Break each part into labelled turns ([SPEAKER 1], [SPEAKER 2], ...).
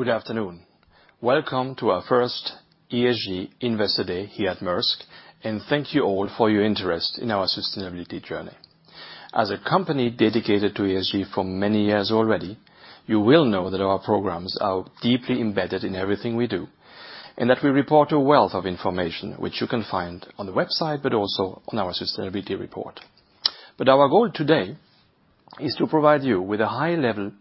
[SPEAKER 1] Good afternoon. Welcome to our first ESG Investor Day here at Maersk, and thank you all for your interest in our sustainability journey. As a company dedicated to ESG for many years already, you will know that our programs are deeply embedded in everything we do, and that we report a wealth of information which you can find on the website, but also on our sustainability report. Our goal today is to provide you with a high-level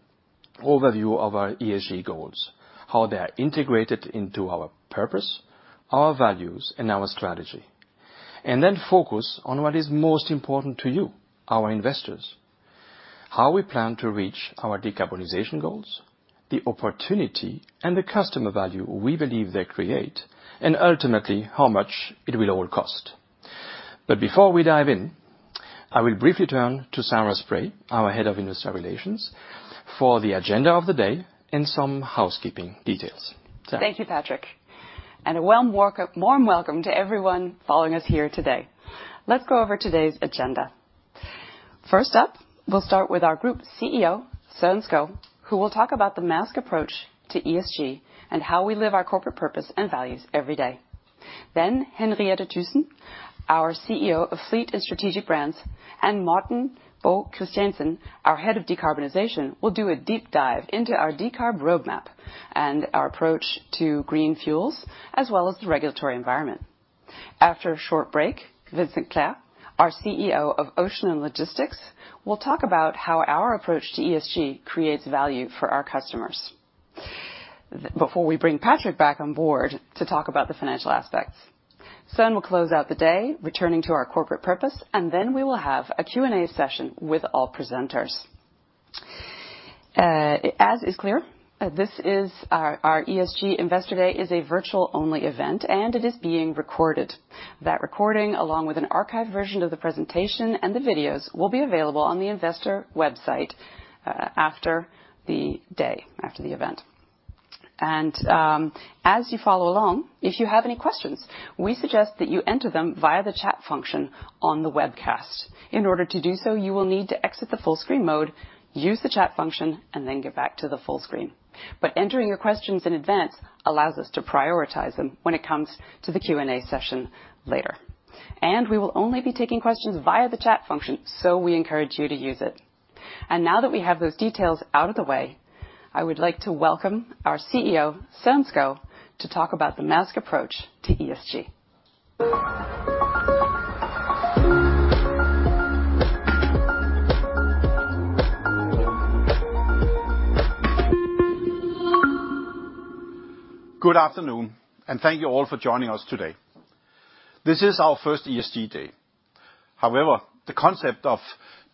[SPEAKER 1] overview of our ESG goals, how they're integrated into our purpose, our values, and our strategy. Then focus on what is most important to you, our investors, how we plan to reach our decarbonization goals, the opportunity, and the customer value we believe they create, and ultimately, how much it will all cost. Before we dive in, I will briefly turn to Sarah Spray, our Head of Investor Relations, for the agenda of the day and some housekeeping details. Sarah.
[SPEAKER 2] Thank you, Patrick. A warm welcome to everyone following us here today. Let's go over today's agenda. First up, we'll start with our Group CEO, Søren Skou, who will talk about the Maersk approach to ESG and how we live our corporate purpose and values every day. Henriette Hallberg Thygesen, our CEO of Fleet & Strategic Brands, and Morten Bo Christiansen, our Head of Decarbonization, will do a deep dive into our decarb roadmap and our approach to green fuels, as well as the regulatory environment. After a short break, Vincent Clerc, our CEO of Ocean & Logistics, will talk about how our approach to ESG creates value for our customers. Before we bring Patrick back on board to talk about the financial aspects, Søren will close out the day, returning to our corporate purpose. We will have a Q&A session with all presenters. As is clear, this is our ESG Investor Day is a virtual only event, and it is being recorded. That recording, along with an archive version of the presentation and the videos, will be available on the investor website after the event. As you follow along, if you have any questions, we suggest that you enter them via the chat function on the webcast. In order to do so, you will need to exit the full screen mode, use the chat function, and then get back to the full screen. Entering your questions in advance allows us to prioritize them when it comes to the Q&A session later. We will only be taking questions via the chat function, so we encourage you to use it. Now that we have those details out of the way, I would like to welcome our CEO, Søren Skou, to talk about the Maersk approach to ESG.
[SPEAKER 3] Good afternoon, and thank you all for joining us today. This is our first ESG day. However, the concept of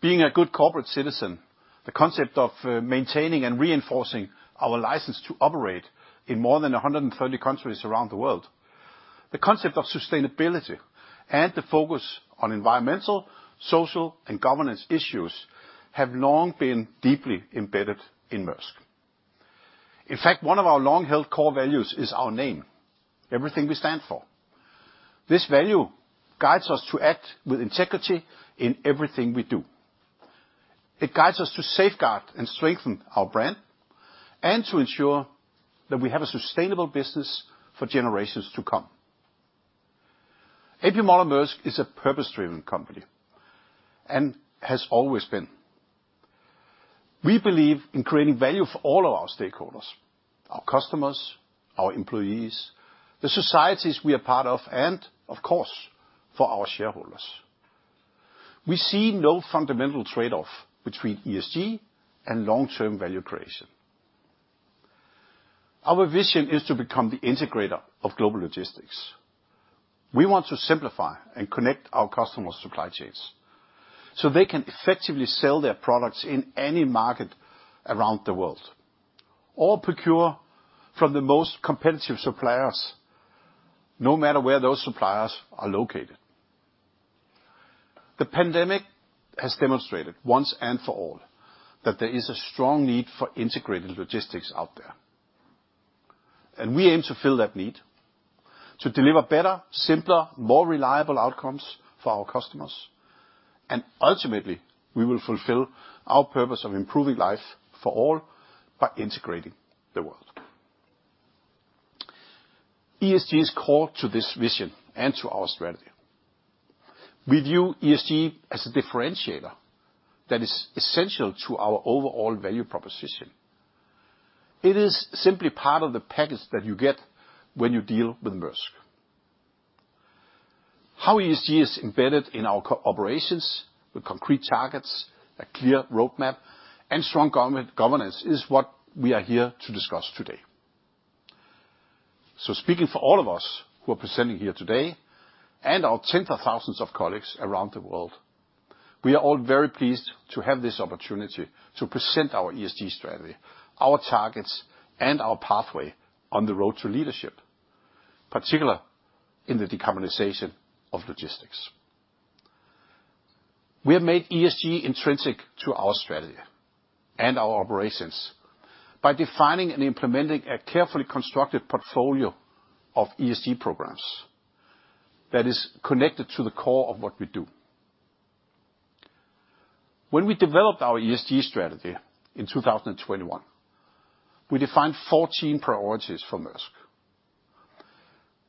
[SPEAKER 3] being a good corporate citizen, the concept of maintaining and reinforcing our license to operate in more than 130 countries around the world, the concept of sustainability and the focus on environmental, social, and governance issues have long been deeply embedded in Maersk. In fact, one of our long-held core values is our name, everything we stand for. This value guides us to act with integrity in everything we do. It guides us to safeguard and strengthen our brand, and to ensure that we have a sustainable business for generations to come. A.P. Moller - Maersk is a purpose-driven company, and has always been. We believe in creating value for all of our stakeholders, our customers, our employees, the societies we are part of, and of course, for our shareholders. We see no fundamental trade-off between ESG and long-term value creation. Our vision is to become the integrator of global logistics. We want to simplify and connect our customers' supply chains so they can effectively sell their products in any market around the world, or procure from the most competitive suppliers, no matter where those suppliers are located. The pandemic has demonstrated once and for all that there is a strong need for integrated logistics out there, and we aim to fill that need to deliver better, simpler, more reliable outcomes for our customers. Ultimately, we will fulfill our purpose of improving life for all by integrating the world. ESG is core to this vision and to our strategy. We view ESG as a differentiator that is essential to our overall value proposition. It is simply part of the package that you get when you deal with Maersk. How ESG is embedded in our co-operations with concrete targets, a clear roadmap, and strong governance is what we are here to discuss today. Speaking for all of us who are presenting here today, and our tens of thousands of colleagues around the world, we are all very pleased to have this opportunity to present our ESG strategy, our targets, and our pathway on the road to leadership, particular in the decarbonization of logistics. We have made ESG intrinsic to our strategy and our operations by defining and implementing a carefully constructed portfolio of ESG programs that is connected to the core of what we do. When we developed our ESG strategy in 2021, we defined 14 priorities for Maersk.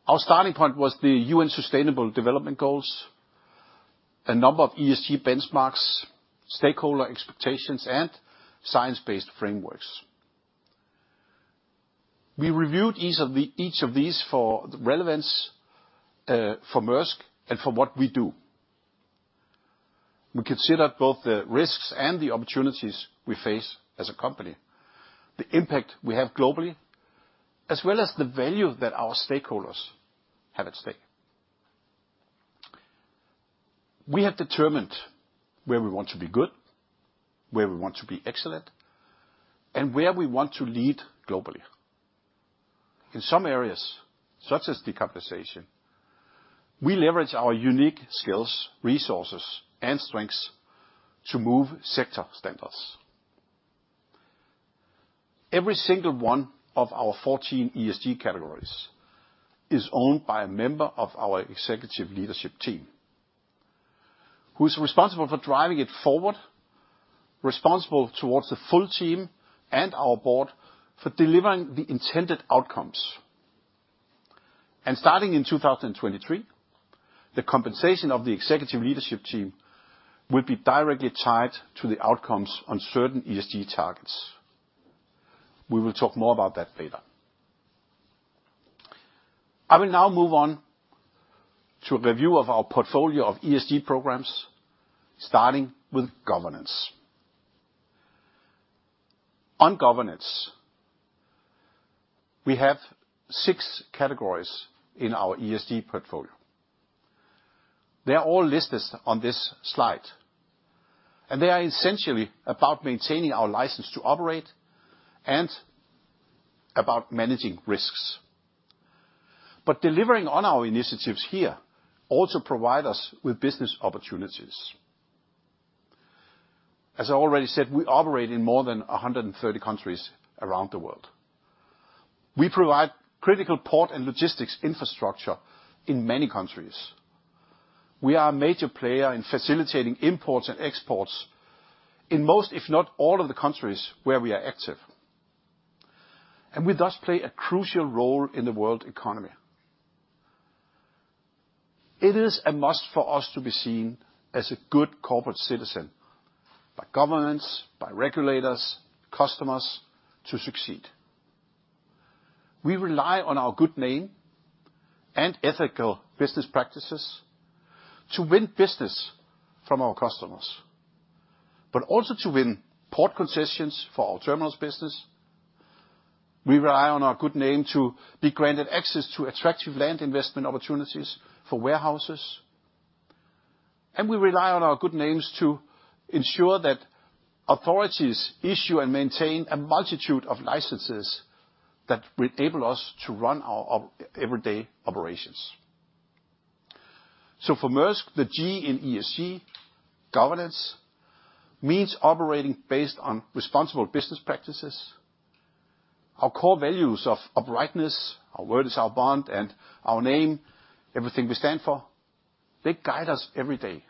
[SPEAKER 3] Our starting point was the UN Sustainable Development Goals, a number of ESG benchmarks, stakeholder expectations, and science-based frameworks. We reviewed each of these for the relevance for Maersk and for what we do. We consider both the risks and the opportunities we face as a company, the impact we have globally, as well as the value that our stakeholders have at stake. We have determined where we want to be good, where we want to be excellent, and where we want to lead globally. In some areas, such as decarbonization, we leverage our unique skills, resources, and strengths to move sector standards. Every single one of our 14 ESG categories is owned by a member of our executive leadership team, who's responsible for driving it forward, responsible towards the full team and our board for delivering the intended outcomes. Starting in 2023, the compensation of the executive leadership team will be directly tied to the outcomes on certain ESG targets. We will talk more about that later. I will now move on to a review of our portfolio of ESG programs, starting with governance. On governance, we have six categories in our ESG portfolio. They are all listed on this slide, and they are essentially about maintaining our license to operate and about managing risks. Delivering on our initiatives here also provide us with business opportunities. As I already said, we operate in more than 130 countries around the world. We provide critical port and logistics infrastructure in many countries. We are a major player in facilitating imports and exports in most, if not all, of the countries where we are active. We thus play a crucial role in the world economy. It is a must for us to be seen as a good corporate citizen by governments, by regulators, customers, to succeed. We rely on our good name and ethical business practices to win business from our customers, but also to win port concessions for our terminals business. We rely on our good name to be granted access to attractive land investment opportunities for warehouses. We rely on our good names to ensure that authorities issue and maintain a multitude of licenses that will enable us to run our everyday operations. For Maersk, the G in ESG, governance, means operating based on responsible business practices. Our core values of uprightness, our word is our bond, and our name, everything we stand for, they guide us every day.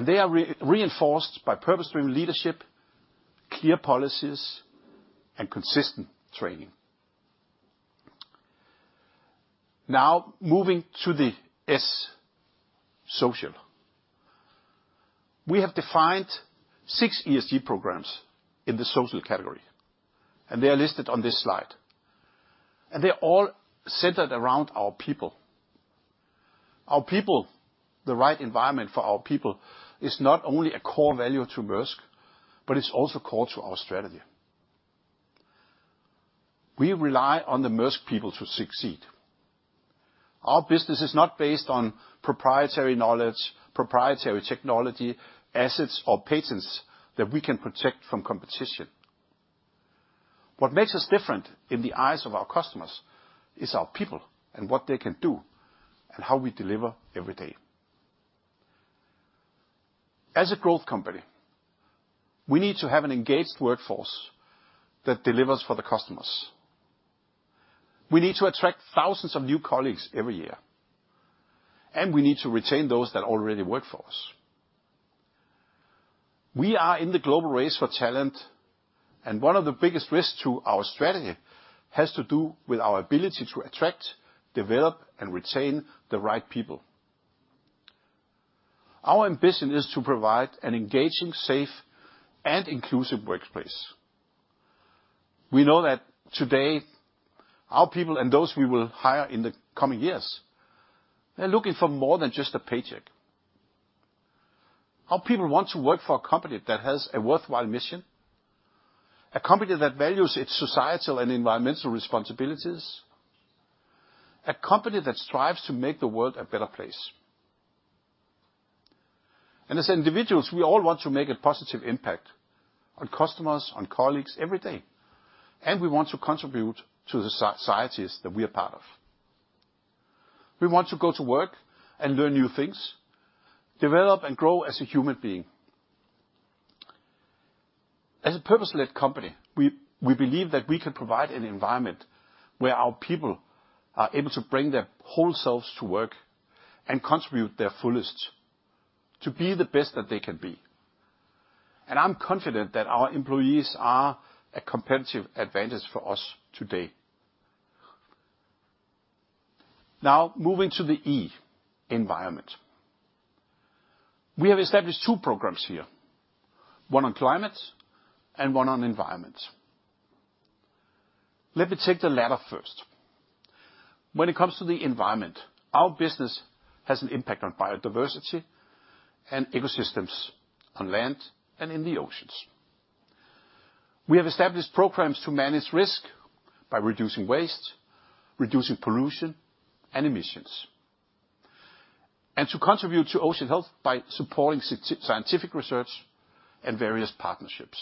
[SPEAKER 3] They are re-reinforced by purpose-driven leadership, clear policies, and consistent training. Moving to the S, social. We have defined six ESG programs in the social category, and they are listed on this slide. They're all centered around our people. Our people, the right environment for our people, is not only a core value to Maersk, but it's also core to our strategy. We rely on the Maersk people to succeed. Our business is not based on proprietary knowledge, proprietary technology, assets, or patents that we can protect from competition. What makes us different in the eyes of our customers is our people and what they can do and how we deliver every day. As a growth company, we need to have an engaged workforce that delivers for the customers. We need to attract thousands of new colleagues every year, and we need to retain those that already work for us. We are in the global race for talent, and one of the biggest risks to our strategy has to do with our ability to attract, develop, and retain the right people. Our ambition is to provide an engaging, safe, and inclusive workplace. We know that today our people and those we will hire in the coming years, they're looking for more than just a paycheck. Our people want to work for a company that has a worthwhile mission, a company that values its societal and environmental responsibilities, a company that strives to make the world a better place. As individuals, we all want to make a positive impact on customers, on colleagues every day, and we want to contribute to the societies that we are part of. We want to go to work and learn new things, develop and grow as a human being. As a purpose-led company, we believe that we can provide an environment where our people are able to bring their whole selves to work and contribute their fullest to be the best that they can be. I'm confident that our employees are a competitive advantage for us today. Moving to the E, environment. We have established two programs here, one on climate and one on environment. Let me take the latter first. When it comes to the environment, our business has an impact on biodiversity and ecosystems on land and in the oceans. We have established programs to manage risk by reducing waste, reducing pollution and emissions, and to contribute to ocean health by supporting scientific research and various partnerships.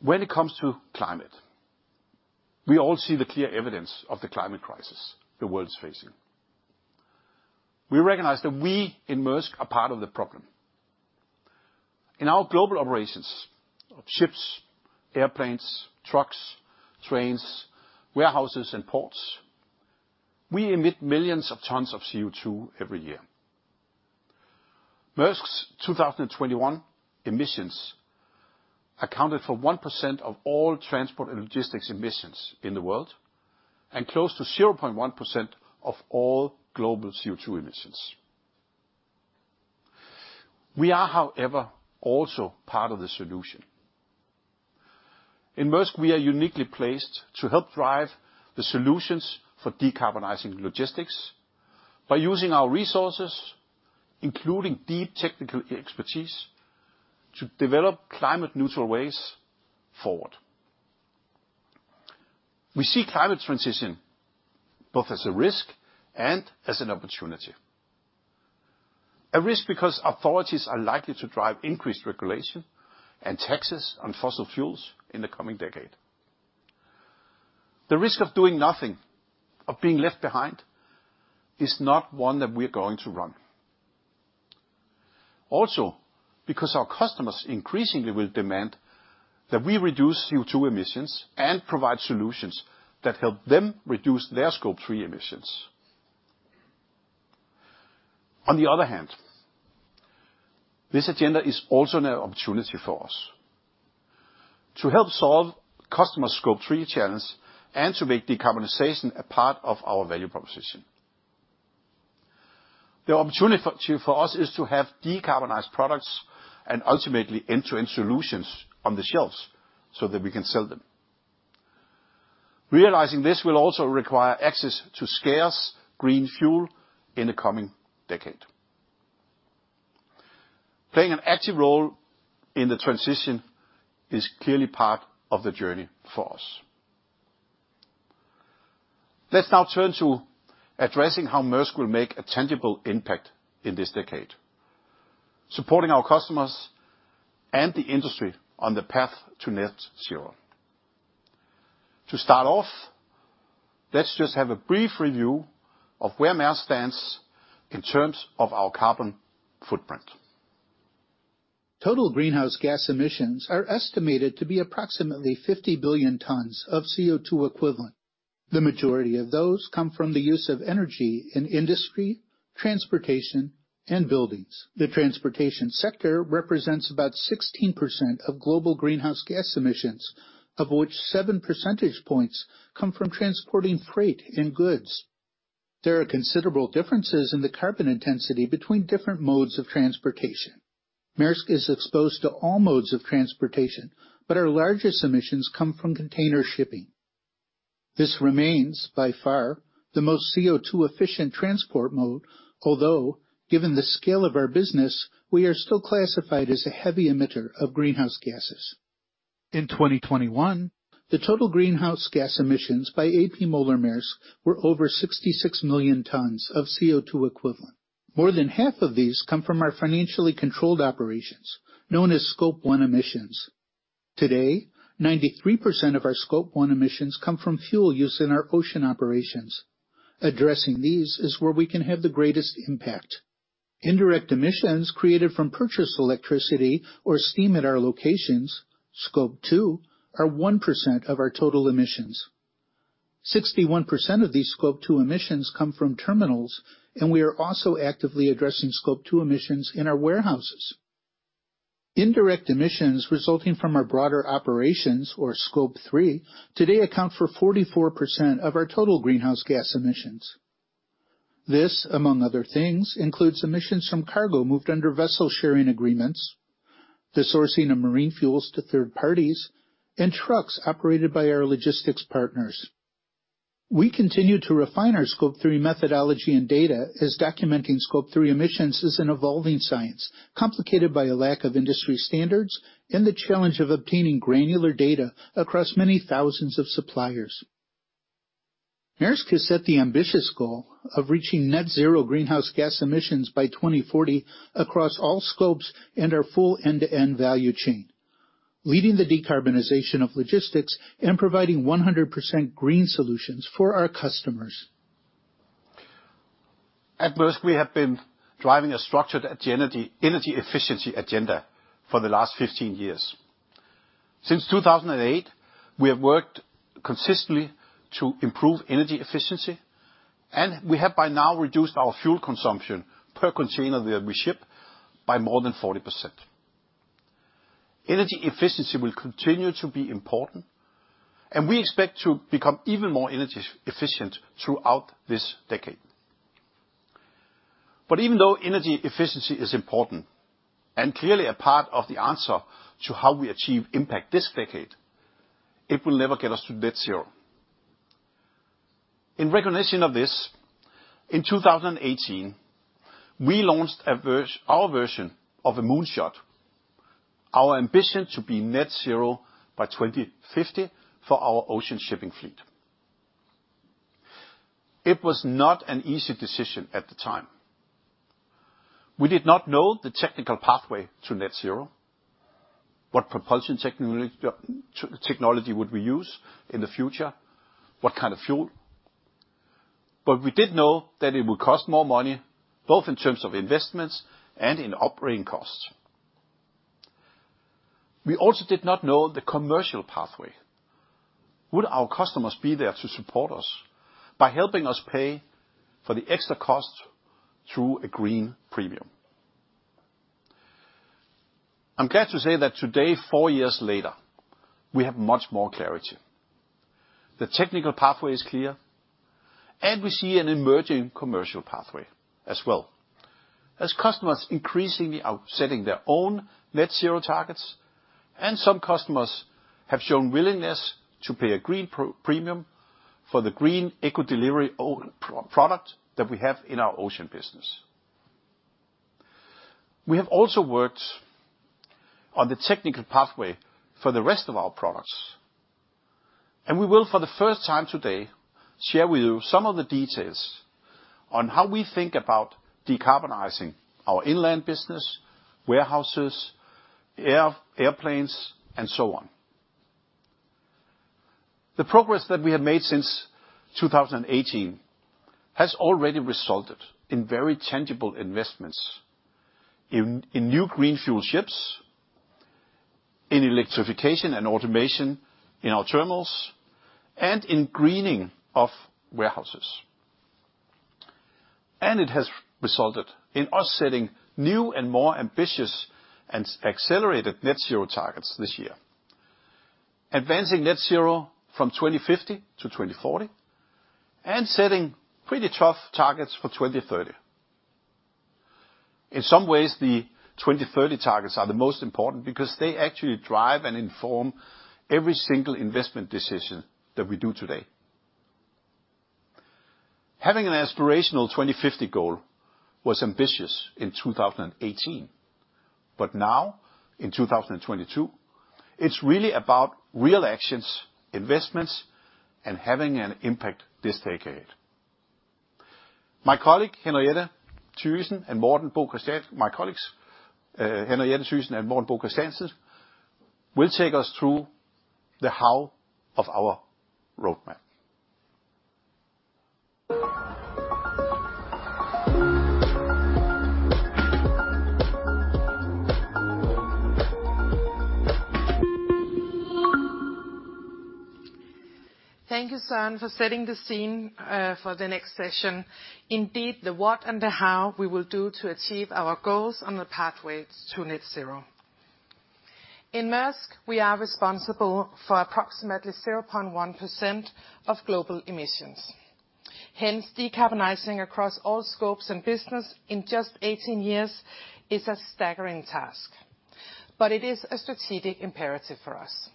[SPEAKER 3] When it comes to climate, we all see the clear evidence of the climate crisis the world is facing. We recognize that we in Maersk are part of the problem. In our global operations of ships, airplanes, trucks, trains, warehouses, and ports, we emit millions of tons of CO2 every year. Maersk's 2021 emissions accounted for 1% of all transport and logistics emissions in the world, and close to 0.1% of all global CO2 emissions. We are, however, also part of the solution. In Maersk, we are uniquely placed to help drive the solutions for decarbonizing logistics by using our resources, including deep technical expertise, to develop climate-neutral ways forward. We see climate transition both as a risk and as an opportunity. A risk because authorities are likely to drive increased regulation and taxes on fossil fuels in the coming decade. The risk of doing nothing, of being left behind, is not one that we're going to run. Because our customers increasingly will demand that we reduce CO2 emissions and provide solutions that help them reduce their Scope 3 emissions. This agenda is also an opportunity for us to help solve customer Scope 3 challenge and to make decarbonization a part of our value proposition. The opportunity for us is to have decarbonized products and ultimately end-to-end solutions on the shelves so that we can sell them. Realizing this will also require access to scarce green fuel in the coming decade. Playing an active role in the transition is clearly part of the journey for us. Let's now turn to addressing how Maersk will make a tangible impact in this decade, supporting our customers and the industry on the path to net zero. To start off, let's just have a brief review of where Maersk stands in terms of our carbon footprint.
[SPEAKER 4] Total greenhouse gas emissions are estimated to be approximately 50 billion tons of CO2 equivalent. The majority of those come from the use of energy in industry, transportation, and buildings. The transportation sector represents about 16% of global greenhouse gas emissions, of which 7 percentage points come from transporting freight and goods. There are considerable differences in the carbon intensity between different modes of transportation. Maersk is exposed to all modes of transportation, but our largest emissions come from container shipping. This remains by far the most CO2 efficient transport mode. Although, given the scale of our business, we are still classified as a heavy emitter of greenhouse gases. In 2021, the total greenhouse gas emissions by A.P. Moller - Maersk were over 66 million tons of CO2 equivalent. More than half of these come from our financially controlled operations, known as Scope 1 emissions. Today, 93% of our Scope 1 emissions come from fuel use in our ocean operations. Addressing these is where we can have the greatest impact. Indirect emissions created from purchased electricity or steam at our locations, Scope 2, are 1% of our total emissions. 61% of these Scope 2 emissions come from terminals, and we are also actively addressing Scope 2 emissions in our warehouses. Indirect emissions resulting from our broader operations or Scope 3 today account for 44% of our total greenhouse gas emissions. This, among other things, includes emissions from cargo moved under vessel sharing agreements, the sourcing of marine fuels to third parties, and trucks operated by our logistics partners. We continue to refine our Scope 3 methodology and data, as documenting Scope 3 emissions is an evolving science, complicated by a lack of industry standards and the challenge of obtaining granular data across many thousands of suppliers. Maersk has set the ambitious goal of reaching net zero greenhouse gas emissions by 2040 across all scopes and our full end-to-end value chain, leading the decarbonization of logistics and providing 100% green solutions for our customers.
[SPEAKER 3] At Maersk, we have been driving a structured energy efficiency agenda for the last 15 years. Since 2008, we have worked consistently to improve energy efficiency, and we have by now reduced our fuel consumption per container that we ship by more than 40%. Energy efficiency will continue to be important, and we expect to become even more energy efficient throughout this decade. Even though energy efficiency is important, and clearly a part of the answer to how we achieve impact this decade, it will never get us to net zero. In recognition of this, in 2018, we launched our version of a moonshot, our ambition to be net zero by 2050 for our ocean shipping fleet. It was not an easy decision at the time. We did not know the technical pathway to net zero, what propulsion technology would we use in the future, what kind of fuel. We did know that it would cost more money, both in terms of investments and in operating costs. We also did not know the commercial pathway. Would our customers be there to support us by helping us pay for the extra cost through a green premium? I'm glad to say that today, four years later, we have much more clarity. The technical pathway is clear. We see an emerging commercial pathway as well, as customers increasingly are setting their own net zero targets. Some customers have shown willingness to pay a green premium for the green ECO Delivery ocean product that we have in our ocean business. We have also worked on the technical pathway for the rest of our products. We will, for the first time today, share with you some of the details on how we think about decarbonizing our inland business, warehouses, air, airplanes, and so on. The progress that we have made since 2018 has already resulted in very tangible investments in new green fuel ships, in electrification and automation in our terminals, and in greening of warehouses. It has resulted in us setting new and more ambitious and accelerated net zero targets this year, advancing net zero from 2050 to 2040, and setting pretty tough targets for 2030. In some ways, the 2030 targets are the most important because they actually drive and inform every single investment decision that we do today. Having an aspirational 2050 goal was ambitious in 2018, but now in 2022, it's really about real actions, investments, and having an impact this decade. My colleagues, Henriette Hallberg Thygesen and Morten Bo Christiansen, will take us through the how of our roadmap.
[SPEAKER 4] Thank you, Søren, for setting the scene for the next session. Indeed, the what and the how we will do to achieve our goals on the pathway to net zero. In Maersk, we are responsible for approximately 0.1% of global emissions. Hence, decarbonizing across all scopes and business in just 18 years is a staggering task, but it is a strategic imperative for us.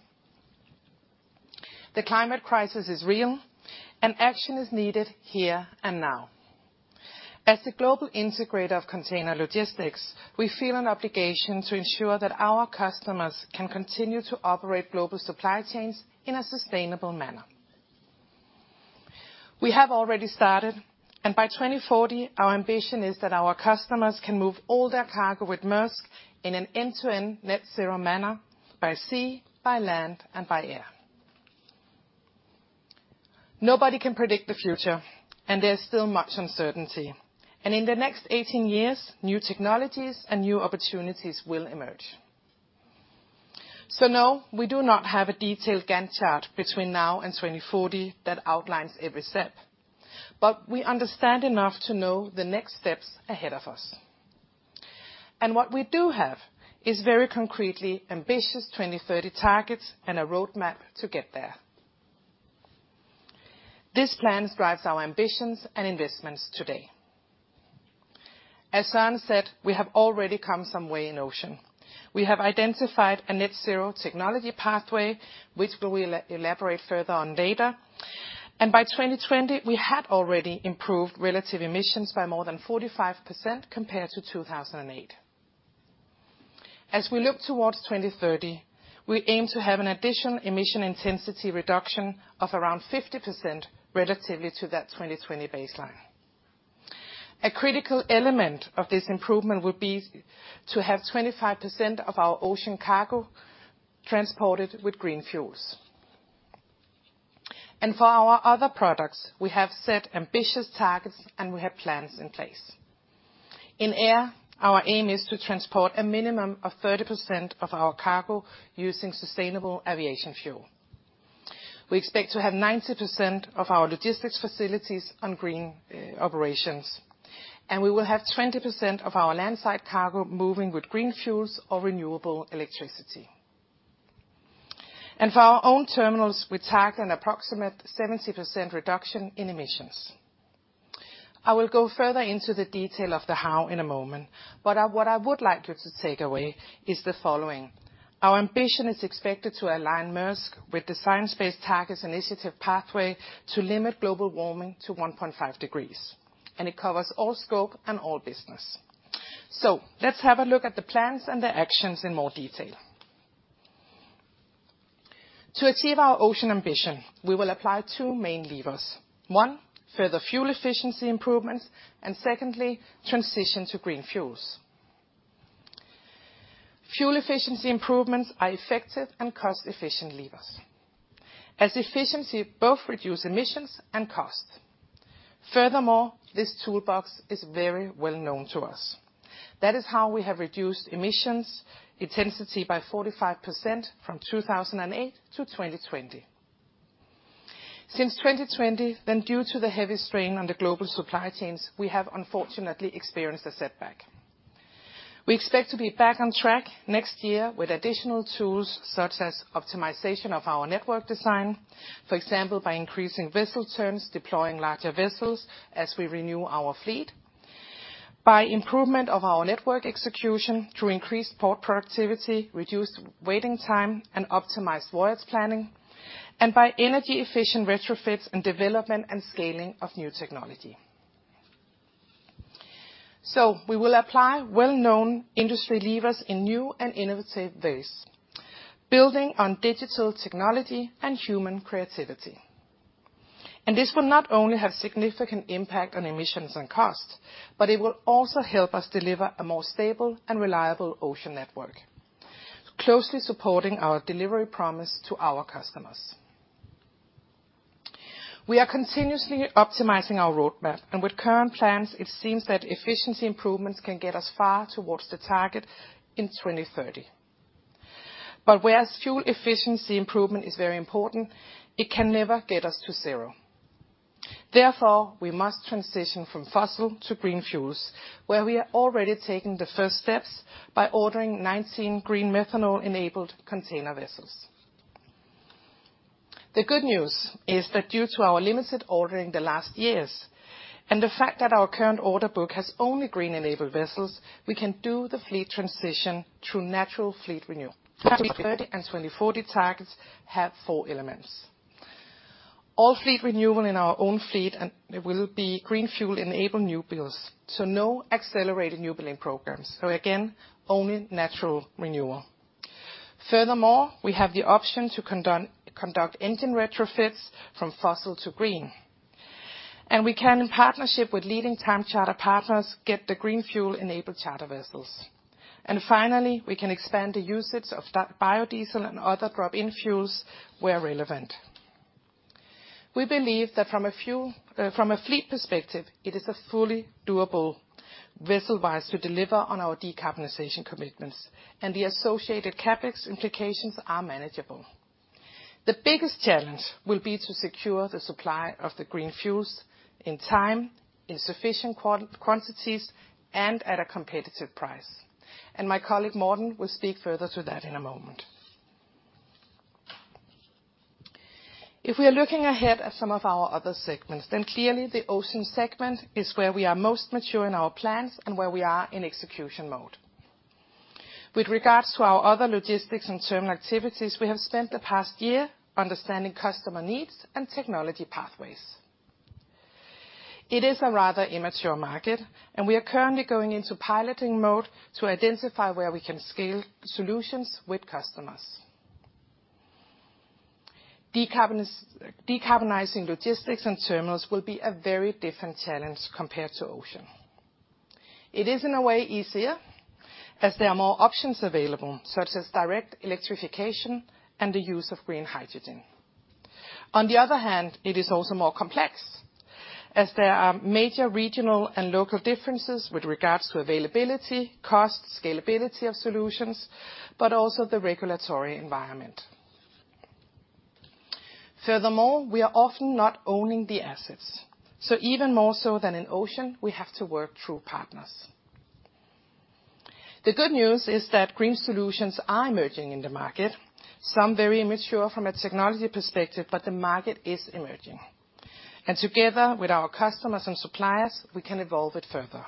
[SPEAKER 4] The climate crisis is real, and action is needed here and now. As the global integrator of container logistics, we feel an obligation to ensure that our customers can continue to operate global supply chains in a sustainable manner. We have already started, and by 2040, our ambition is that our customers can move all their cargo with Maersk in an end-to-end net zero manner by sea, by land, and by air. Nobody can predict the future, and there's still much uncertainty, and in the next 18 years, new technologies and new opportunities will emerge. No, we do not have a detailed Gantt chart between now and 2040 that outlines every step, but we understand enough to know the next steps ahead of us. What we do have is very concretely ambitious 2030 targets and a roadmap to get there. This plan drives our ambitions and investments today. As Søren said, we have already come some way in ocean. We have identified a net zero technology pathway, which we will elaborate further on later. By 2020, we had already improved relative emissions by more than 45% compared to 2008. As we look towards 2030, we aim to have an additional emission intensity reduction of around 50% relatively to that 2020 baseline. A critical element of this improvement will be to have 25% of our ocean cargo transported with green fuels. For our other products, we have set ambitious targets, and we have plans in place. In Air, our aim is to transport a minimum of 30% of our cargo using Sustainable Aviation Fuel. We expect to have 90% of our logistics facilities on green operations, and we will have 20% of our land-side cargo moving with green fuels or renewable electricity. For our own terminals, we target an approximate 70% reduction in emissions. What I would like you to take away is the following: our ambition is expected to align Maersk with the Science Based Targets Initiative pathway to limit global warming to 1.5 degrees, it covers all scope and all business. Let's have a look at the plans and the actions in more detail. To achieve our Ocean ambition, we will apply two main levers. One: further fuel efficiency improvements, and secondly: transition to green fuels. Fuel efficiency improvements are effective and cost-efficient levers, as efficiency both reduce emissions and cost. Furthermore, this toolbox is very well known to us. That is how we have reduced emissions intensity by 45% from 2008 to 2020. Since 2020, due to the heavy strain on the global supply chains, we have unfortunately experienced a setback. We expect to be back on track next year with additional tools such as optimization of our network design, for example, by increasing vessel turns, deploying larger vessels as we renew our fleet, by improvement of our network execution through increased port productivity, reduced waiting time, and optimized voyage planning, and by energy-efficient retrofits and development and scaling of new technology. We will apply well-known industry levers in new and innovative ways, building on digital technology and human creativity. This will not only have significant impact on emissions and cost, but it will also help us deliver a more stable and reliable Ocean network, closely supporting our delivery promise to our customers. We are continuously optimizing our roadmap. With current plans, it seems that efficiency improvements can get us far towards the target in 2030. Whereas fuel efficiency improvement is very important, it can never get us to zero. Therefore, we must transition from fossil to green fuels, where we are already taking the first steps by ordering 19 green methanol-enabled container vessels. The good news is that due to our limited ordering the last years and the fact that our current order book has only green-enabled vessels, we can do the fleet transition through natural fleet renewal. 2030 and 2040 targets have four elements. All fleet renewal in our own fleet and will be green fuel-enabled new builds. No accelerated new building programs. Again, only natural renewal. Furthermore, we have the option to conduct engine retrofits from fossil to green. We can, in partnership with leading time charter partners, get the green fuel-enabled charter vessels. Finally, we can expand the usage of that biodiesel and other drop-in fuels where relevant. We believe that from a fleet perspective, it is a fully doable vessel wise to deliver on our decarbonization commitments, and the associated CapEx implications are manageable. The biggest challenge will be to secure the supply of the green fuels in time, in sufficient quantities, and at a competitive price. My colleague Morten will speak further to that in a moment. If we are looking ahead at some of our other segments, then clearly the Ocean segment is where we are most mature in our plans and where we are in execution mode. With regards to our other logistics and terminal activities, we have spent the past year understanding customer needs and technology pathways. It is a rather immature market, and we are currently going into piloting mode to identify where we can scale solutions with customers. Decarbonizing logistics and terminals will be a very different challenge compared to Ocean. It is in a way easier, as there are more options available, such as direct electrification and the use of green hydrogen. It is also more complex, as there are major regional and local differences with regards to availability, cost, scalability of solutions, but also the regulatory environment. We are often not owning the assets, so even more so than in Ocean, we have to work through partners. The good news is that green solutions are emerging in the market, some very immature from a technology perspective, the market is emerging. Together with our customers and suppliers, we can evolve it further.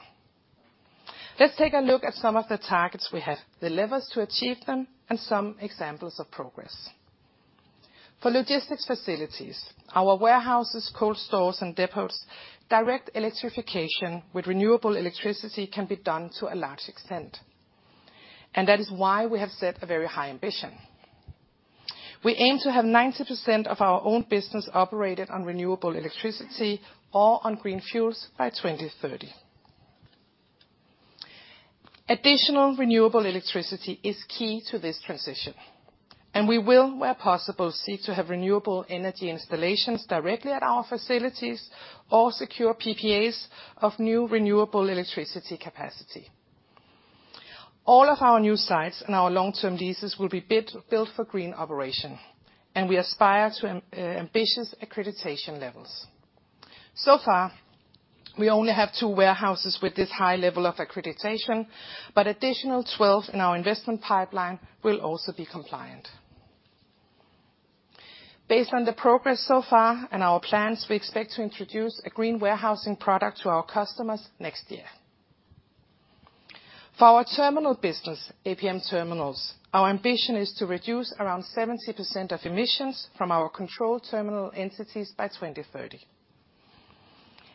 [SPEAKER 4] Let's take a look at some of the targets we have, the levers to achieve them, and some examples of progress. For logistics facilities, our warehouses, cold stores, and depots, direct electrification with renewable electricity can be done to a large extent, that is why we have set a very high ambition. We aim to have 90% of our own business operated on renewable electricity or on green fuels by 2030. Additional renewable electricity is key to this transition, we will, where possible, seek to have renewable energy installations directly at our facilities or secure PPAs of new renewable electricity capacity. All of our new sites and our long-term leases will be built for green operation. We aspire to ambitious accreditation levels. So far, we only have two warehouses with this high level of accreditation, but additional 12 in our investment pipeline will also be compliant. Based on the progress so far and our plans, we expect to introduce a green warehousing product to our customers next year. For our terminal business, APM Terminals, our ambition is to reduce around 70% of emissions from our controlled terminal entities by 2030.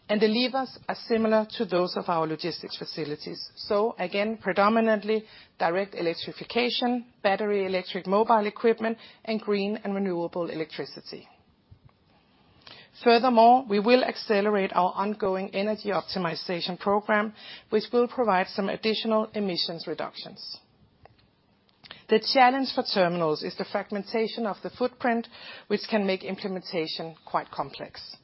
[SPEAKER 4] The levers are similar to those of our logistics facilities. Again, predominantly direct electrification, battery, electric mobile equipment, and green and renewable electricity. Furthermore, we will accelerate our ongoing energy optimization program, which will provide some additional emissions reductions. The challenge for terminals is the fragmentation of the footprint, which can make implementation quite complex.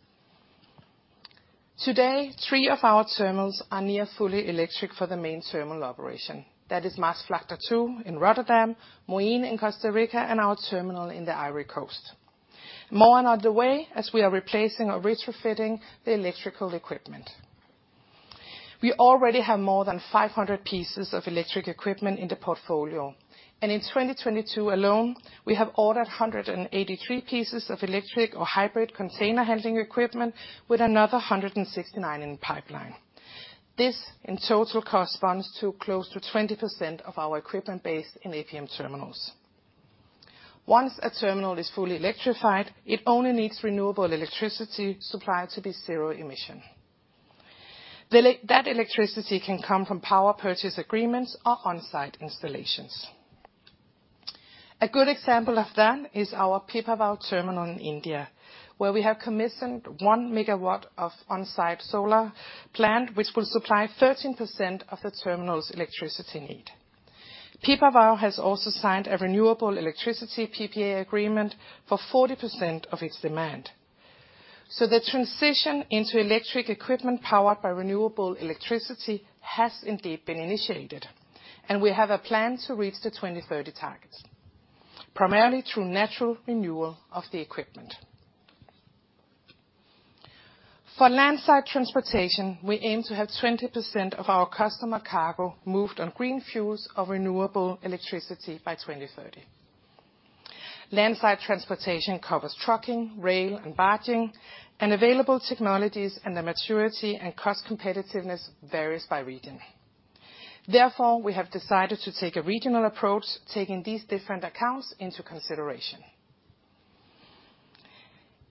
[SPEAKER 4] Today, 3 of our terminals are near fully electric for the main terminal operation. That is Maasvlakte 2 in Rotterdam, Moín in Costa Rica, and our terminal in the Ivory Coast. More are on the way as we are replacing or retrofitting the electrical equipment. We already have more than 500 pieces of electric equipment in the portfolio, and in 2022 alone, we have ordered 183 pieces of electric or hybrid container handling equipment with another 169 in pipeline. This in total corresponds to close to 20% of our equipment base in APM Terminals. Once a terminal is fully electrified, it only needs renewable electricity supply to be zero emission. That electricity can come from Power Purchase Agreements or on-site installations. A good example of that is our Pipavav terminal in India, where we have commissioned 1 megawatt of on-site solar plant which will supply 13% of the terminal's electricity need. Pipavav has also signed a renewable electricity PPA agreement for 40% of its demand. The transition into electric equipment powered by renewable electricity has indeed been initiated, and we have a plan to reach the 2030 targets, primarily through natural renewal of the equipment. For land-side transportation, we aim to have 20% of our customer cargo moved on green fuels or renewable electricity by 2030. Land-side transportation covers trucking, rail, and barging, and available technologies and their maturity and cost competitiveness varies by region. Therefore, we have decided to take a regional approach, taking these different accounts into consideration.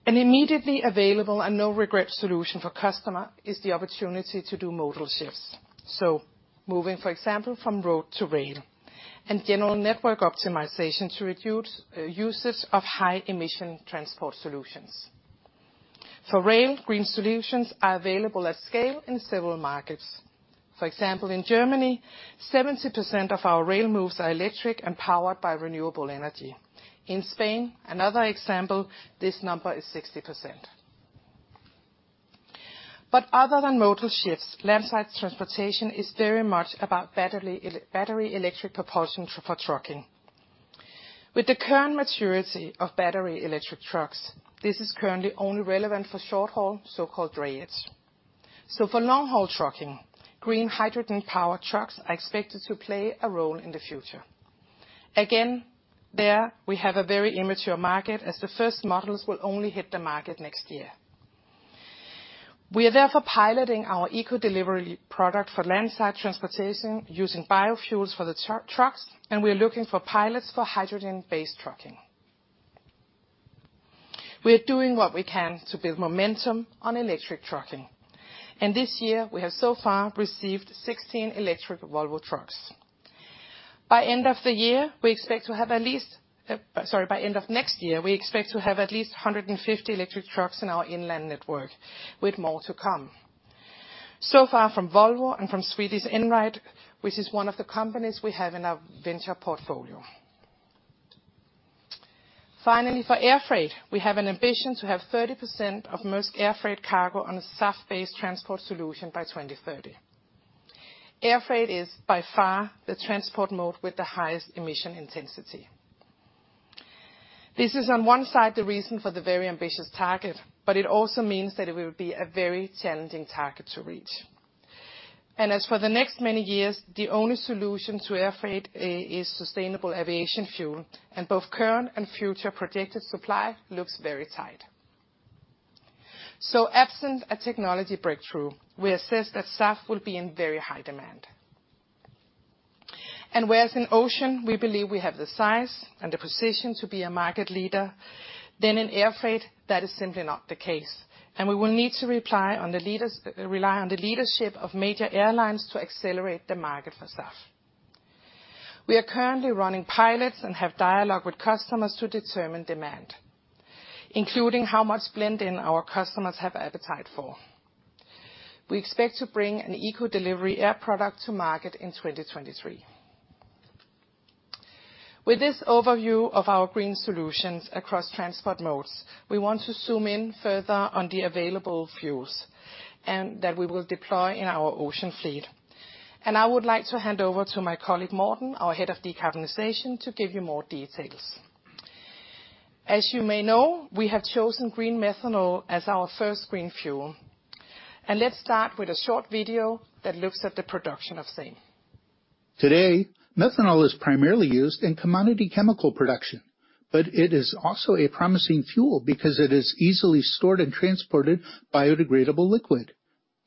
[SPEAKER 4] An immediately available and no regrets solution for customer is the opportunity to do modal shifts, so moving, for example, from road to rail, and general network optimization to reduce usage of high emission transport solutions. For rail, green solutions are available at scale in several markets. For example, in Germany, 70% of our rail moves are electric and powered by renewable energy. In Spain, another example, this number is 60%. Other than modal shifts, land-side transportation is very much about battery electric propulsion for trucking. With the current maturity of battery electric trucks, this is currently only relevant for short-haul, so-called drayage. For long-haul trucking, green hydrogen powered trucks are expected to play a role in the future. There we have a very immature market as the first models will only hit the market next year. We are therefore piloting our ECO Delivery product for land-side transportation using biofuels for the tru trucks. We are looking for pilots for hydrogen-based trucking. This year we have so far received 16 electric Volvo trucks. By end of the year, we expect to have at least, sorry, by end of next year, we expect to have at least 150 electric trucks in our inland network with more to come. So far from Volvo and from Swedish Einride, which is one of the companies we have in our venture portfolio. Finally, for air freight, we have an ambition to have 30% of Maersk air freight cargo on a SAF-based transport solution by 2030. Air freight is by far the transport mode with the highest emission intensity. This is on one side the reason for the very ambitious target, but it also means that it will be a very challenging target to reach. As for the next many years, the only solution to air freight is Sustainable Aviation Fuel, and both current and future projected supply looks very tight. Absent a technology breakthrough, we assess that SAF will be in very high demand. Whereas in Ocean, we believe we have the size and the position to be a market leader, then in air freight, that is simply not the case, and we will need to rely on the leadership of major airlines to accelerate the market for SAF. We are currently running pilots and have dialogue with customers to determine demand, including how much blend in our customers have appetite for. We expect to bring an ECO Delivery air product to market in 2023. With this overview of our green solutions across transport modes, we want to zoom in further on the available fuels and that we will deploy in our ocean fleet. I would like to hand over to my colleague, Morten, our Head of Decarbonization, to give you more details. As you may know, we have chosen green methanol as our first green fuel. Let's start with a short video that looks at the production of same.
[SPEAKER 5] Today, methanol is primarily used in commodity chemical production, but it is also a promising fuel because it is easily stored and transported biodegradable liquid.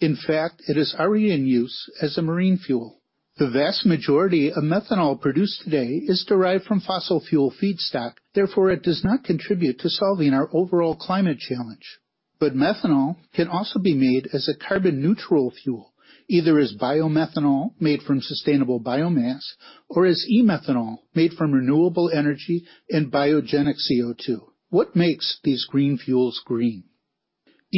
[SPEAKER 5] In fact, it is already in use as a marine fuel. The vast majority of methanol produced today is derived from fossil fuel feedstock. Therefore, it does not contribute to solving our overall climate challenge. Methanol can also be made as a carbon neutral fuel, either as biomethanol made from sustainable biomass, or as e-methanol made from renewable energy and biogenic CO2. What makes these green fuels green?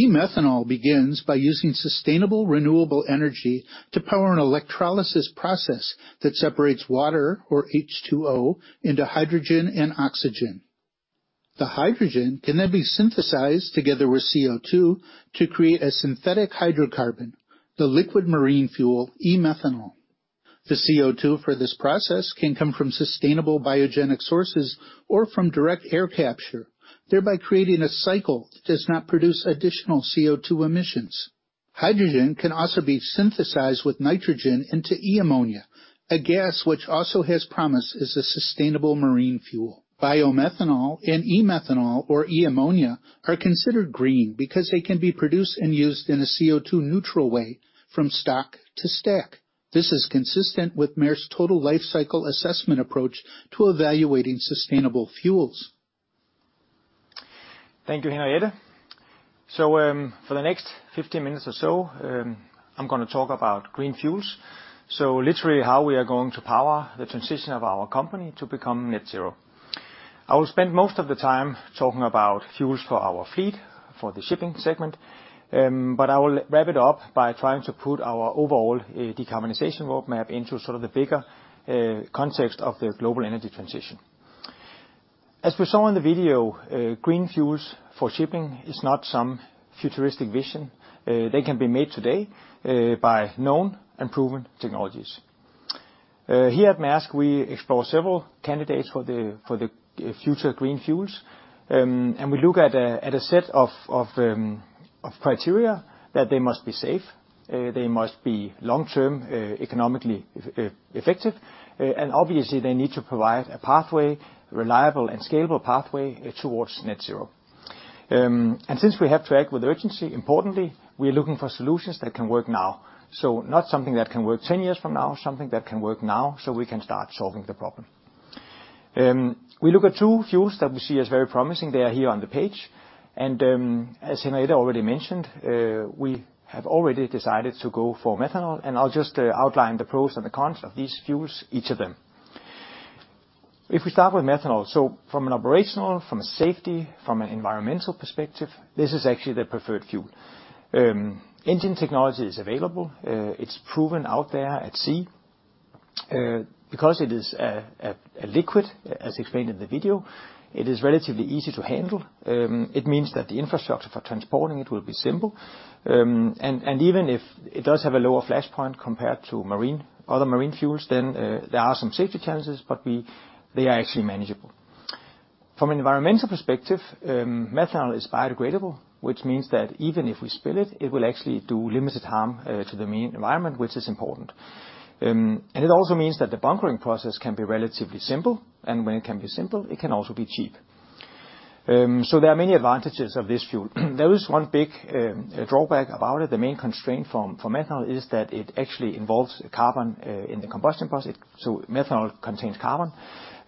[SPEAKER 5] E-methanol begins by using sustainable, renewable energy to power an electrolysis process that separates water, or H2O, into hydrogen and oxygen. The hydrogen can then be synthesized together with CO2 to create a synthetic hydrocarbon, the liquid marine fuel, e-methanol.
[SPEAKER 6] The CO2 for this process can come from sustainable biogenic sources or from direct air capture, thereby creating a cycle that does not produce additional CO2 emissions. Hydrogen can also be synthesized with nitrogen into e-ammonia, a gas which also has promise as a sustainable marine fuel. Biomethanol and e-methanol or e-ammonia are considered green because they can be produced and used in a CO2 neutral way from stack to stack. This is consistent with Maersk total life cycle assessment approach to evaluating sustainable fuels. Thank you, Henriette. For the next 15 minutes or so, I'm gonna talk about green fuels. Literally how we are going to power the transition of our company to become net zero. I will spend most of the time talking about fuels for our fleet, for the shipping segment, I will wrap it up by trying to put our overall decarbonization roadmap into sort of the bigger context of the global energy transition. As we saw in the video, green fuels for shipping is not some futuristic vision. They can be made today by known and proven technologies. Here at Maersk, we explore several candidates for the future green fuels, and we look at a set of criteria that they must be safe, they must be long-term, economically effective, and obviously, they need to provide a pathway, reliable and scalable pathway towards net zero. Since we have to act with urgency, importantly, we are looking for solutions that can work now. So not something that can work 10 years from now, something that can work now so we can start solving the problem. We look at two fuels that we see as very promising. They are here on the page. As Henriette already mentioned, we have already decided to go for methanol, and I'll just outline the pros and the cons of these fuels, each of them. If we start with methanol, from an operational, from a safety, from an environmental perspective, this is actually the preferred fuel. Engine technology is available. It's proven out there at sea. Because it is a liquid, as explained in the video, it is relatively easy to handle. It means that the infrastructure for transporting it will be simple. Even if it does have a lower flashpoint compared to marine, other marine fuels, then there are some safety challenges, but they are actually manageable. From an environmental perspective, methanol is biodegradable, which means that even if we spill it will actually do limited harm to the main environment, which is important. It also means that the bunkering process can be relatively simple, and when it can be simple, it can also be cheap. There are many advantages of this fuel. There is one big drawback about it. The main constraint from, for methanol is that it actually involves carbon in the combustion process, so methanol contains carbon.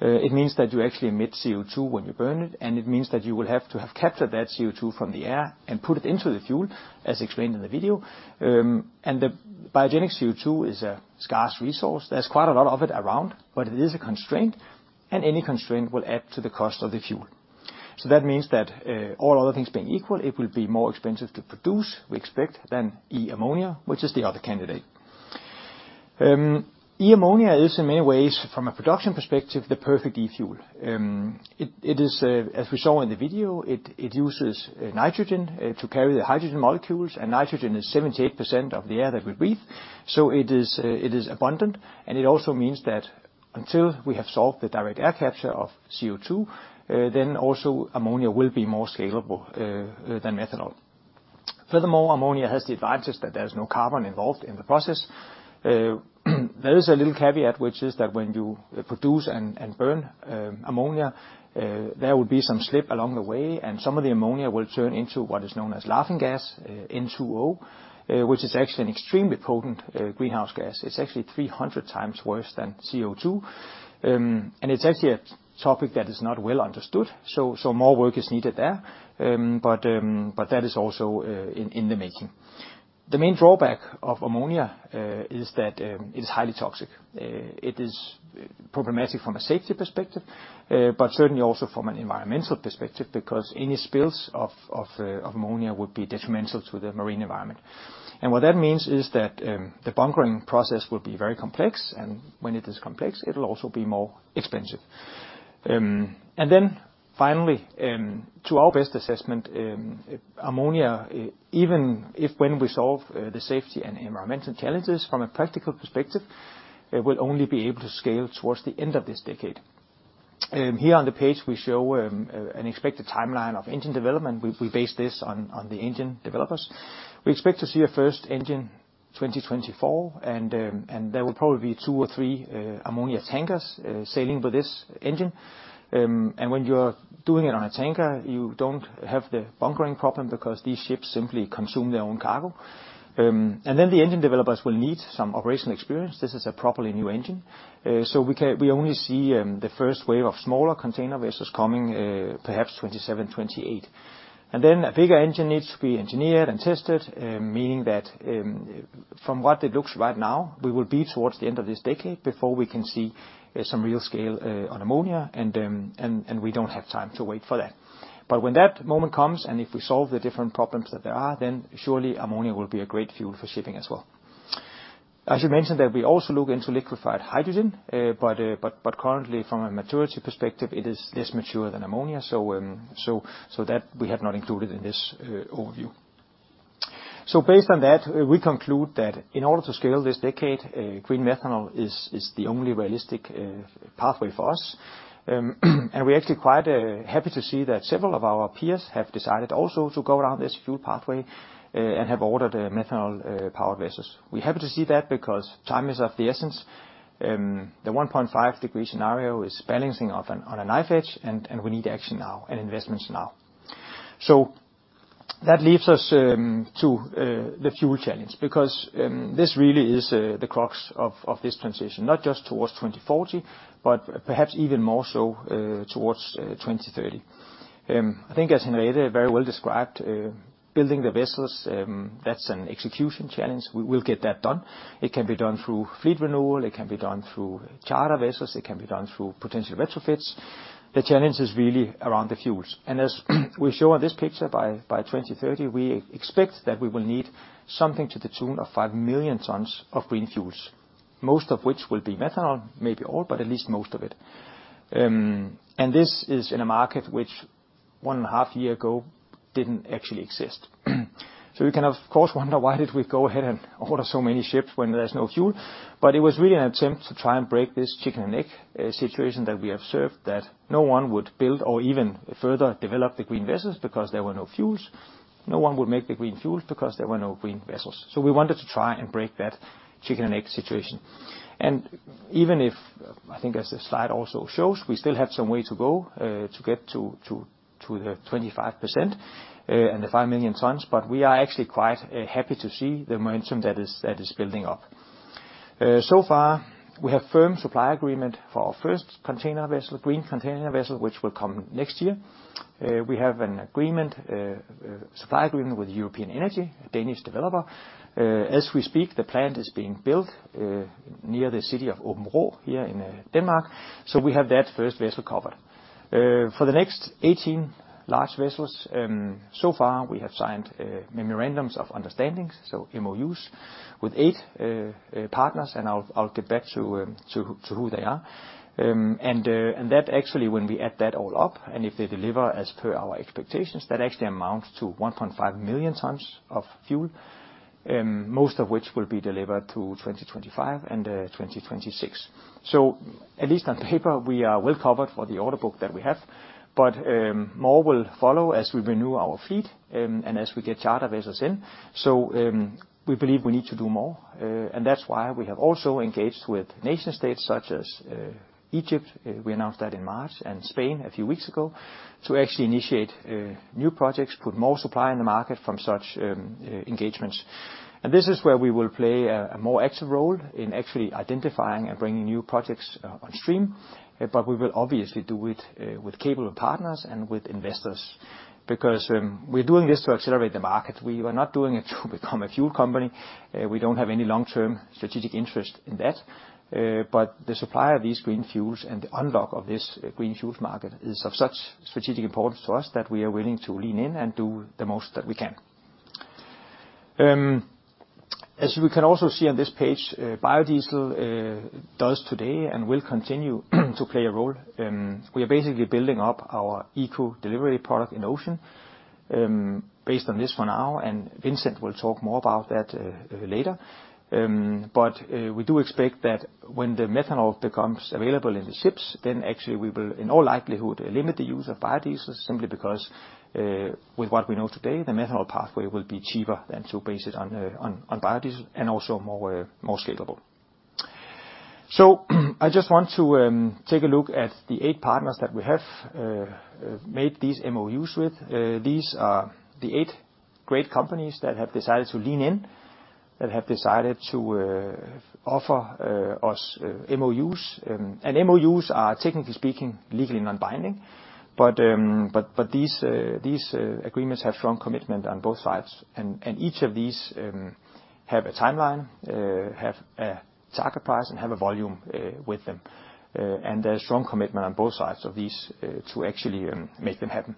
[SPEAKER 6] It means that you actually emit CO2 when you burn it, and it means that you will have to have captured that CO2 from the air and put it into the fuel, as explained in the video. The biogenic CO2 is a scarce resource. There's quite a lot of it around, but it is a constraint, and any constraint will add to the cost of the fuel. That means that all other things being equal, it will be more expensive to produce, we expect, than e-ammonia, which is the other candidate. E-ammonia is in many ways, from a production perspective, the perfect e-fuel. It is, as we saw in the video, it uses nitrogen to carry the hydrogen molecules, and nitrogen is 78% of the air that we breathe. It is abundant, and it also means that until we have solved the direct air capture of CO2, then also ammonia will be more scalable than methanol. Furthermore, ammonia has the advantage that there's no carbon involved in the process. There is a little caveat, which is that when you produce and burn ammonia, there will be some slip along the way, and some of the ammonia will turn into what is known as laughing gas, N2O, which is actually an extremely potent greenhouse gas. It's actually 300 times worse than CO2. It's actually a topic that is not well understood, so more work is needed there. That is also in the making. The main drawback of ammonia is that it is highly toxic. It is problematic from a safety perspective, but certainly also from an environmental perspective, because any spills of ammonia would be detrimental to the marine environment. What that means is that the bunkering process will be very complex, and when it is complex, it'll also be more expensive. Finally, to our best assessment, ammonia, even if when we solve the safety and environmental challenges from a practical perspective, it will only be able to scale towards the end of this decade. Here on the page we show an expected timeline of engine development. We base this on the engine developers. We expect to see a first engine 2024, there will probably be 2 or 3 ammonia tankers sailing with this engine. When you're doing it on a tanker, you don't have the bunkering problem because these ships simply consume their own cargo. Then the engine developers will need some operational experience. This is a properly new engine. We only see the first wave of smaller container vessels coming, perhaps 2027, 2028. Then a bigger engine needs to be engineered and tested, meaning that, from what it looks right now, we will be towards the end of this decade before we can see some real scale on ammonia, and we don't have time to wait for that. When that moment comes, and if we solve the different problems that there are, then surely ammonia will be a great fuel for shipping as well. I should mention that we also look into liquified hydrogen, but currently from a maturity perspective, it is less mature than ammonia, so that we have not included in this overview. Based on that, we conclude that in order to scale this decade, green methanol is the only realistic pathway for us. We're actually quite happy to see that several of our peers have decided also to go down this fuel pathway and have ordered a methanol powered vessels. We're happy to see that because time is of the essence. The 1.5 degree scenario is balancing of an... on a knife edge, and we need action now and investments now. That leaves us to the fuel challenge because this really is the crux of this transition, not just towards 2040, but perhaps even more so towards 2030. I think as Henriette very well described, building the vessels, that's an execution challenge. We will get that done. It can be done through fleet renewal. It can be done through charter vessels. It can be done through potential retrofits. The challenge is really around the fuels. As we show on this picture, by 2030, we expect that we will need something to the tune of 5 million tons of green fuels, most of which will be methanol, maybe all, but at least most of it. This is in a market which one and a half year ago didn't actually exist. We can of course wonder why did we go ahead and order so many ships when there's no fuel. It was really an attempt to try and break this chicken and egg situation that we observed that no one would build or even further develop the green vessels because there were no fuels. No one would make the green fuels because there were no green vessels. We wanted to try and break that chicken and egg situation. Even if, I think as the slide also shows, we still have some way to go to get to the 25%, and the 5 million tons, we are actually quite happy to see the momentum that is building up. So far, we have firm supply agreement for our first container vessel, green container vessel, which will come next year. We have an agreement, supply agreement with European Energy, a Danish developer. As we speak, the plant is being built near the city of Aabenraa here in Denmark. We have that first vessel covered. For the next 18 large vessels, so far we have signed memorandums of understandings, so MOUs, with eight partners, and I'll get back to who they are. That actually when we add that all up, and if they deliver as per our expectations, that actually amounts to 1.5 million tons of fuel, most of which will be delivered to 2025 and 2026. At least on paper, we are well covered for the order book that we have. More will follow as we renew our fleet and as we get charter vessels in. We believe we need to do more, and that's why we have also engaged with nation-states such as Egypt, we announced that in March, and Spain a few weeks ago, to actually initiate new projects, put more supply in the market from such engagements. This is where we will play a more active role in actually identifying and bringing new projects on stream. We will obviously do it with capable partners and with investors because we're doing this to accelerate the market. We are not doing it to become a fuel company. We don't have any long-term strategic interest in that. The supply of these green fuels and the unlock of this green fuels market is of such strategic importance to us that we are willing to lean in and do the most that we can. As you can also see on this page, biodiesel does today and will continue to play a role. We are basically building up our ECO Delivery product in Ocean, based on this for now, and Vincent will talk more about that later. We do expect that when the methanol becomes available in the ships, then actually we will in all likelihood limit the use of biodiesel simply because, with what we know today, the methanol pathway will be cheaper than to base it on biodiesel and also more scalable. I just want to take a look at the 8 partners that we have made these MOUs with. These are the 8 great companies that have decided to lean in. That have decided to offer us MOUs. MOUs are, technically speaking, legally non-binding, but these agreements have strong commitment on both sides, and each of these have a timeline, have a target price and have a volume with them. There's strong commitment on both sides of these to actually make them happen.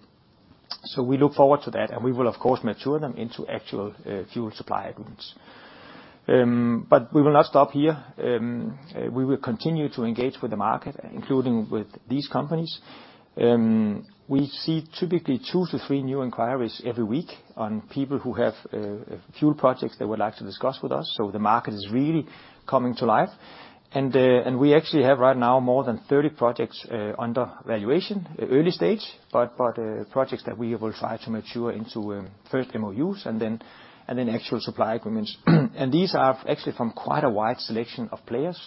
[SPEAKER 6] We look forward to that, and we will, of course, mature them into actual fuel supply agreements. We will not stop here. We will continue to engage with the market, including with these companies. We see typically 2-3 new inquiries every week on people who have fuel projects they would like to discuss with us, so the market is really coming to life. We actually have right now more than 30 projects under valuation, early stage, but projects that we will try to mature into first MOUs and then actual supply agreements. These are actually from quite a wide selection of players.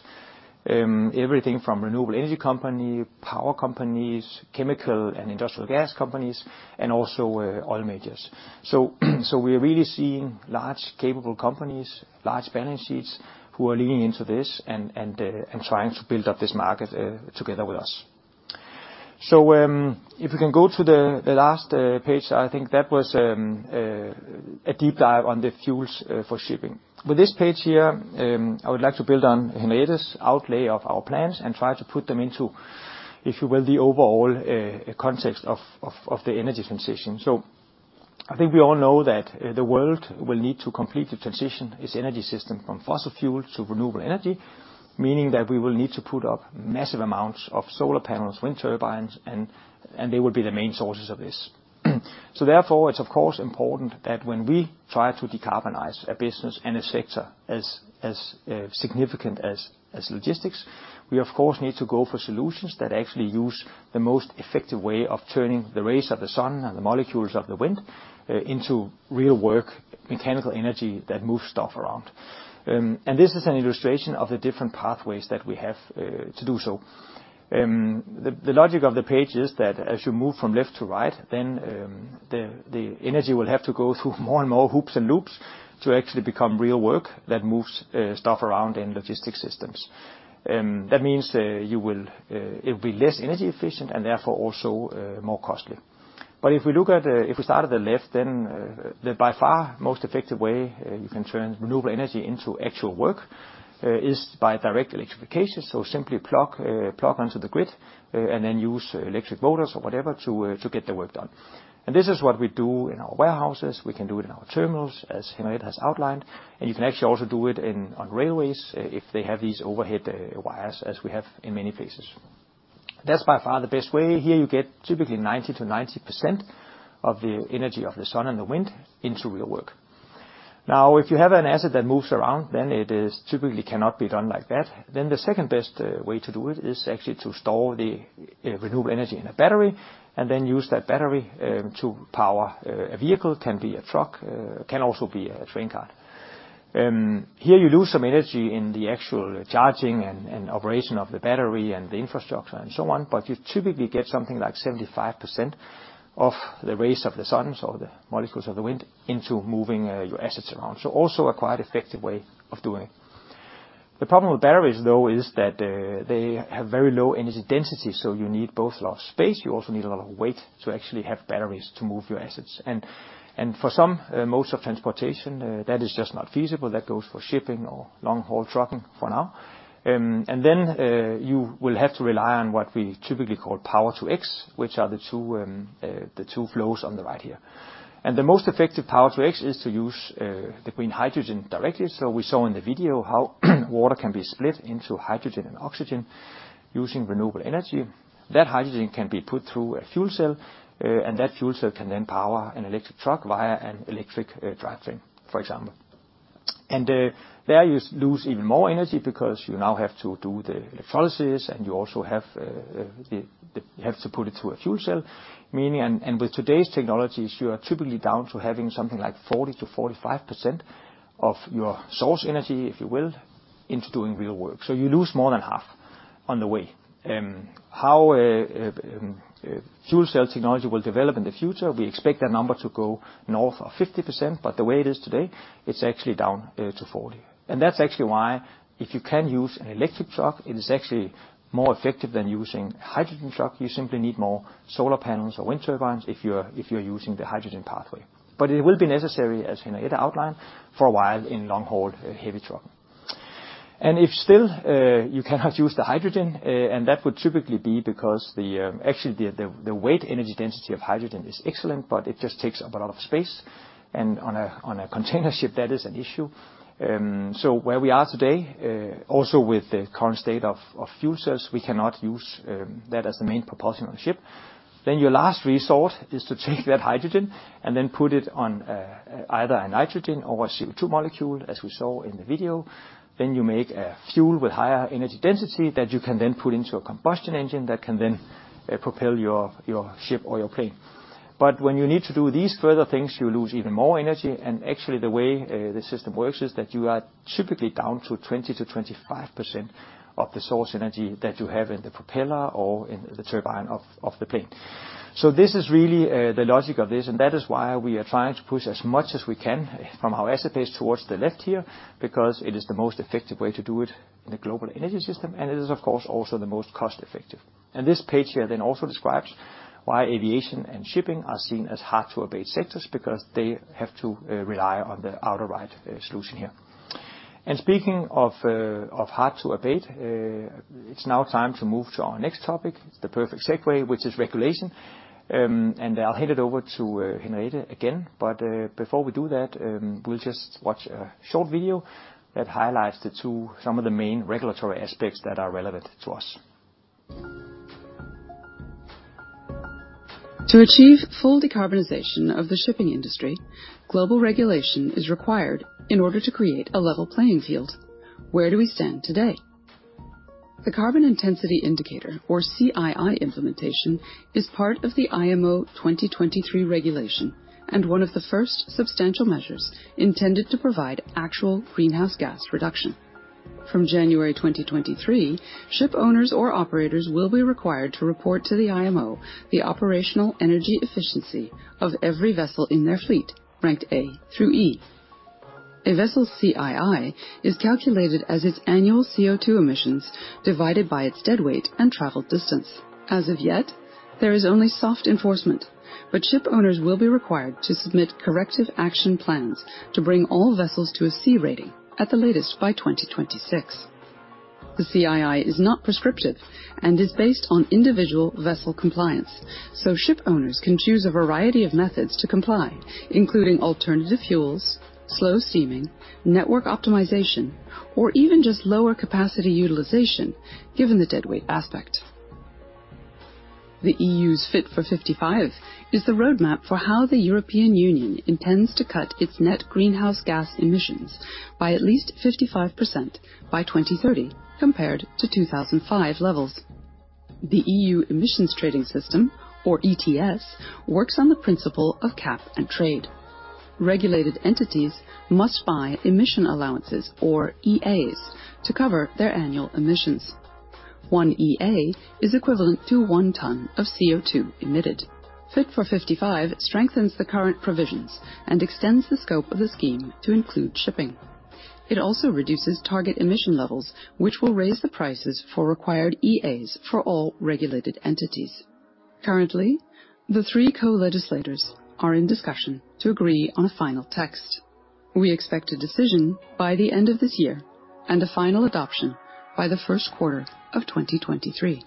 [SPEAKER 6] Everything from renewable energy company, power companies, chemical and industrial gas companies, and also, oil majors. We're really seeing large capable companies, large balance sheets who are leaning into this and trying to build up this market together with us. If you can go to the last page, I think that was a deep dive on the fuels for shipping. With this page here, I would like to build on Henriette's outlay of our plans and try to put them into, if you will, the overall context of the energy transition. I think we all know that the world will need to complete the transition its energy system from fossil fuel to renewable energy, meaning that we will need to put up massive amounts of solar panels, wind turbines, and they will be the main sources of this. Therefore, it's of course important that when we try to decarbonize a business and a sector as significant as logistics, we of course need to go for solutions that actually use the most effective way of turning the rays of the sun and the molecules of the wind into real work, mechanical energy that moves stuff around. This is an illustration of the different pathways that we have to do so. The logic of the page is that as you move from left to right, then, the energy will have to go through more and more hoops and loops to actually become real work that moves stuff around in logistics systems. That means you will it'll be less energy efficient and therefore also more costly. If we look at if we start at the left, then the by far most effective way you can turn renewable energy into actual work is by direct electrification, so simply plug onto the grid and then use electric motors or whatever to get the work done. This is what we do in our warehouses. We can do it in our terminals, as Henriette has outlined. You can actually also do it in, on railways if they have these overhead wires as we have in many places. That's by far the best way. Here you get typically 90%-90% of the energy of the sun and the wind into real work. If you have an asset that moves around, then it is typically cannot be done like that. The second-best way to do it is actually to store the renewable energy in a battery and then use that battery to power a vehicle, can be a truck, can also be a train cart. Here you lose some energy in the actual charging and operation of the battery and the infrastructure and so on, but you typically get something like 75% of the rays of the suns or the molecules of the wind into moving your assets around. Also a quite effective way of doing. The problem with batteries, though, is that they have very low energy density, so you need both a lot of space, you also need a lot of weight to actually have batteries to move your assets. For some modes of transportation that is just not feasible. That goes for shipping or long-haul trucking for now. Then you will have to rely on what we typically call Power to X, which are the two flows on the right here. The most effective Power-to-X is to use the green hydrogen directly. We saw in the video how water can be split into hydrogen and oxygen using renewable energy. That hydrogen can be put through a fuel cell, and that fuel cell can then power an electric truck via an electric drivetrain, for example. There you lose even more energy because you now have to do the electrolysis, and you also have to put it through a fuel cell. Meaning, with today's technologies, you are typically down to having something like 40% to 45% of your source energy, if you will, into doing real work. You lose more than half on the way. How fuel cell technology will develop in the future, we expect that number to go north of 50%, but the way it is today, it's actually down to 40%. That's actually why if you can use an electric truck, it is actually more effective than using a hydrogen truck. You simply need more solar panels or wind turbines if you're using the hydrogen pathway. It will be necessary, as Henriette outlined, for a while in long-haul heavy trucking. If still, you cannot use the hydrogen, and that would typically be because the actually the weight energy density of hydrogen is excellent, but it just takes up a lot of space, and on a container ship, that is an issue. Where we are today, also with the current state of fuel cells, we cannot use that as the main propulsion on a ship. Your last resort is to take that hydrogen and then put it on either a nitrogen or a CO2 molecule, as we saw in the video. You make a fuel with higher energy density that you can then put into a combustion engine that can then propel your ship or your plane. When you need to do these further things, you lose even more energy, and actually the way the system works is that you are then typically down to 20% to 25% of the source energy that you have in the propeller or in the turbine of the plane. This is really the logic of this, and that is why we are trying to push as much as we can from our asset base towards the left here, because it is the most effective way to do it in a global energy system, and it is, of course, also the most cost effective. This page here then also describes why aviation and shipping are seen as hard to abate sectors, because they have to rely on the outer right solution here. Speaking of hard to abate, it's now time to move to our next topic, the perfect segue, which is regulation. I'll hand it over to Henriette again. Before we do that, we'll just watch a short video that highlights some of the main regulatory aspects that are relevant to us.
[SPEAKER 7] To achieve full decarbonization of the shipping industry, global regulation is required in order to create a level playing field. Where do we stand today? The Carbon Intensity Indicator, or CII implementation, is part of the IMO 2023 regulation, and one of the first substantial measures intended to provide actual greenhouse gas reduction. From January 2023, ship owners or operators will be required to report to the IMO the operational energy efficiency of every vessel in their fleet, ranked A through E. A vessel's CII is calculated as its annual CO2 emissions divided by its deadweight and travel distance. As of yet, there is only soft enforcement, but ship owners will be required to submit corrective action plans to bring all vessels to a C rating at the latest by 2026. The CII is not prescriptive and is based on individual vessel compliance, so ship owners can choose a variety of methods to comply, including alternative fuels, slow steaming, network optimization, or even just lower capacity utilization given the deadweight aspect. The EU's Fit for 55 is the roadmap for how the European Union intends to cut its net greenhouse gas emissions by at least 55% by 2030 compared to 2005 levels. The EU Emissions Trading System, or ETS, works on the principle of cap and trade. Regulated entities must buy emission allowances, or EUAs, to cover their annual emissions. 1 EUA is equivalent to 1 ton of CO2 emitted. Fit for 55 strengthens the current provisions and extends the scope of the scheme to include shipping. It also reduces target emission levels, which will raise the prices for required EUAs for all regulated entities. Currently, the three co-legislators are in discussion to agree on a final text. We expect a decision by the end of this year and a final adoption by the first quarter of 2023.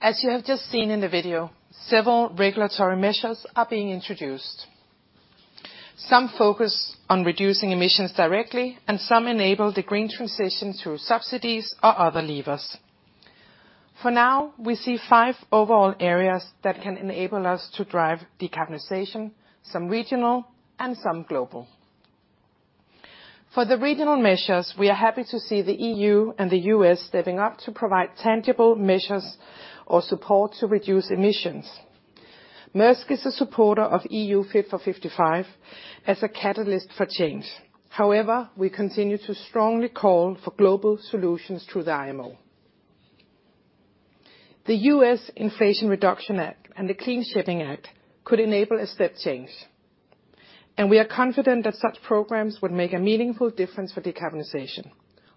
[SPEAKER 4] As you have just seen in the video, several regulatory measures are being introduced. Some focus on reducing emissions directly, and some enable the green transition through subsidies or other levers. For now, we see five overall areas that can enable us to drive decarbonization, some regional and some global. For the regional measures, we are happy to see the EU and the US stepping up to provide tangible measures or support to reduce emissions. Maersk is a supporter of EU Fit for 55 as a catalyst for change. However, we continue to strongly call for global solutions through the IMO. The US Inflation Reduction Act and the Clean Shipping Act could enable a step change, and we are confident that such programs would make a meaningful difference for decarbonization,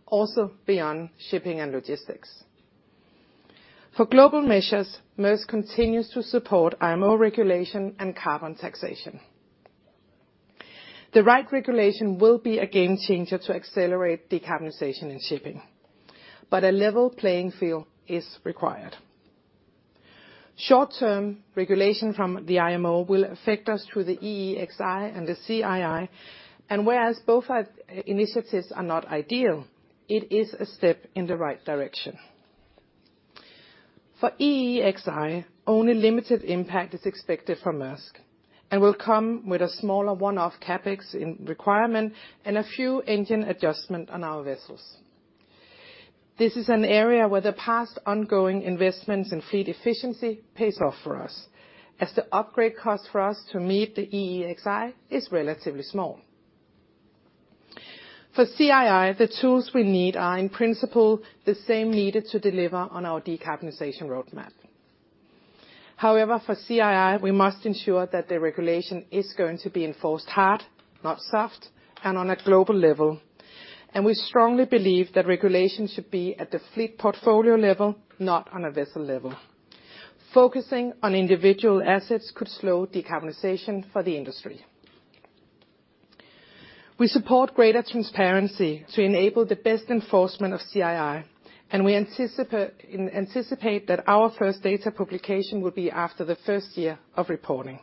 [SPEAKER 4] also beyond shipping and logistics. For global measures, Maersk continues to support IMO regulation and carbon taxation. The right regulation will be a game changer to accelerate decarbonization in shipping. A level playing field is required. Short-term regulation from the IMO will affect us through the EEXI and the CII. Whereas both initiatives are not ideal, it is a step in the right direction. For EEXI, only limited impact is expected for Maersk, and will come with a smaller one-off CapEx in requirement and a few engine adjustment on our vessels. This is an area where the past ongoing investments in fleet efficiency pays off for us, as the upgrade cost for us to meet the EEXI is relatively small. For CII, the tools we need are in principle the same needed to deliver on our decarbonization roadmap. However, for CII, we must ensure that the regulation is going to be enforced hard, not soft, and on a global level. We strongly believe that regulation should be at the fleet portfolio level, not on a vessel level. Focusing on individual assets could slow decarbonization for the industry. We support greater transparency to enable the best enforcement of CII, and we anticipate that our first data publication will be after the first year of reporting.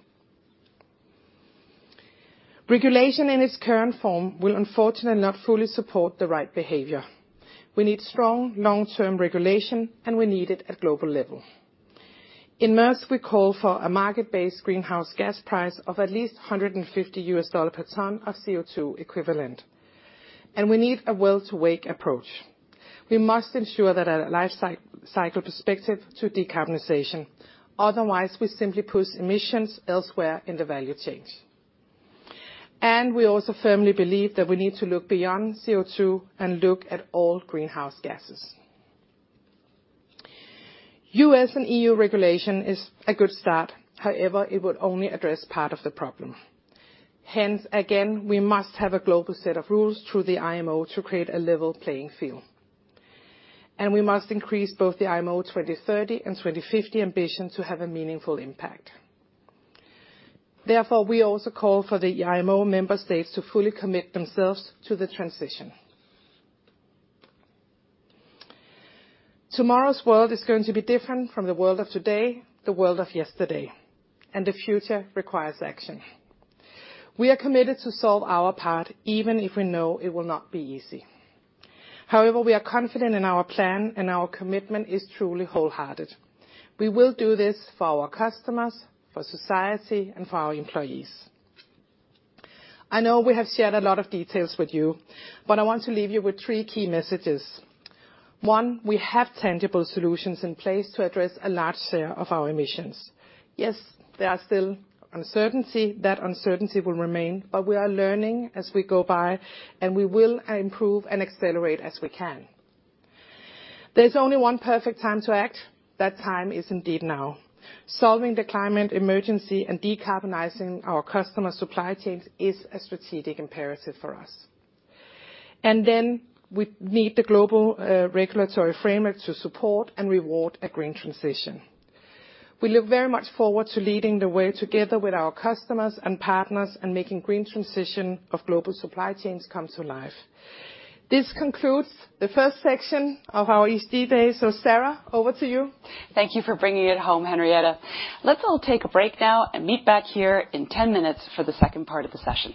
[SPEAKER 4] Regulation in its current form will unfortunately not fully support the right behavior. We need strong long-term regulation, and we need it at global level. In Maersk, we call for a market-based greenhouse gas price of at least $150 per ton of CO2 equivalent, and we need a well-to-wake approach. We must ensure that a life cycle perspective to decarbonization. Otherwise, we simply push emissions elsewhere in the value chains. We also firmly believe that we need to look beyond CO2 and look at all greenhouse gases. US and EU regulation is a good start. However, it would only address part of the problem. Hence, again, we must have a global set of rules through the IMO to create a level playing field. We must increase both the IMO 2030 and 2050 ambition to have a meaningful impact. Therefore, we also call for the IMO member states to fully commit themselves to the transition. Tomorrow's world is going to be different from the world of today, the world of yesterday, and the future requires action. We are committed to solve our part, even if we know it will not be easy. However, we are confident in our plan, and our commitment is truly wholehearted. We will do this for our customers, for society, and for our employees. I know we have shared a lot of details with you, but I want to leave you with three key messages. One, we have tangible solutions in place to address a large share of our emissions. Yes, there are still uncertainty. That uncertainty will remain, but we are learning as we go by, and we will improve and accelerate as we can. There's only one perfect time to act. That time is indeed now. Solving the climate emergency and decarbonizing our customer supply chains is a strategic imperative for us. Then we need the global regulatory framework to support and reward a green transition. We look very much forward to leading the way together with our customers and partners and making green transition of global supply chains come to life. This concludes the first section of our ESG Day. Sarah, over to you.
[SPEAKER 2] Thank you for bringing it home, Henriette. Let's all take a break now and meet back here in 10 minutes for the second part of the session.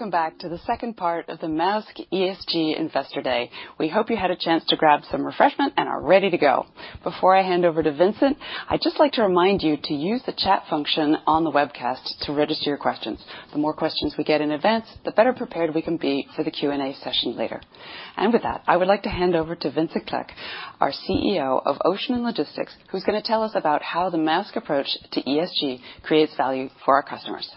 [SPEAKER 2] Welcome back to the second part of the Maersk ESG Investor Day. We hope you had a chance to grab some refreshment and are ready to go. Before I hand over to Vincent, I'd just like to remind you to use the chat function on the webcast to register your questions. The more questions we get in advance, the better prepared we can be for the Q&A session later. With that, I would like to hand over to Vincent Clerc, our CEO of Ocean & Logistics, who's gonna tell us about how the Maersk approach to ESG creates value for our customers.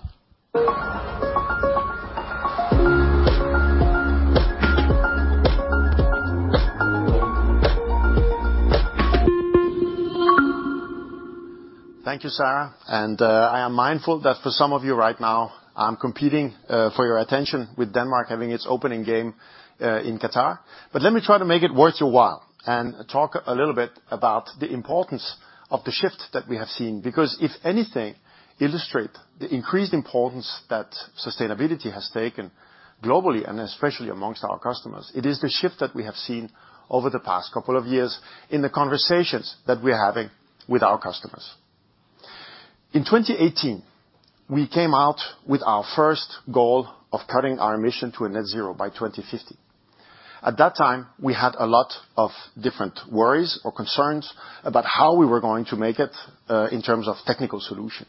[SPEAKER 8] Thank you, Sarah. I am mindful that for some of you right now, I'm competing for your attention with Denmark having its opening game in Qatar. Let me try to make it worth your while and talk a little bit about the importance of the shift that we have seen. If anything illustrate the increased importance that sustainability has taken globally, and especially amongst our customers, it is the shift that we have seen over the past couple of years in the conversations that we're having with our customers. In 2018, we came out with our first goal of cutting our emission to a net zero by 2050. At that time, we had a lot of different worries or concerns about how we were going to make it in terms of technical solution.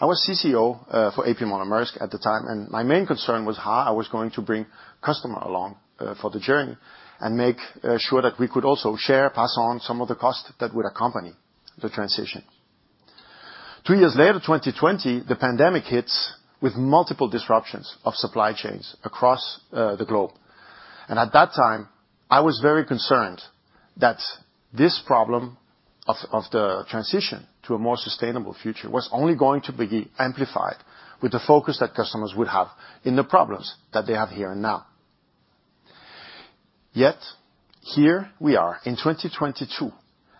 [SPEAKER 8] I was CCO for A.P. Moller - Maersk at the time, and my main concern was how I was going to bring customer along for the journey, and make sure that we could also share, pass on some of the cost that would accompany the transition. 3 years later, 2020, the pandemic hits with multiple disruptions of supply chains across the globe. At that time, I was very concerned that this problem of the transition to a more sustainable future was only going to be amplified with the focus that customers would have in the problems that they have here and now. Yet, here we are in 2022,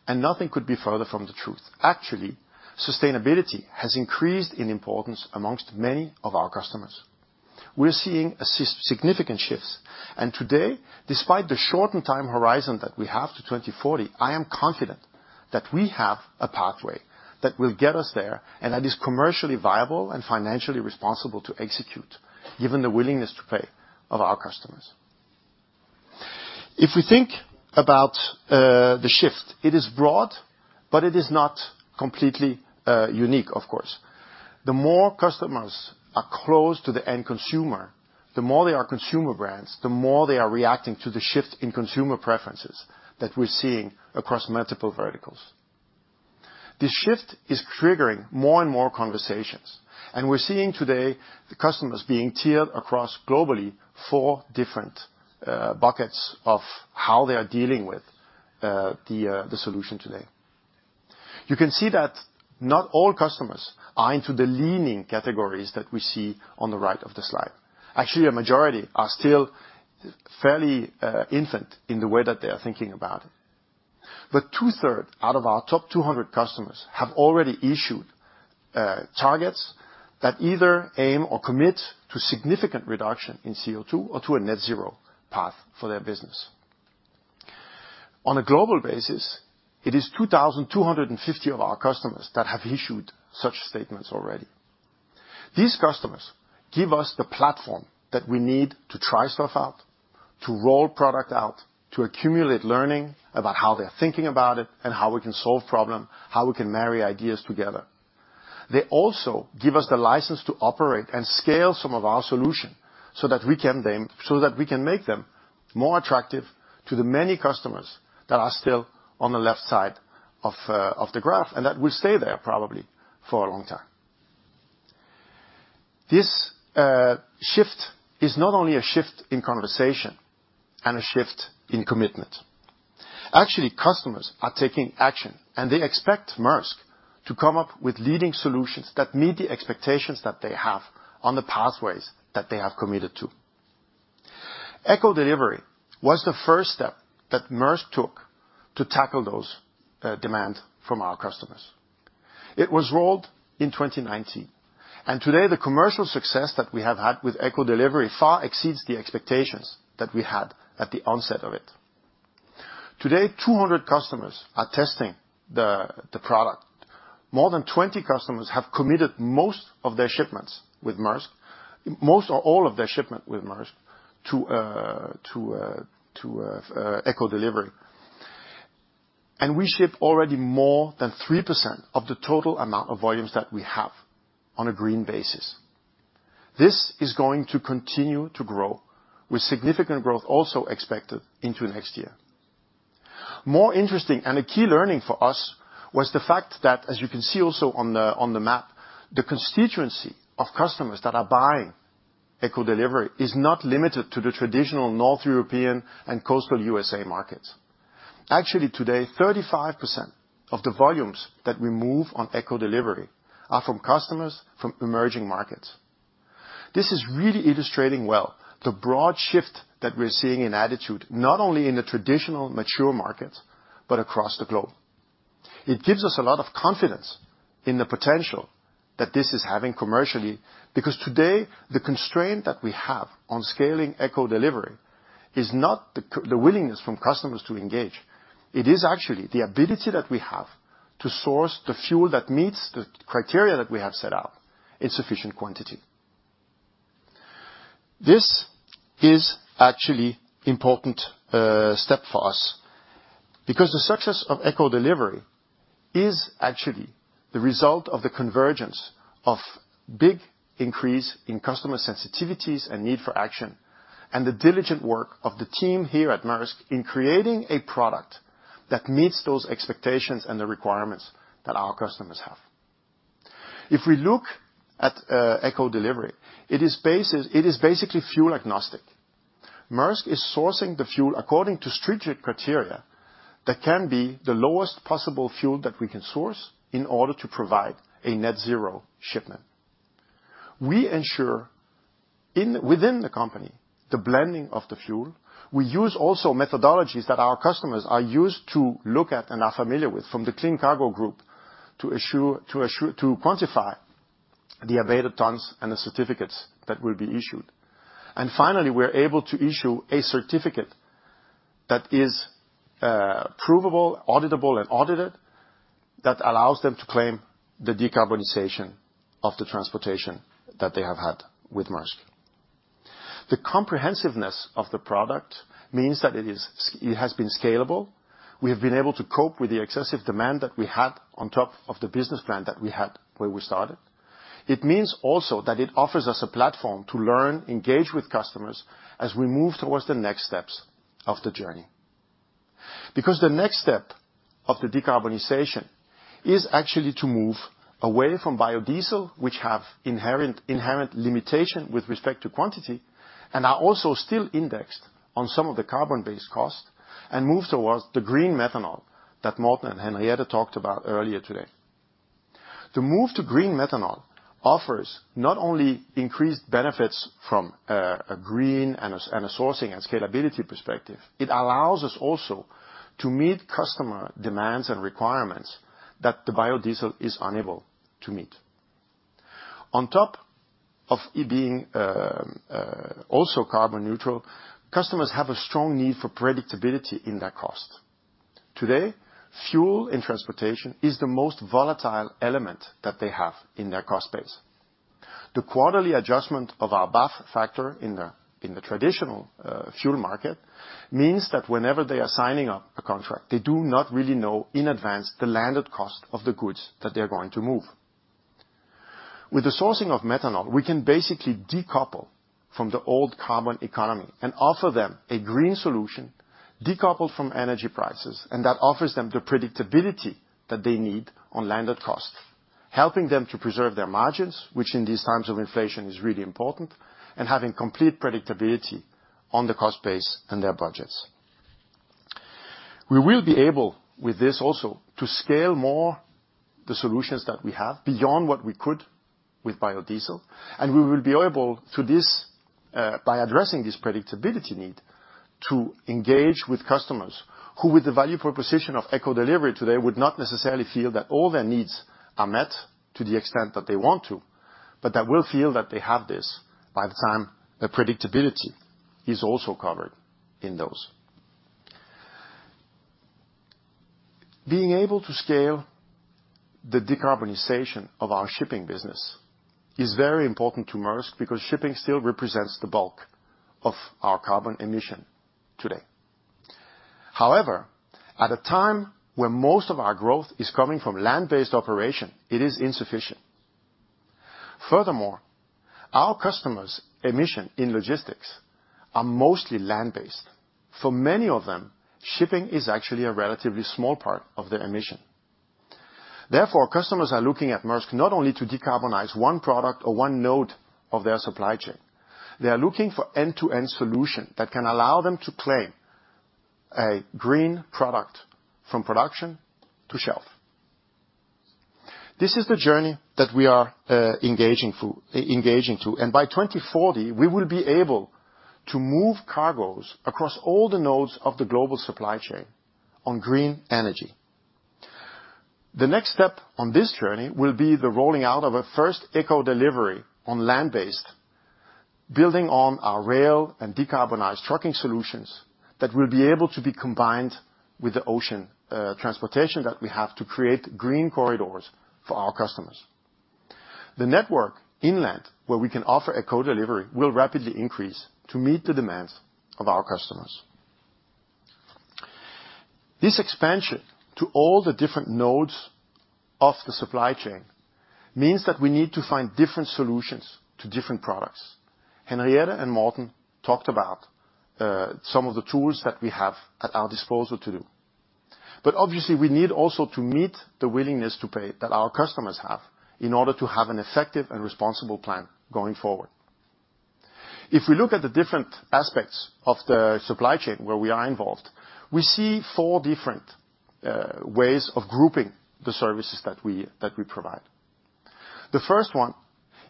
[SPEAKER 8] and nothing could be further from the truth. Actually, sustainability has increased in importance amongst many of our customers. We're seeing a significant shifts. Today, despite the shortened time horizon that we have to 2040, I am confident that we have a pathway that will get us there, and that is commercially viable and financially responsible to execute, given the willingness to pay of our customers. If we think about the shift, it is broad, but it is not completely unique, of course. The more customers are close to the end consumer, the more they are consumer brands, the more they are reacting to the shift in consumer preferences that we're seeing across multiple verticals. This shift is triggering more and more conversations. We're seeing today the customers being tiered across globally 4 different buckets of how they are dealing with the solution today. You can see that not all customers are into the leaning categories that we see on the right of the slide. Actually, a majority are still fairly infant in the way that they are thinking about it. Two-thirds out of our top 200 customers have already issued targets that either aim or commit to significant reduction in CO2 or to a net zero path for their business. On a global basis, it is 2,250 of our customers that have issued such statements already. These customers give us the platform that we need to try stuff out, to roll product out, to accumulate learning about how they're thinking about it and how we can solve problems, how we can marry ideas together. They also give us the license to operate and scale some of our solution so that we can make them more attractive to the many customers that are still on the left side of the graph, and that will stay there probably for a long time. This shift is not only a shift in conversation and a shift in commitment. Actually, customers are taking action, and they expect Maersk to come up with leading solutions that meet the expectations that they have on the pathways that they have committed to. ECO Delivery was the first step that Maersk took to tackle those demand from our customers. It was rolled in 2019, and today the commercial success that we have had with ECO Delivery far exceeds the expectations that we had at the onset of it. Today, 200 customers are testing the product. More than 20 customers have committed most of their shipments with Maersk, most or all of their shipment with Maersk to ECO Delivery. We ship already more than 3% of the total amount of volumes that we have on a green basis. This is going to continue to grow, with significant growth also expected into next year. More interesting and a key learning for us was the fact that, as you can see also on the map, the constituency of customers that are buying ECO Delivery is not limited to the traditional North European and coastal USA markets. Actually, today, 35% of the volumes that we move on ECO Delivery are from customers from emerging markets. This is really illustrating well the broad shift that we're seeing in attitude, not only in the traditional mature markets, but across the globe. It gives us a lot of confidence in the potential that this is having commercially, because today, the constraint that we have on scaling ECO Delivery is not the willingness from customers to engage, it is actually the ability that we have to source the fuel that meets the criteria that we have set out in sufficient quantity. This is actually important step for us because the success of ECO Delivery is actually the result of the convergence of big increase in customer sensitivities and need for action, and the diligent work of the team here at Maersk in creating a product that meets those expectations and the requirements that our customers have. If we look at ECO Delivery, it is basically fuel agnostic. Maersk is sourcing the fuel according to stringent criteria that can be the lowest possible fuel that we can source in order to provide a net zero shipment. We ensure within the company, the blending of the fuel. We use also methodologies that our customers are used to look at and are familiar with from the Clean Cargo Group to assure to quantify the evaded tons and the certificates that will be issued. Finally, we're able to issue a certificate that is provable, auditable, and audited that allows them to claim the decarbonization of the transportation that they have had with Maersk. The comprehensiveness of the product means that it has been scalable. We have been able to cope with the excessive demand that we had on top of the business plan that we had when we started. It means also that it offers us a platform to learn, engage with customers as we move towards the next steps of the journey. The next step of the decarbonization is actually to move away from biodiesel, which have inherent limitation with respect to quantity, and are also still indexed on some of the carbon-based costs, and move towards the green methanol that Morten and Henriette talked about earlier today. The move to green methanol offers not only increased benefits from a green and a sourcing and scalability perspective, it allows us also to meet customer demands and requirements that the biodiesel is unable to meet. On top of it being also carbon neutral, customers have a strong need for predictability in their cost. Today, fuel in transportation is the most volatile element that they have in their cost base. The quarterly adjustment of our BAF factor in the traditional fuel market means that whenever they are signing a contract, they do not really know in advance the landed cost of the goods that they're going to move. With the sourcing of methanol, we can basically decouple from the old carbon economy and offer them a green solution decoupled from energy prices. That offers them the predictability that they need on landed costs, helping them to preserve their margins, which in these times of inflation is really important. Having complete predictability on the cost base and their budgets. We will be able with this also to scale more the solutions that we have beyond what we could with biodiesel, and we will be able to this by addressing this predictability need to engage with customers who, with the value proposition of ECO Delivery today, would not necessarily feel that all their needs are met to the extent that they want to, but that will feel that they have this by the time the predictability is also covered in those. Being able to scale the decarbonization of our shipping business is very important to Maersk because shipping still represents the bulk of our carbon emission today. At a time where most of our growth is coming from land-based operation, it is insufficient. Our customers' emission in logistics are mostly land-based. For many of them, shipping is actually a relatively small part of their emission. Therefore, customers are looking at Maersk not only to decarbonize one product or one node of their supply chain, they are looking for end-to-end solution that can allow them to claim a green product from production to shelf. This is the journey that we are engaging to, and by 2040, we will be able to move cargos across all the nodes of the global supply chain on green energy. The next step on this journey will be the rolling out of a first ECO Delivery on land-based, building on our rail and decarbonized trucking solutions that will be able to be combined with the ocean transportation that we have to create green corridors for our customers. The network inland where we can offer ECO Delivery will rapidly increase to meet the demands of our customers. This expansion to all the different nodes of the supply chain means that we need to find different solutions to different products. Henriette and Morten talked about some of the tools that we have at our disposal to do. Obviously, we need also to meet the willingness to pay that our customers have in order to have an effective and responsible plan going forward. If we look at the different aspects of the supply chain where we are involved, we see four different ways of grouping the services that we provide. The first one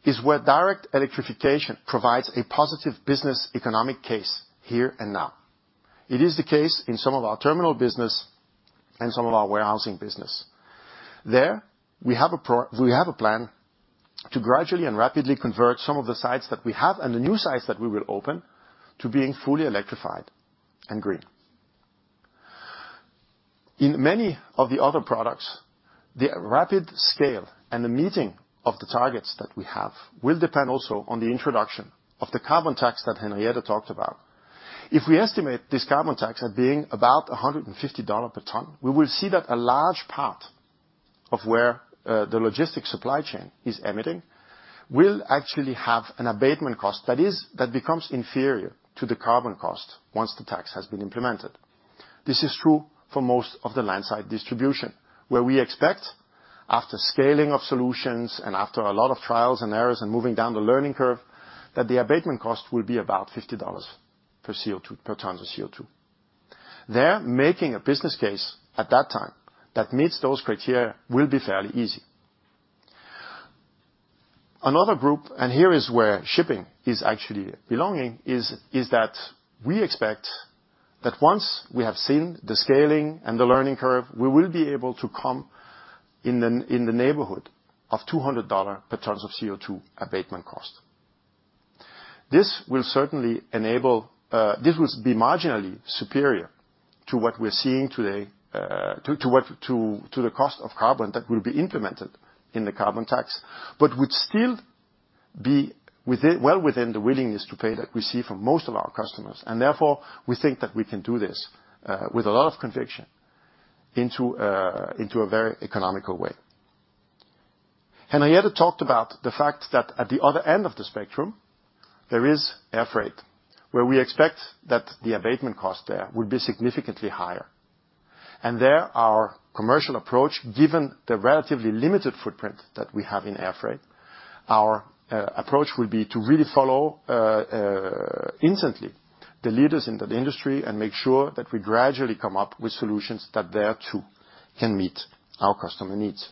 [SPEAKER 8] is where direct electrification provides a positive business economic case here and now. It is the case in some of our terminal business and some of our warehousing business. There, we have a plan to gradually and rapidly convert some of the sites that we have and the new sites that we will open to being fully electrified and green. In many of the other products, the rapid scale and the meeting of the targets that we have will depend also on the introduction of the carbon tax that Henriette talked about. If we estimate this carbon tax as being about 150 dollars per ton, we will see that a large part of where the logistics supply chain is emitting will actually have an abatement cost that becomes inferior to the carbon cost once the tax has been implemented. This is true for most of the landside distribution, where we expect, after scaling of solutions and after a lot of trials and errors and moving down the learning curve, that the abatement cost will be about $50 per CO₂ per ton of CO₂. There, making a business case at that time that meets those criteria will be fairly easy. Another group, and here is where shipping is actually belonging, is that we expect that once we have seen the scaling and the learning curve, we will be able to come in the, in the neighborhood of $200 per ton of CO₂ abatement cost. This will certainly enable, this will be marginally superior to what we're seeing today, to what, to the cost of carbon that will be implemented in the carbon tax. would still be within, well within the willingness to pay that we see from most of our customers, and therefore, we think that we can do this with a lot of conviction into a very economical way. Henriette talked about the fact that at the other end of the spectrum, there is air freight, where we expect that the abatement cost there would be significantly higher. there, our commercial approach, given the relatively limited footprint that we have in air freight, our approach will be to really follow instantly the leaders in that industry and make sure that we gradually come up with solutions that there, too, can meet our customer needs.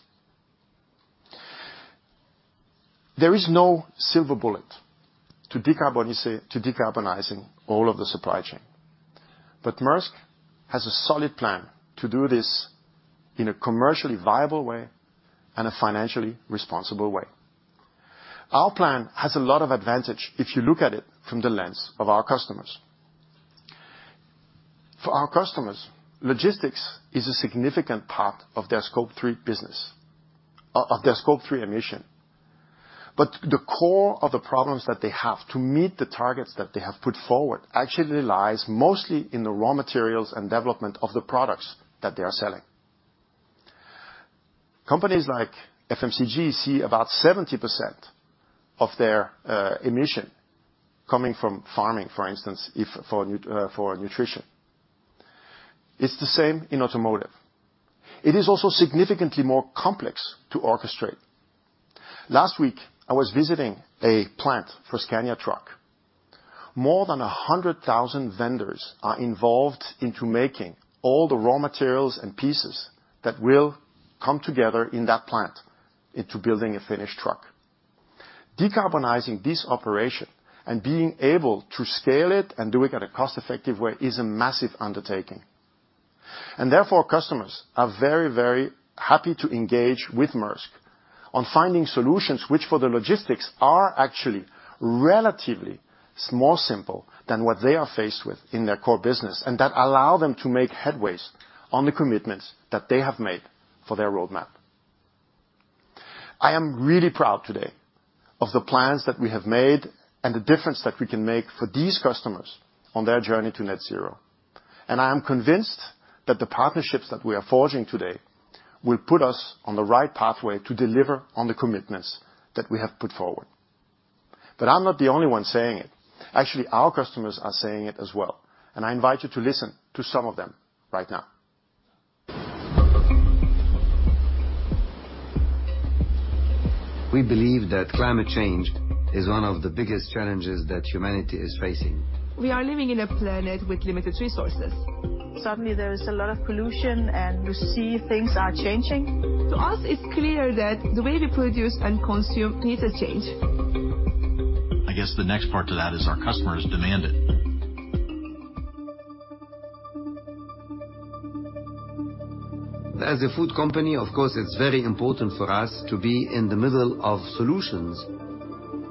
[SPEAKER 8] There is no silver bullet to decarbonizing all of the supply chain. Maersk has a solid plan to do this in a commercially viable way and a financially responsible way. Our plan has a lot of advantage if you look at it from the lens of our customers. For our customers, logistics is a significant part of their Scope 3 emission. The core of the problems that they have to meet the targets that they have put forward actually lies mostly in the raw materials and development of the products that they are selling. Companies like FMCG see about 70% of their emission coming from farming, for instance, if for nutrition. It's the same in automotive. It is also significantly more complex to orchestrate. Last week, I was visiting a plant for Scania truck. More than 100,000 vendors are involved into making all the raw materials and pieces that will come together in that plant into building a finished truck. Decarbonizing this operation and being able to scale it and do it at a cost-effective way is a massive undertaking. Therefore, customers are very, very happy to engage with Maersk on finding solutions which, for the logistics, are actually relatively more simple than what they are faced with in their core business, and that allow them to make headways on the commitments that they have made for their roadmap. I am really proud today of the plans that we have made and the difference that we can make for these customers on their journey to net zero. I am convinced that the partnerships that we are forging today will put us on the right pathway to deliver on the commitments that we have put forward. I'm not the only one saying it. Actually, our customers are saying it as well, and I invite you to listen to some of them right now.
[SPEAKER 9] We believe that climate change is one of the biggest challenges that humanity is facing. We are living in a planet with limited resources. Suddenly, there is a lot of pollution, and you see things are changing. To us, it's clear that the way we produce and consume needs to change. I guess the next part to that is our customers demand it. As a food company, of course, it's very important for us to be in the middle of solutions.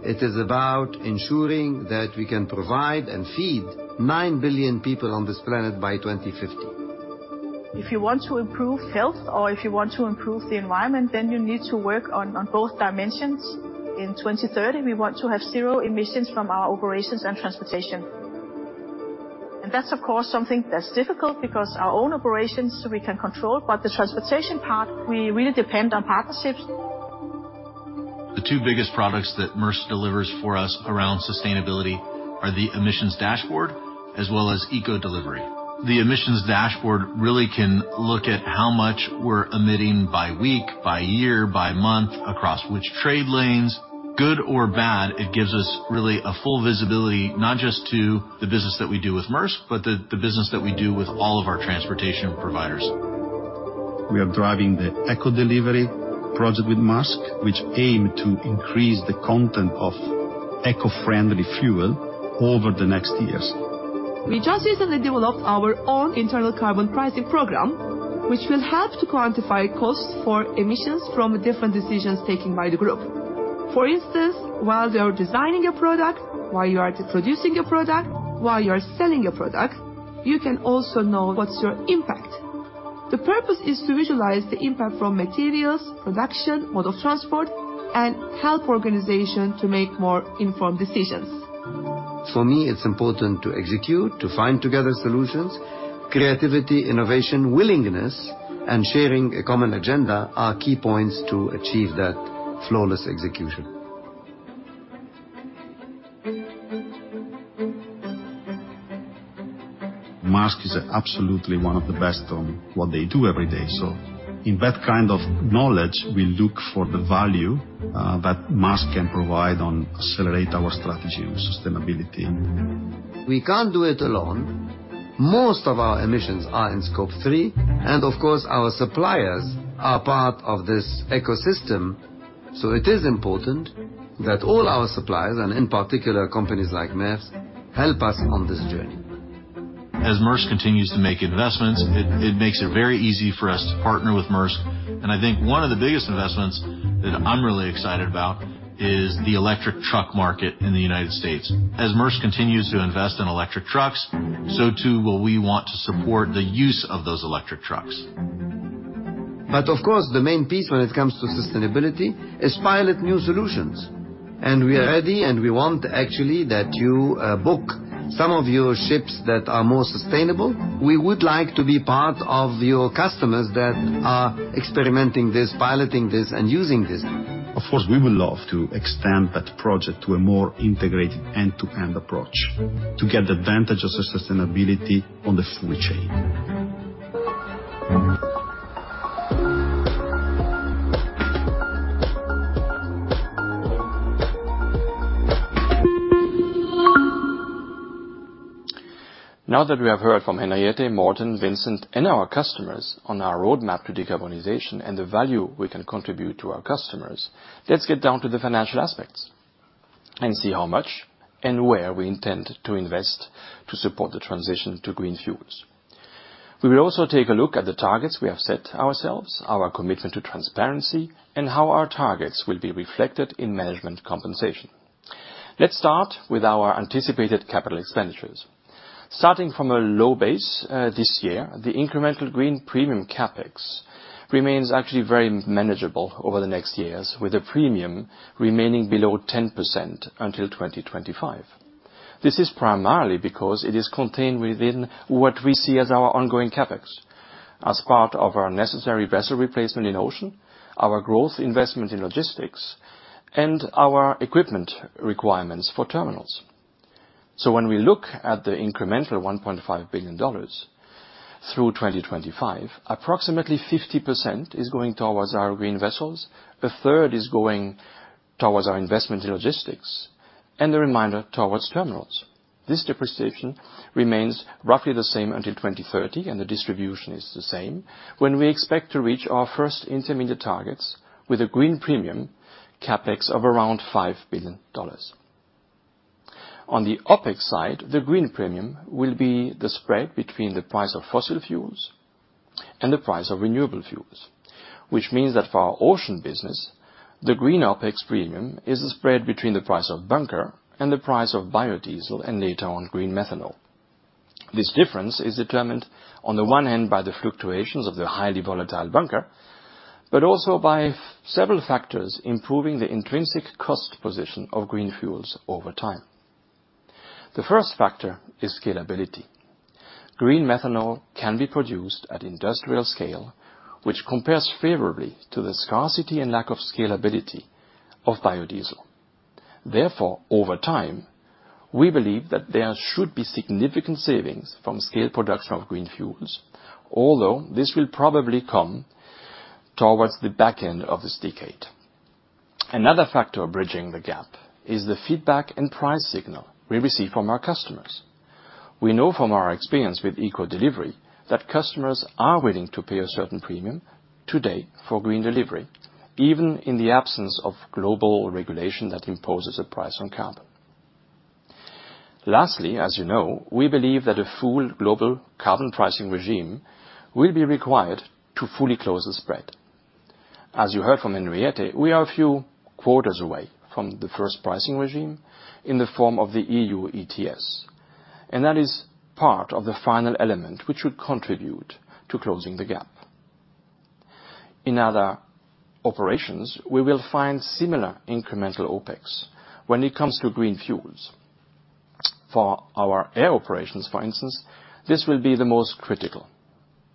[SPEAKER 9] It is about ensuring that we can provide and feed 9 billion people on this planet by 2050. If you want to improve health or if you want to improve the environment, then you need to work on both dimensions. In 2030, we want to have zero emissions from our operations and transportation. That's, of course, something that's difficult because our own operations we can control, but the transportation part, we really depend on partnerships. The two biggest products that Maersk delivers for us around sustainability are the Emissions Dashboard, as well as ECO Delivery. The Emissions Dashboard really can look at how much we're emitting by week, by year, by month, across which trade lanes. Good or bad, it gives us really a full visibility, not just to the business that we do with Maersk, but the business that we do with all of our transportation providers. We are driving the ECO Delivery project with Maersk, which aim to increase the content of eco-friendly fuel over the next years. We just recently developed our own internal carbon pricing program, which will help to quantify costs for emissions from the different decisions taken by the group. For instance, while they are designing a product, while you are producing a product, while you are selling a product, you can also know what's your impact. The purpose is to visualize the impact from materials, production, mode of transport, and help organization to make more informed decisions. For me, it's important to execute, to find together solutions. Creativity, innovation, willingness, and sharing a common agenda are key points to achieve that flawless execution. Maersk is absolutely one of the best on what they do every day. In that kind of knowledge, we look for the value that Maersk can provide and accelerate our strategy on sustainability. We can't do it alone. Most of our emissions are in Scope 3. Of course, our suppliers are part of this ecosystem. It is important that all our suppliers, and in particular companies like Maersk, help us on this journey. As Maersk continues to make investments, it makes it very easy for us to partner with Maersk. I think one of the biggest investments that I'm really excited about is the electric truck market in the United States. As Maersk continues to invest in electric trucks, too will we want to support the use of those electric trucks. Of course, the main piece when it comes to sustainability is pilot new solutions. We are ready, and we want actually that you book some of your ships that are more sustainable. We would like to be part of your customers that are experimenting this, piloting this, and using this. Of course, we would love to extend that project to a more integrated end-to-end approach to get the advantage of the sustainability on the full chain.
[SPEAKER 1] Now that we have heard from Henriette, Morten, Vincent, and our customers on our roadmap to decarbonization and the value we can contribute to our customers, let's get down to the financial aspects and see how much and where we intend to invest to support the transition to green fuels. We will also take a look at the targets we have set ourselves, our commitment to transparency, and how our targets will be reflected in management compensation. Let's start with our anticipated capital expenditures. Starting from a low base, this year, the incremental green premium CapEx remains actually very manageable over the next years, with a premium remaining below 10% until 2025. This is primarily because it is contained within what we see as our ongoing CapEx as part of our necessary vessel replacement in ocean, our growth investment in logistics, and our equipment requirements for terminals. When we look at the incremental $1.5 billion through 2025, approximately 50% is going towards our green vessels, a third is going towards our investment in logistics, and the remainder towards terminals. This depreciation remains roughly the same until 2030, and the distribution is the same, when we expect to reach our first intermediate targets with a green premium CapEx of around $5 billion. On the OpEx side, the green premium will be the spread between the price of fossil fuels and the price of renewable fuels, which means that for our ocean business, the green OpEx premium is the spread between the price of bunker and the price of biodiesel and later on green methanol. This difference is determined on the one hand by the fluctuations of the highly volatile bunker, but also by several factors improving the intrinsic cost position of green fuels over time. The first factor is scalability. Green methanol can be produced at industrial scale, which compares favorably to the scarcity and lack of scalability of biodiesel. Over time, we believe that there should be significant savings from scale production of green fuels, although this will probably come towards the back end of this decade. Another factor bridging the gap is the feedback and price signal we receive from our customers. We know from our experience with ECO Delivery that customers are willing to pay a certain premium today for green delivery, even in the absence of global regulation that imposes a price on carbon. Lastly, as you know, we believe that a full global carbon pricing regime will be required to fully close the spread. As you heard from Henriette, we are a few quarters away from the first pricing regime in the form of the EU ETS, and that is part of the final element which would contribute to closing the gap. In other operations, we will find similar incremental OpEx when it comes to green fuels. For our air operations, for instance, this will be the most critical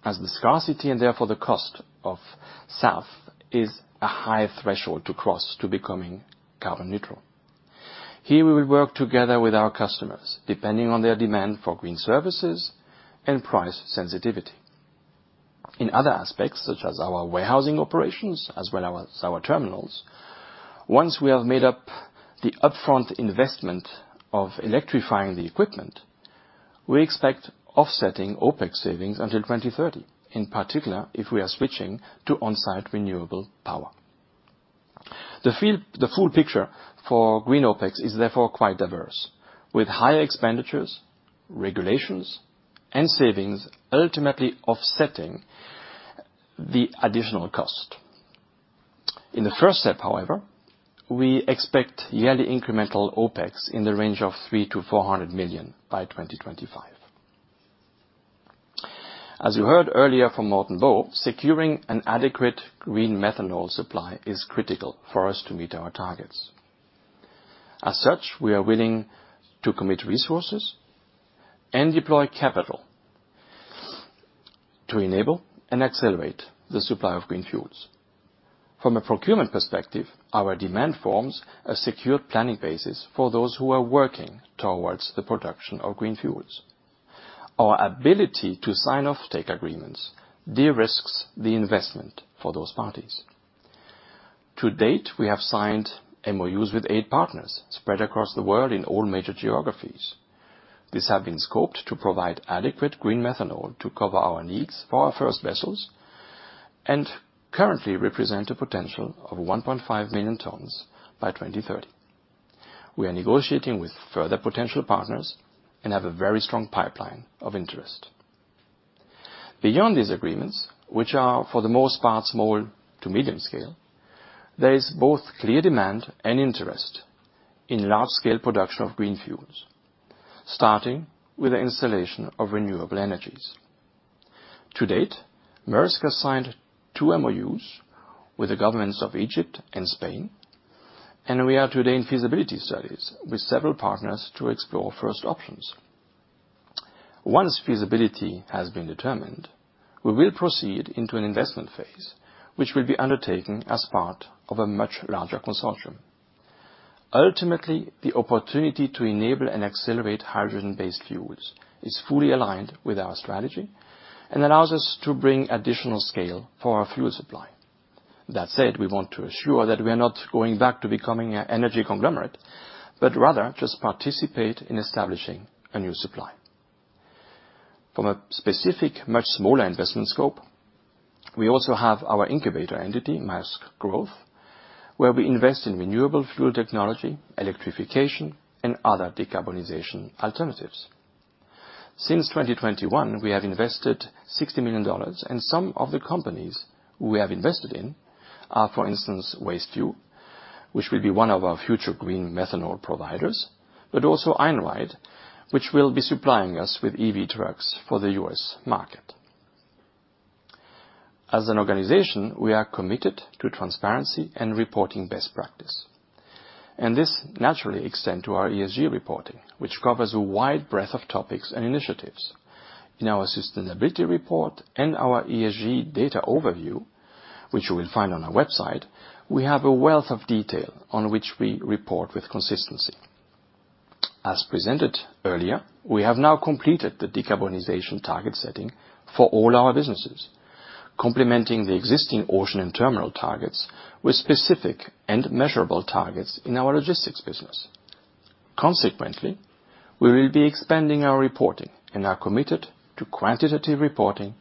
[SPEAKER 1] as the scarcity and therefore the cost of SAF is a high threshold to cross to becoming carbon neutral. Here we work together with our customers, depending on their demand for green services and price sensitivity. In other aspects, such as our warehousing operations as well as our terminals, once we have made up the upfront investment of electrifying the equipment, we expect offsetting OpEx savings until 2030, in particular if we are switching to on-site renewable power. The full picture for green OpEx is therefore quite diverse, with higher expenditures, regulations, and savings ultimately offsetting the additional cost. In the first step, however, we expect yearly incremental OpEx in the range of $300 million-$400 million by 2025. As you heard earlier from Morten Bo Christiansen, securing an adequate green methanol supply is critical for us to meet our targets. As such, we are willing to commit resources and deploy capital to enable and accelerate the supply of green fuels. From a procurement perspective, our demand forms a secure planning basis for those who are working towards the production of green fuels. Our ability to sign offtake agreements de-risks the investment for those parties. To date, we have signed MOUs with 8 partners spread across the world in all major geographies. These have been scoped to provide adequate green methanol to cover our needs for our first vessels and currently represent a potential of 1.5 million tons by 2030. We are negotiating with further potential partners and have a very strong pipeline of interest. Beyond these agreements, which are for the most part small to medium scale, there is both clear demand and interest in large scale production of green fuels, starting with the installation of renewable energies. To date, Maersk has signed two MOUs with the governments of Egypt and Spain, and we are today in feasibility studies with several partners to explore first options. Once feasibility has been determined, we will proceed into an investment phase, which will be undertaken as part of a much larger consortium. Ultimately, the opportunity to enable and accelerate hydrogen-based fuels is fully aligned with our strategy and allows us to bring additional scale for our fuel supply. That said, we want to assure that we are not going back to becoming an energy conglomerate, but rather just participate in establishing a new supply. From a specific, much smaller investment scope, we also have our incubator entity, Maersk Growth, where we invest in renewable fuel technology, electrification, and other decarbonization alternatives. Since 2021, we have invested $60 million, and some of the companies we have invested in are, for instance, WasteFuel, which will be one of our future green methanol providers, but also Einride, which will be supplying us with EV trucks for the U.S. market. As an organization, we are committed to transparency and reporting best practice, and this naturally extend to our ESG reporting, which covers a wide breadth of topics and initiatives. In our sustainability report and our ESG data overview, which you will find on our website, we have a wealth of detail on which we report with consistency. As presented earlier, we have now completed the decarbonization target setting for all our businesses, complementing the existing ocean and terminal targets with specific and measurable targets in our logistics business. Consequently, we will be expanding our reporting and are committed to quantitative reporting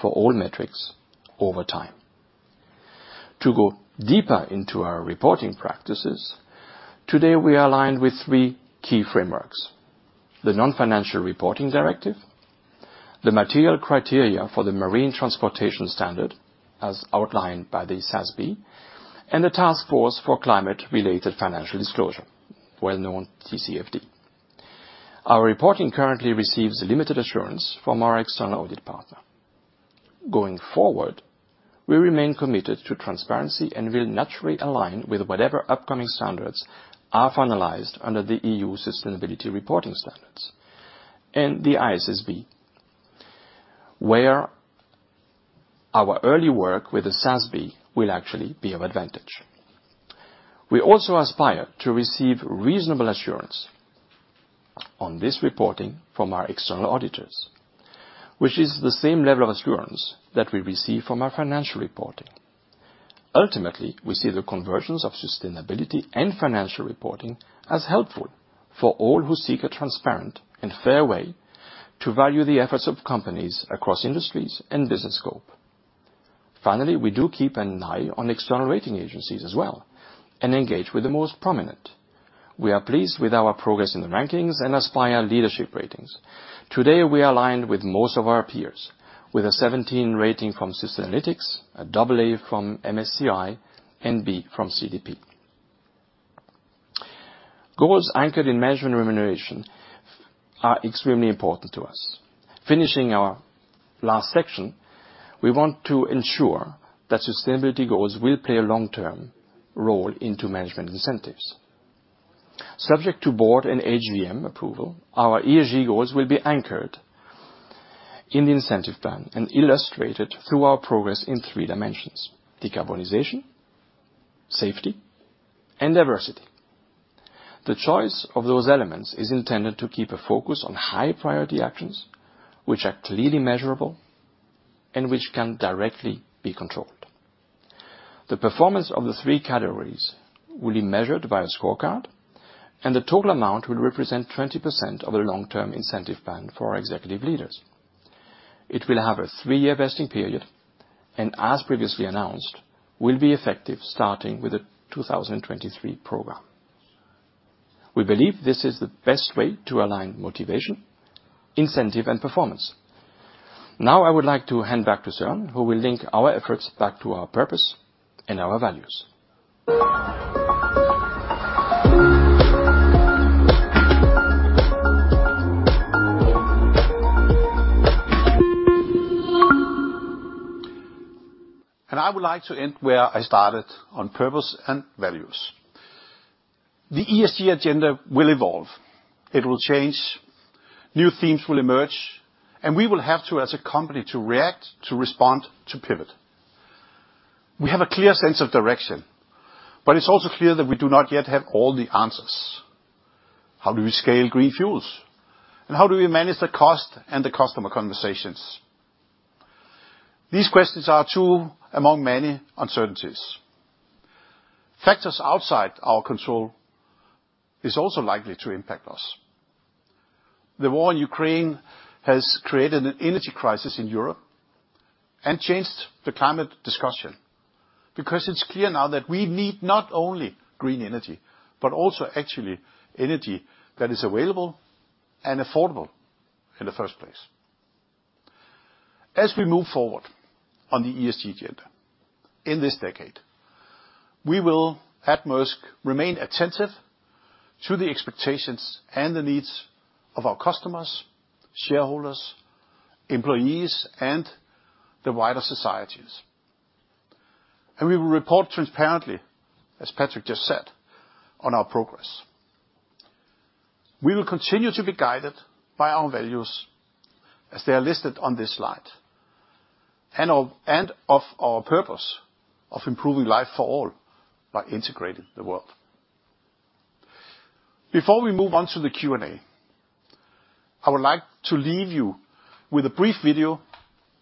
[SPEAKER 1] for all metrics over time. To go deeper into our reporting practices, today we are aligned with three key frameworks: the Non-Financial Reporting Directive, the material criteria for the Marine Transportation Standard, as outlined by the SASB, and the Task Force for Climate-related Financial Disclosure, well-known TCFD. Our reporting currently receives limited assurance from our external audit partner. Going forward, we remain committed to transparency and will naturally align with whatever upcoming standards are finalized under the EU sustainability reporting standards and the ISSB, where our early work with the SASB will actually be of advantage. We also aspire to receive reasonable assurance on this reporting from our external auditors, which is the same level of assurance that we receive from our financial reporting. Ultimately, we see the convergence of sustainability and financial reporting as helpful for all who seek a transparent and fair way to value the efforts of companies across industries and business scope. Finally, we do keep an eye on external rating agencies as well and engage with the most prominent. We are pleased with our progress in the rankings and aspire leadership ratings. Today, we are aligned with most of our peers, with a 17 rating from Sustainalytics, a AA from MSCI, and B from CDP. Goals anchored in management remuneration are extremely important to us. Finishing our last section, we want to ensure that sustainability goals will play a long-term role into management incentives. Subject to board and HVM approval, our ESG goals will be anchored in the incentive plan and illustrated through our progress in 3 dimensions: decarbonization, safety, and diversity. The choice of those elements is intended to keep a focus on high-priority actions which are clearly measurable and which can directly be controlled. The performance of the 3 categories will be measured by a scorecard, and the total amount will represent 20% of the long-term incentive plan for our executive leaders. It will have a 3-year vesting period, and as previously announced, will be effective starting with the 2023 program. We believe this is the best way to align motivation, incentive and performance. Now I would like to hand back to Søren, who will link our efforts back to our purpose and our values.
[SPEAKER 3] I would like to end where I started, on purpose and values. The ESG agenda will evolve. It will change. New themes will emerge, and we will have to, as a company, to react, to respond, to pivot. We have a clear sense of direction, but it's also clear that we do not yet have all the answers. How do we scale green fuels, and how do we manage the cost and the customer conversations? These questions are two among many uncertainties. Factors outside our control is also likely to impact us. The war in Ukraine has created an energy crisis in Europe and changed the climate discussion, because it's clear now that we need not only green energy, but also actually energy that is available and affordable in the first place. As we move forward on the ESG agenda in this decade, we will at Maersk remain attentive to the expectations and the needs of our customers, shareholders, employees, and the wider societies. We will report transparently, as Patrick just said, on our progress. We will continue to be guided by our values as they are listed on this slide, and of our purpose of improving life for all by integrating the world. Before we move on to the Q&A, I would like to leave you with a brief video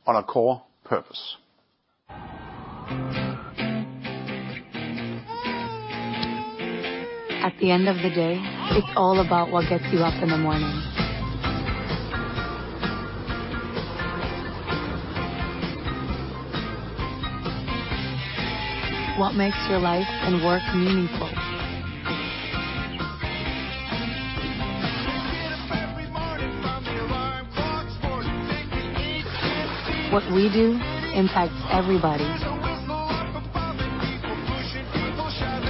[SPEAKER 3] on our core purpose.
[SPEAKER 5] At the end of the day, it's all about what gets you up in the morning. What makes your life and work meaningful. What we do impacts everybody.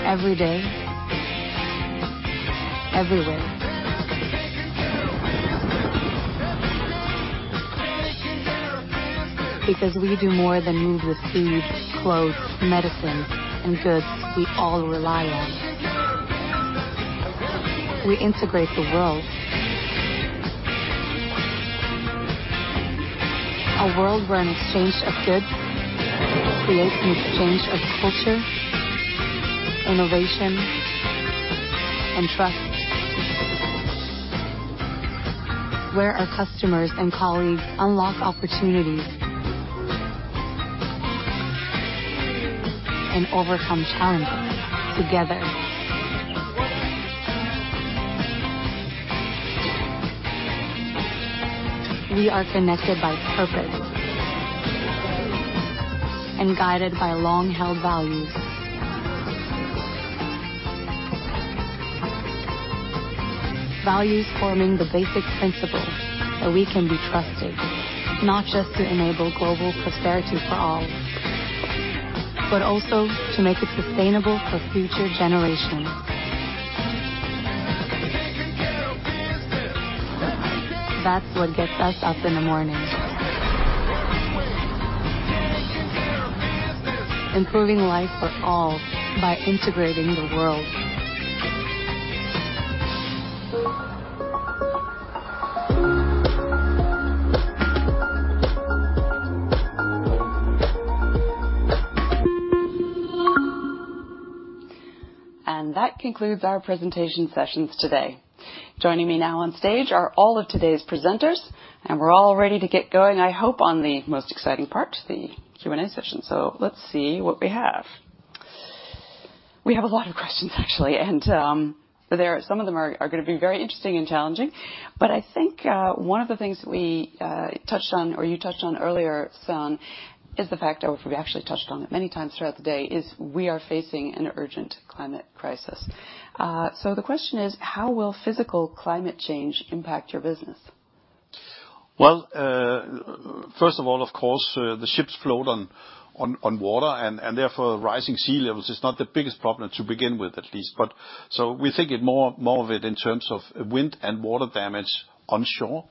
[SPEAKER 5] Every day. Everywhere. Because we do more than move the food, clothes, medicine, and goods we all rely on. We integrate the world. A world where an exchange of goods creates an exchange of culture, innovation, and trust. Where our customers and colleagues unlock opportunities. Overcome challenges together. We are connected by purpose. Guided by long-held values. Values forming the basic principle that we can be trusted, not just to enable global prosperity for all, but also to make it sustainable for future generations. That's what gets us up in the morning. Improving life for all by integrating the world.
[SPEAKER 2] That concludes our presentation sessions today. Joining me now on stage are all of today's presenters, and we're all ready to get going, I hope, on the most exciting part, the Q&A session. Let's see what we have. We have a lot of questions, actually, and some of them are gonna be very interesting and challenging. I think, one of the things we touched on, or you touched on earlier, Søren, is the fact, or we actually touched on it many times throughout the day, is we are facing an urgent climate crisis. The question is: How will physical climate change impact your business?
[SPEAKER 3] First of all, of course, the ships float on water and therefore, rising sea levels is not the biggest problem to begin with at least. We think more of it in terms of wind and water damage onshore,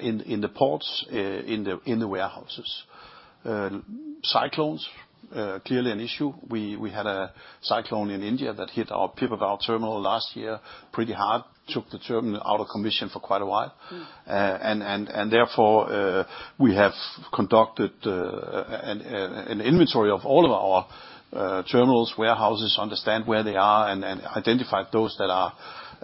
[SPEAKER 3] in the ports, in the warehouses. Cyclones clearly an issue. We had a cyclone in India that hit our Pipavav terminal last year pretty hard, took the terminal out of commission for quite a while.
[SPEAKER 2] Mm.
[SPEAKER 3] Therefore, we have conducted an inventory of all of our terminals, warehouses, understand where they are and identified those that are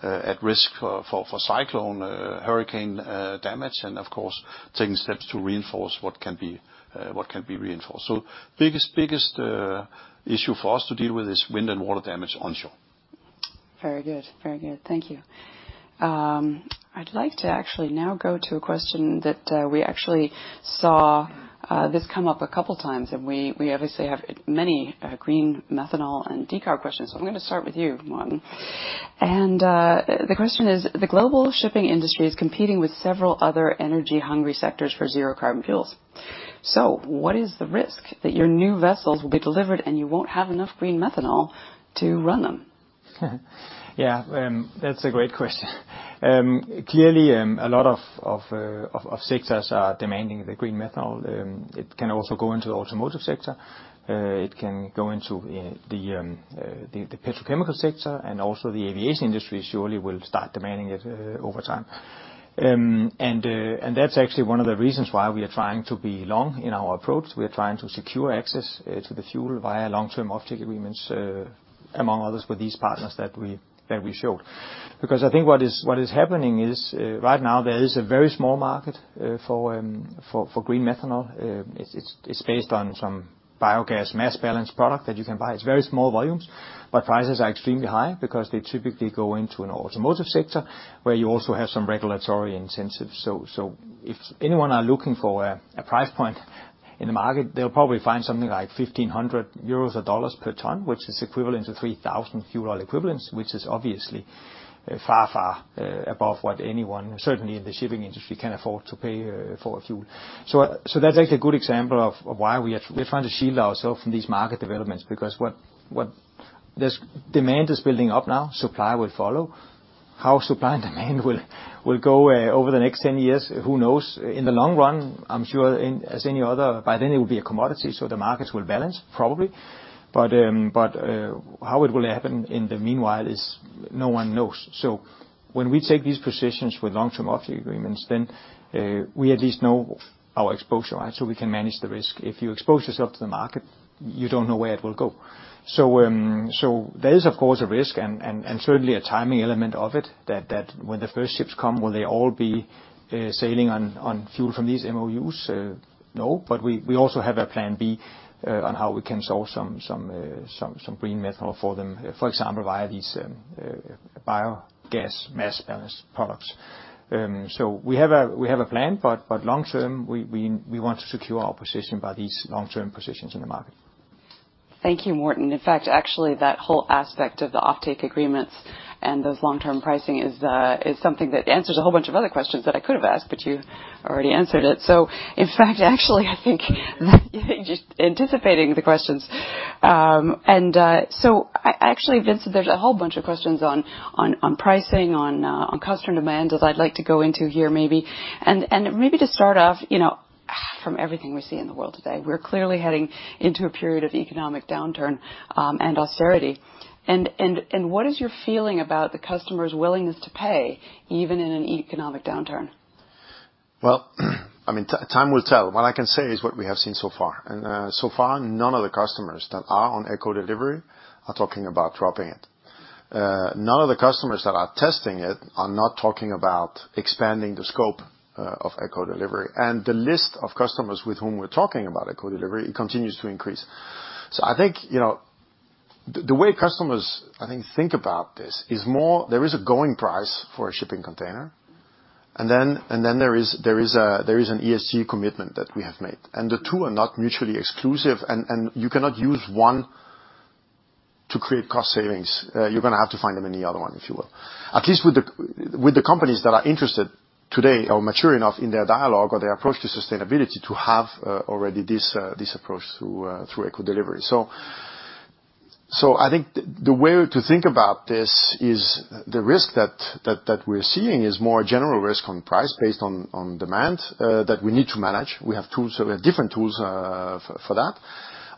[SPEAKER 3] at risk for cyclone, hurricane, damage. Of course, taking steps to reinforce what can be reinforced. Biggest issue for us to deal with is wind and water damage onshore.
[SPEAKER 2] Very good. Very good. Thank you. I'd like to actually now go to a question that we actually saw this come up a couple times, and we obviously have many green methanol and decarb questions. I'm gonna start with you, Morten. The question is, the global shipping industry is competing with several other energy-hungry sectors for zero carbon fuels. What is the risk that your new vessels will be delivered and you won't have enough green methanol to run them?
[SPEAKER 6] Yeah, that's a great question. Clearly, a lot of sectors are demanding the Green methanol. It can also go into the automotive sector. It can go into the petrochemical sector, and also the aviation industry surely will start demanding it over time. That's actually one of the reasons why we are trying to be long in our approach. We are trying to secure access to the fuel via long-term offtake agreements among others with these partners that we showed. I think what is happening is right now there is a very small market for Green methanol. It's based on some biogas mass balance product that you can buy. It's very small volumes, but prices are extremely high because they typically go into an automotive sector where you also have some regulatory incentives. If anyone are looking for a price point in the market, they'll probably find something like 1,500 euros or $1,500 per ton, which is equivalent to 3,000 fuel oil equivalents, which is obviously far, far above what anyone, certainly in the shipping industry, can afford to pay for a fuel. That's actually a good example of why we're trying to shield ourself from these market developments because what. This demand is building up now, supply will follow. How supply and demand will go over the next 10 years, who knows? In the long run, I'm sure in... as any other, by then it will be a commodity, so the markets will balance probably. How it will happen in the meanwhile is no one knows. When we take these positions with long-term offtake agreements, then we at least know our exposure, right? We can manage the risk. If you expose yourself to the market, you don't know where it will go. There is of course a risk and certainly a timing element of it that when the first ships come, will they all be sailing on fuel from these MOUs? No, we also have a plan B on how we can source some green methanol for them, for example, via these biogas mass balance products. We have a plan, but long term, we want to secure our position by these long-term positions in the market.
[SPEAKER 2] Thank you, Morten. In fact, actually, that whole aspect of the offtake agreements and those long-term pricing is something that answers a whole bunch of other questions that I could have asked, but you already answered it. In fact, actually, I think you're just anticipating the questions. Actually, Vincent, there's a whole bunch of questions on, on pricing, on customer demand that I'd like to go into here maybe. Maybe to start off, you know, from everything we see in the world today, we're clearly heading into a period of economic downturn and austerity. What is your feeling about the customer's willingness to pay even in an economic downturn?
[SPEAKER 8] Well, I mean, time will tell. What I can say is what we have seen so far. So far, none of the customers that are on ECO Delivery are talking about dropping it. None of the customers that are testing it are not talking about expanding the scope of ECO Delivery. The list of customers with whom we're talking about ECO Delivery continues to increase. I think, you know, the way customers, I think about this is more there is a going price for a shipping container, and then there is a, there is an ESG commitment that we have made. The two are not mutually exclusive, and you cannot use one to create cost savings. You're gonna have to find them in the other one, if you will. At least with the companies that are interested today or mature enough in their dialogue or their approach to sustainability to have already this approach through ECO Delivery. I think the way to think about this is the risk that we're seeing is more general risk on price based on demand that we need to manage. We have tools, we have different tools, for that.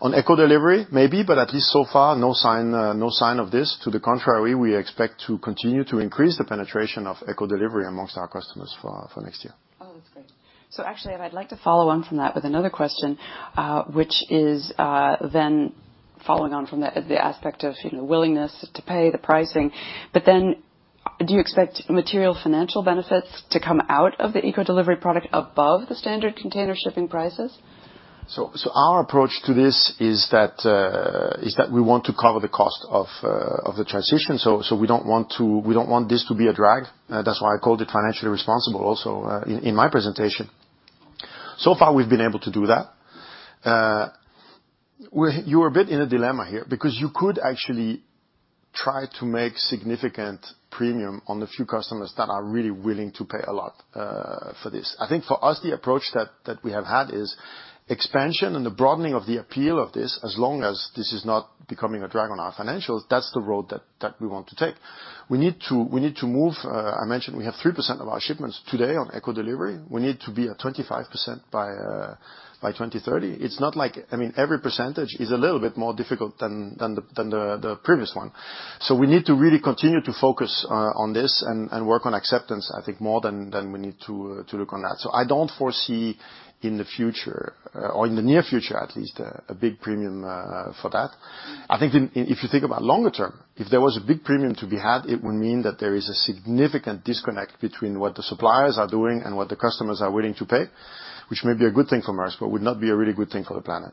[SPEAKER 8] On ECO Delivery, maybe, but at least so far, no sign of this. To the contrary, we expect to continue to increase the penetration of ECO Delivery amongst our customers for next year.
[SPEAKER 2] Oh, that's great. Actually, I'd like to follow on from that with another question, which is following on from the aspect of, you know, willingness to pay, the pricing. Do you expect material financial benefits to come out of the ECO Delivery product above the standard container shipping prices?
[SPEAKER 8] Our approach to this is that we want to cover the cost of the transition. We don't want this to be a drag. That's why I called it financially responsible also, in my presentation. Far, we've been able to do that. You're a bit in a dilemma here because you could actually try to make significant premium on the few customers that are really willing to pay a lot for this. I think for us, the approach that we have had is expansion and the broadening of the appeal of this, as long as this is not becoming a drag on our financials, that's the road that we want to take. We need to move. I mentioned we have 3% of our shipments today on ECO Delivery. We need to be at 25% by 2030. It's not like, I mean, every percentage is a little bit more difficult than the previous one. We need to really continue to focus on this and work on acceptance, I think, more than we need to look on that. I don't foresee in the future or in the near future at least, a big premium for that. I think if you think about longer term, if there was a big premium to be had, it would mean that there is a significant disconnect between what the suppliers are doing and what the customers are willing to pay, which may be a good thing for Maersk, but would not be a really good thing for the planet.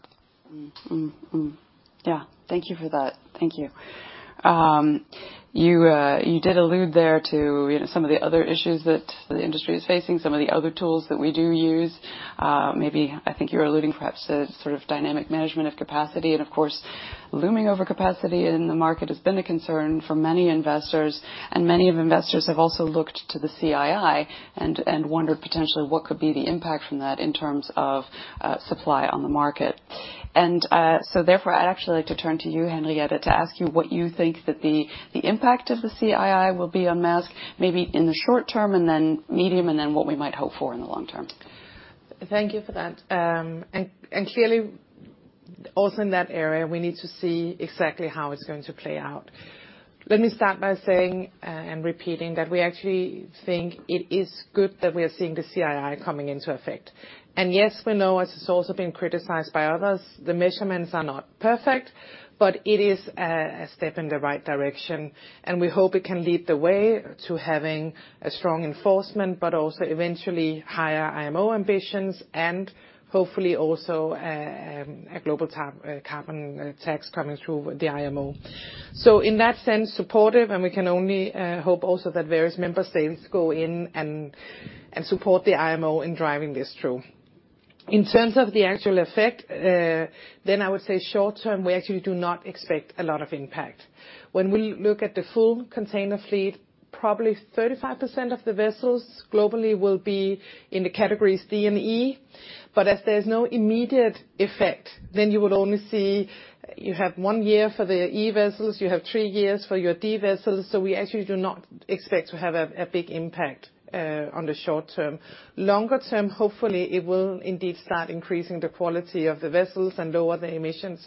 [SPEAKER 2] Yeah. Thank you for that. Thank you. You did allude there to, you know, some of the other issues that the industry is facing, some of the other tools that we do use. Maybe, I think you're alluding perhaps to sort of dynamic management of capacity and, of course, looming over capacity in the market has been a concern for many investors, many of investors have also looked to the CII and wondered potentially what could be the impact from that in terms of supply on the market. Therefore, I'd actually like to turn to you, Henriette, to ask you what you think that the impact of the CII will be on Maersk, maybe in the short term and then medium, and then what we might hope for in the long term.
[SPEAKER 4] Thank you for that. Clearly also in that area, we need to see exactly how it's going to play out. Let me start by saying repeating that we actually think it is good that we are seeing the CII coming into effect. Yes, we know as it's also been criticized by others, the measurements are not perfect, but it is a step in the right direction, and we hope it can lead the way to having a strong enforcement, but also eventually higher IMO ambitions and hopefully also a global carbon tax coming through the IMO. In that sense, supportive, and we can only hope also that various member states go in and support the IMO in driving this through. In terms of the actual effect, then I would say short term, we actually do not expect a lot of impact. When we look at the full container fleet, probably 35% of the vessels globally will be in the categories D and E. If there's no immediate effect, then you would only see you have 1 year for the E vessels, you have 3 years for your D vessels. We actually do not expect to have a big impact on the short term. Longer term, hopefully it will indeed start increasing the quality of the vessels and lower the emissions.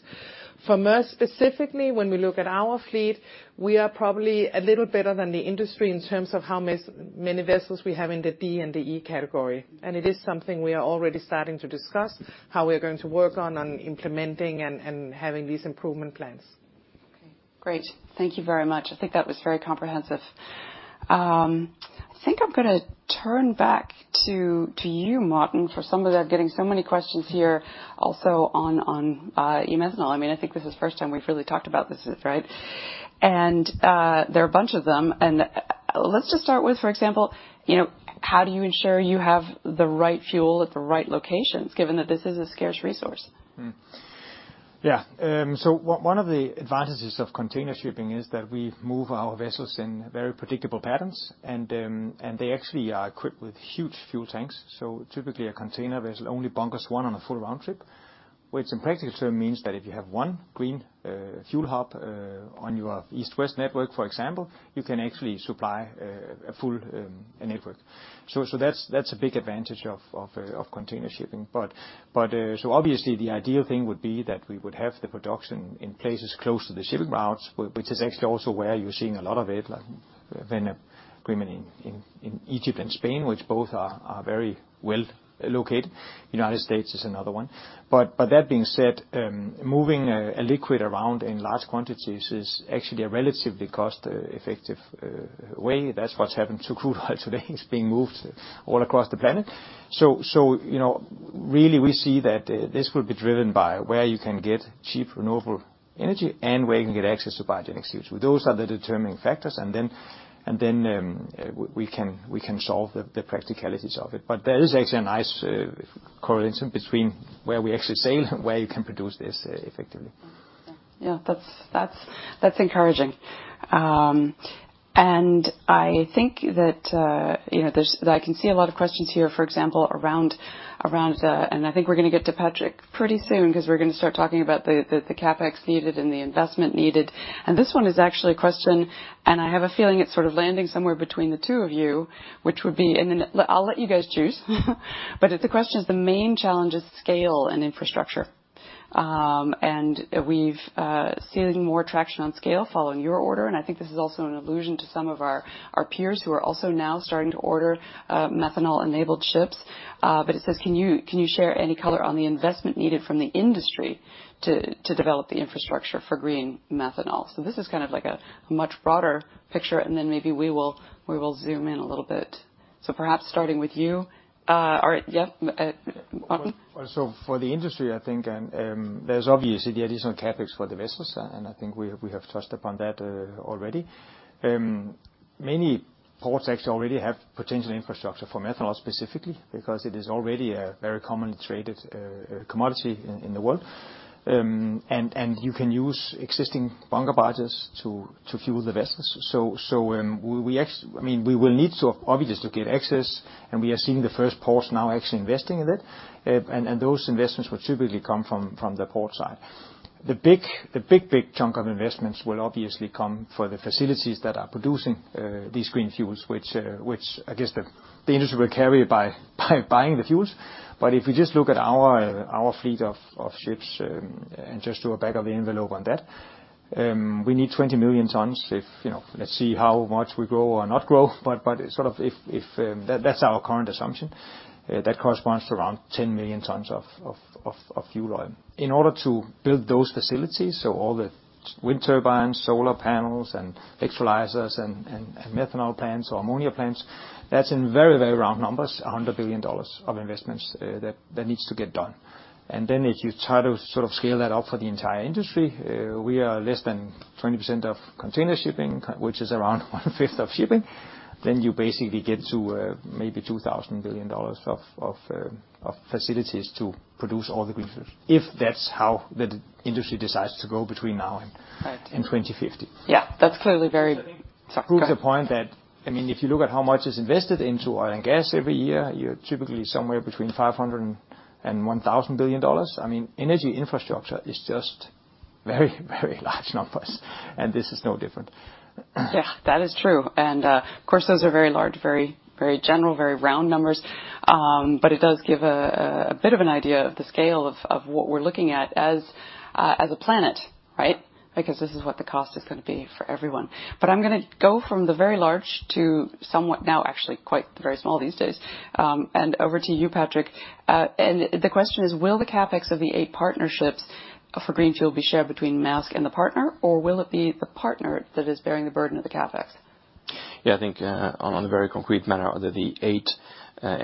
[SPEAKER 4] For Maersk specifically, when we look at our fleet, we are probably a little better than the industry in terms of how many vessels we have in the D and the E category. It is something we are already starting to discuss how we are going to work on implementing and having these improvement plans.
[SPEAKER 2] Okay. Great. Thank you very much. I think that was very comprehensive. I think I'm gonna turn back to you, Morten, for some of that. Getting so many questions here also on e-methanol. I mean, I think this is the first time we've really talked about this, right? There are a bunch of them and let's just start with, for example, you know, how do you ensure you have the right fuel at the right locations given that this is a scarce resource?
[SPEAKER 6] Yeah. So one of the advantages of container shipping is that we move our vessels in very predictable patterns, and they actually are equipped with huge fuel tanks. Typically, a container vessel only bunkers once on a full round trip, which in practical terms means that if you have one green fuel hub on your east-west network, for example, you can actually supply a full network. That's a big advantage of container shipping. Obviously the ideal thing would be that we would have the production in places close to the shipping routes, which is actually also where you're seeing a lot of it, like when, really meaning in Egypt and Spain, which both are very well located. United States is another one. That being said, moving a liquid around in large quantities is actually a relatively cost effective way. That's what's happened to crude oil today is being moved all across the planet. You know, really we see that this will be driven by where you can get cheap renewable energy and where you can get access to biogenic fuels. Those are the determining factors, and then we can solve the practicalities of it. There is actually a nice correlation between where we actually sail and where you can produce this effectively.
[SPEAKER 2] Yeah. That's, that's encouraging. I think that, you know, there's that I can see a lot of questions here, for example, around, I think we're gonna get to Patrick pretty soon 'cause we're gonna start talking about the CapEx needed and the investment needed. This one is actually a question, and I have a feeling it's sort of landing somewhere between the two of you, which would be. Then I'll let you guys choose. The question is the main challenge is scale and infrastructure. We've seen more traction on scale following your order, I think this is also an allusion to some of our peers who are also now starting to order methanol-enabled ships. It says, "Can you share any color on the investment needed from the industry to develop the infrastructure for green methanol?" This is kind of like a much broader picture, and then maybe we will zoom in a little bit. Perhaps starting with you, or yeah, Morten.
[SPEAKER 6] For the industry, I think, and there's obviously the additional CapEx for the vessels, and I think we have touched upon that already. Many ports actually already have potential infrastructure for methanol specifically because it is already a very commonly traded commodity in the world. And you can use existing bunker barges to fuel the vessels. I mean, we will need to obviously to get access, and we are seeing the first ports now actually investing in it. Those investments will typically come from the port side. The big, big chunk of investments will obviously come for the facilities that are producing these green fuels which I guess the industry will carry by buying the fuels. If you just look at our fleet of ships, and just do a back of the envelope on that, we need 20 million tons if, you know, let's see how much we grow or not grow, but sort of if that's our current assumption, that corresponds to around 10 million tons of fuel oil. In order to build those facilities, so all the wind turbines, solar panels and electrolyzers and methanol plants or ammonia plants, that's in very, very round numbers, $100 billion of investments that needs to get done. Then if you try to sort of scale that up for the entire industry, we are less than 20% of container shipping, which is around one-fifth of shipping.
[SPEAKER 3] You basically get to, maybe $2,000 billion of facilities to produce all the green fuels, if that's how the industry decides to go between now and-
[SPEAKER 2] Right.
[SPEAKER 3] 2050.
[SPEAKER 2] Yeah, that's clearly very... Go ahead.
[SPEAKER 3] It proves the point that, I mean, if you look at how much is invested into oil and gas every year, you're typically somewhere between $500 billion and $1,000 billion. I mean, energy infrastructure is just very, very large numbers, and this is no different.
[SPEAKER 2] Yeah, that is true. Of course, those are very large, very general, very round numbers. It does give a bit of an idea of the scale of what we're looking at as a planet, right? Because this is what the cost is gonna be for everyone. I'm gonna go from the very large to somewhat now actually quite very small these days, and over to you, Patrick. The question is, will the CapEx of the eight partnerships for green fuel be shared between Maersk and the partner, or will it be the partner that is bearing the burden of the CapEx?
[SPEAKER 1] Yeah, I think, on a very concrete manner, the 8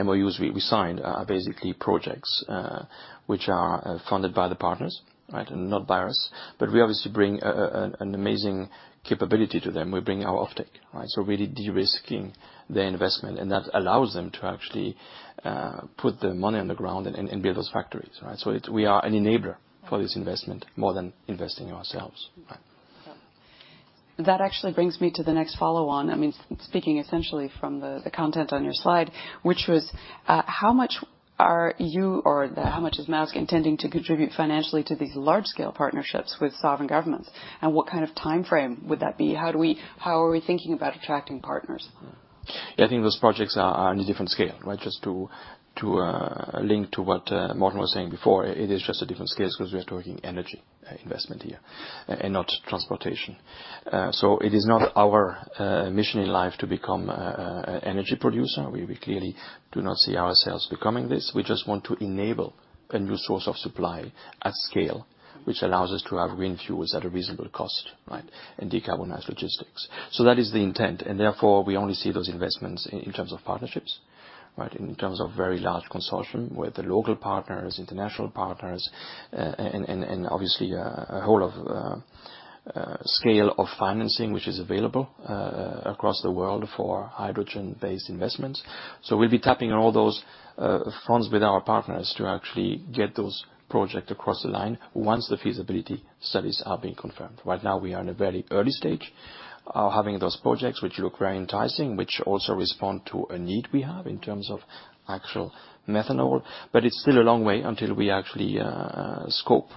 [SPEAKER 1] MOUs we signed are basically projects which are funded by the partners, right, and not by us. We obviously bring an amazing capability to them. We bring our offtake, right? Really de-risking the investment, and that allows them to actually put the money on the ground and build those factories, right? We are an enabler for this investment more than investing ourselves.
[SPEAKER 2] That actually brings me to the next follow-on. I mean, speaking essentially from the content on your slide, which was, how much are you or how much is Maersk intending to contribute financially to these large scale partnerships with sovereign governments, and what kind of timeframe would that be? How are we thinking about attracting partners?
[SPEAKER 1] Yeah, I think those projects are on a different scale, right? Just to link to what Morten was saying before, it is just a different scale because we are talking energy investment here and not transportation. It is not our mission in life to become a energy producer. We clearly do not see ourselves becoming this. We just want to enable a new source of supply at scale, which allows us to have green fuels at a reasonable cost, right, and decarbonize logistics. That is the intent, and therefore we only see those investments in terms of partnerships, right? In terms of very large consortium with the local partners, international partners, and obviously a whole of scale of financing which is available across the world for hydrogen-based investments. We'll be tapping all those fronts with our partners to actually get those projects across the line once the feasibility studies are being confirmed. Right now, we are in a very early stage of having those projects which look very enticing, which also respond to a need we have in terms of actual methanol. It's still a long way until we actually scope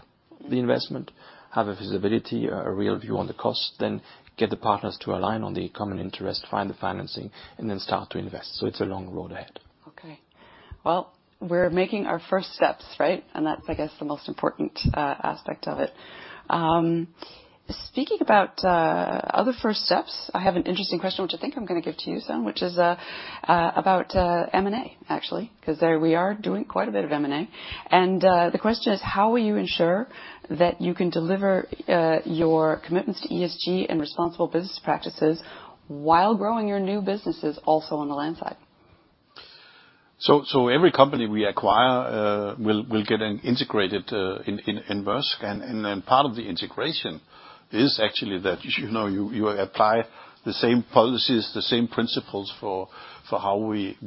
[SPEAKER 1] the investment, have a feasibility, a real view on the cost, then get the partners to align on the common interest, find the financing, and then start to invest. It's a long road ahead.
[SPEAKER 2] Okay. Well, we're making our first steps, right? That's, I guess, the most important aspect of it. Speaking about other first steps, I have an interesting question which I think I'm gonna give to you, Søren, which is about M&A, actually, 'cause there we are doing quite a bit of M&A. The question is, how will you ensure that you can deliver your commitments to ESG and responsible business practices while growing your new businesses also on the land side?
[SPEAKER 3] Every company we acquire will get integrated in Maersk. Part of the integration is actually that, you know, you apply the same policies, the same principles for how we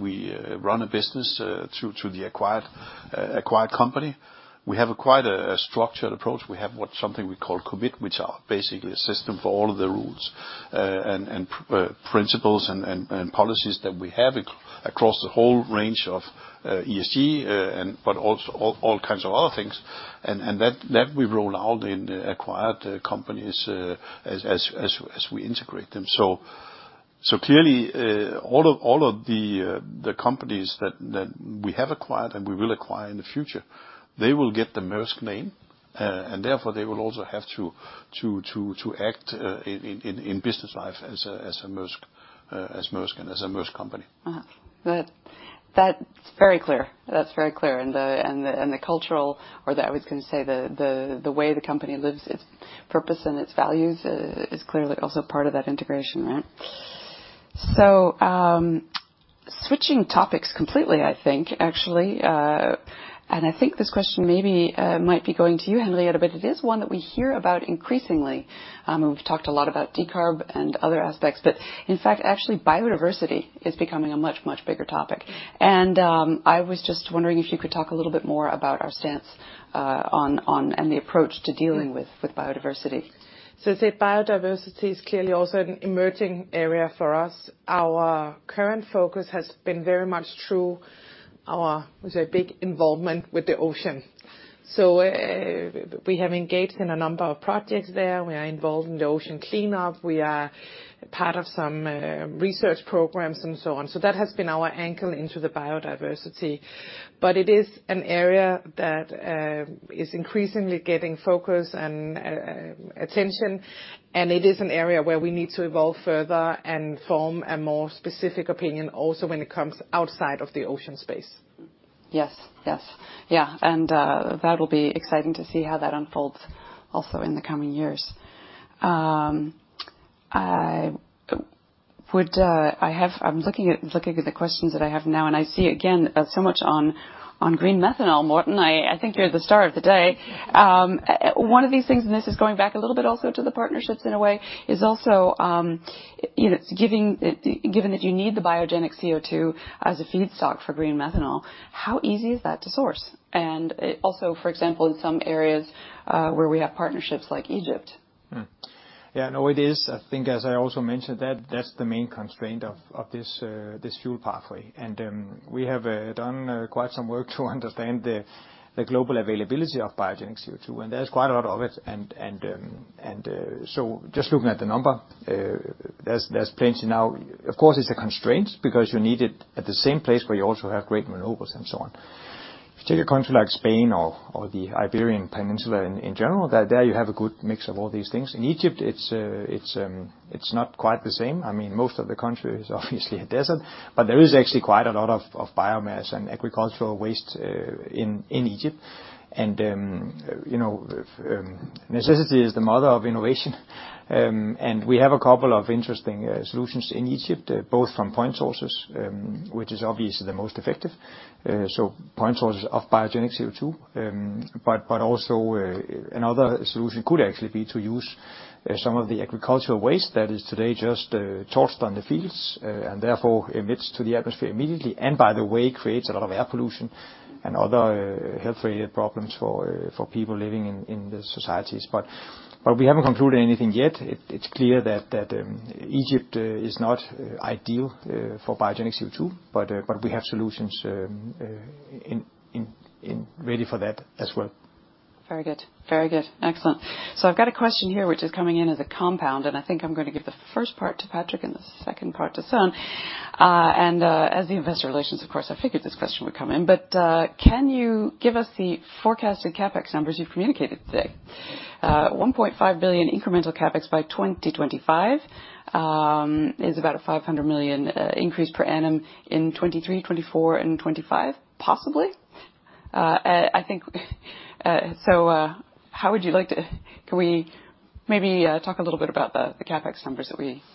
[SPEAKER 3] run a business to the acquired company. We have quite a structured approach. We have what something we call Commit, which are basically a system for all of the rules and principles and policies that we have across the whole range of ESG and but also all kinds of other things. That we roll out in acquired companies as we integrate them. Clearly, all of the companies that we have acquired and we will acquire in the future, they will get the Maersk name, and therefore they will also have to act in business life as a Maersk, as Maersk and as a Maersk company.
[SPEAKER 2] That's very clear. That's very clear. The cultural or I was gonna say the way the company lives its purpose and its values is clearly also part of that integration, right? Switching topics completely, I think, actually, and I think this question maybe might be going to you, Henriette, but it is one that we hear about increasingly. We've talked a lot about decarb and other aspects, but in fact, actually, biodiversity is becoming a much bigger topic. I was just wondering if you could talk a little bit more about our stance on and the approach to dealing with biodiversity.
[SPEAKER 4] As said, biodiversity is clearly also an emerging area for us. Our current focus has been very much through our, say, big involvement with the ocean. We have engaged in a number of projects there. We are involved in the Ocean Cleanup, we are part of some research programs and so on. That has been our angle into the biodiversity. It is an area that is increasingly getting focus and attention, and it is an area where we need to evolve further and form a more specific opinion also when it comes outside of the ocean space.
[SPEAKER 2] Yes. Yes. Yeah. That'll be exciting to see how that unfolds also in the coming years. I'm looking at the questions that I have now, and I see again, so much on green methanol, Morten. I think you're the star of the day. One of these things, and this is going back a little bit also to the partnerships in a way, is also, you know, given that you need the biogenic CO2 as a feedstock for green methanol, how easy is that to source? Also, for example, in some areas, where we have partnerships like Egypt.
[SPEAKER 6] Yeah, no, it is. I think as I also mentioned that that's the main constraint of this fuel pathway. We have done quite some work to understand the global availability of biogenic CO2, and there's quite a lot of it. Just looking at the number, there's plenty now. Of course, it's a constraint because you need it at the same place where you also have green electrons and so on. If you take a country like Spain or the Iberian Peninsula in general, there you have a good mix of all these things. In Egypt, it's not quite the same.
[SPEAKER 3] I mean, most of the country is obviously a desert, but there is actually quite a lot of biomass and agricultural waste in Egypt. You know, necessity is the mother of innovation. We have a couple of interesting solutions in Egypt, both from point sources, which is obviously the most effective, so point sources of biogenic CO2. Also, another solution could actually be to use some of the agricultural waste that is today just torched on the fields and therefore emits to the atmosphere immediately, and by the way, creates a lot of air pollution and other health-related problems for people living in the societies. We haven't concluded anything yet. It, it's clear that Egypt is not ideal for biogenic CO2, but we have solutions in ready for that as well.
[SPEAKER 2] Very good. Very good. Excellent. I've got a question here which is coming in as a compound, and I think I'm gonna give the first part to Patrick and the second part to Søren. As the investor relations, of course, I figured this question would come in. Can you give us the forecasted CapEx numbers you've communicated today? $1.5 billion incremental CapEx by 2025, is about a $500 million increase per annum in 2023, 2024, and 2025, possibly. I think, so, Can we maybe talk a little bit about the CapEx numbers that we shared?
[SPEAKER 1] Yeah.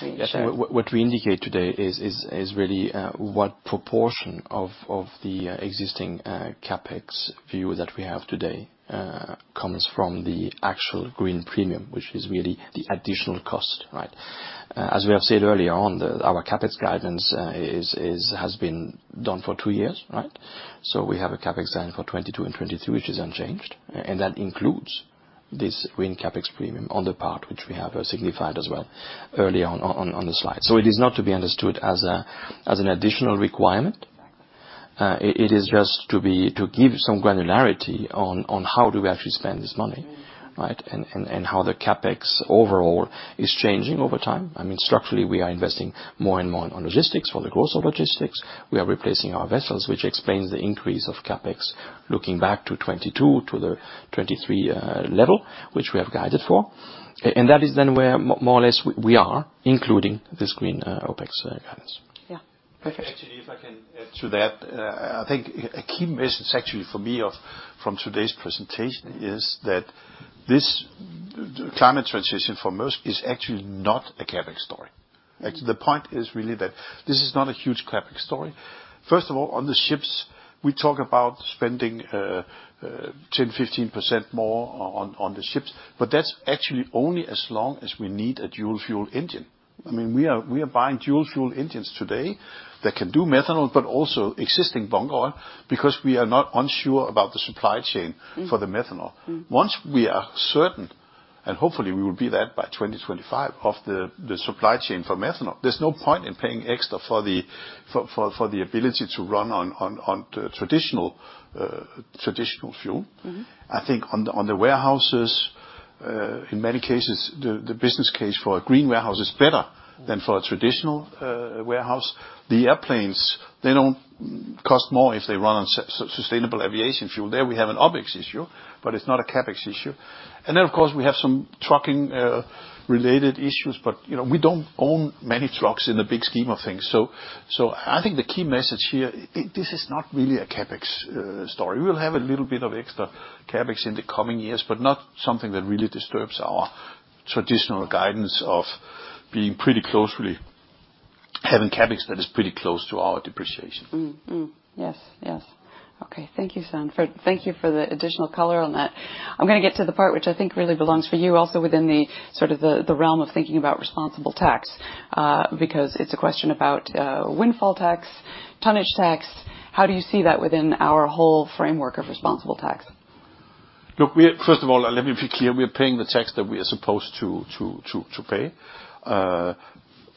[SPEAKER 1] What we indicate today is really what proportion of the existing CapEx view that we have today comes from the actual green premium, which is really the additional cost, right? As we have said earlier on, our CapEx guidance is has been done for two years, right? We have a CapEx plan for 2022 and 2023, which is unchanged, and that includes this green CapEx premium on the part which we have signified as well early on the slide. It is not to be understood as an additional requirement. It is just to give some granularity on how do we actually spend this money, right? And how the CapEx overall is changing over time. I mean, structurally, we are investing more and more on logistics for the growth of logistics. We are replacing our vessels, which explains the increase of CapEx looking back to 22 to the 23 level, which we have guided for. That is then where more or less we are, including this green OpEx guidance.
[SPEAKER 2] Yeah. Patrick.
[SPEAKER 3] Actually, if I can add to that, I think a key message actually for me of, from today's presentation is that this climate transition for Maersk is actually not a CapEx story. Actually, the point is really that this is not a huge CapEx story. First of all, on the ships, we talk about spending, 10-15% more on the ships, but that's actually only as long as we need a dual fuel engine. I mean, we are buying dual fuel engines today that can do methanol, but also existing bunker oil because we are not unsure about the supply chain for the methanol. Once we are certain, and hopefully we will be that by 2025, of the supply chain for methanol, there's no point in paying extra for the ability to run on traditional fuel.
[SPEAKER 2] Mm-hmm.
[SPEAKER 3] I think on the warehouses, in many cases, the business case for a green warehouse is better than for a traditional warehouse. The airplanes, they don't cost more if they run on Sustainable Aviation Fuel. There we have an OpEx issue, but it's not a CapEx issue. Then of course, we have some trucking related issues, but you know, we don't own many trucks in the big scheme of things. I think the key message here, this is not really a CapEx story. We'll have a little bit of extra CapEx in the coming years, but not something that really disturbs our traditional guidance of being pretty closely having CapEx that is pretty close to our depreciation.
[SPEAKER 2] Mm. Mm. Yes. Yes. Okay. Thank you, Søren. Thank you for the additional color on that. I'm gonna get to the part which I think really belongs for you also within the sort of the realm of thinking about responsible tax, because it's a question about windfall tax, tonnage tax. How do you see that within our whole framework of responsible tax?
[SPEAKER 3] First of all, let me be clear, we are paying the tax that we are supposed to pay.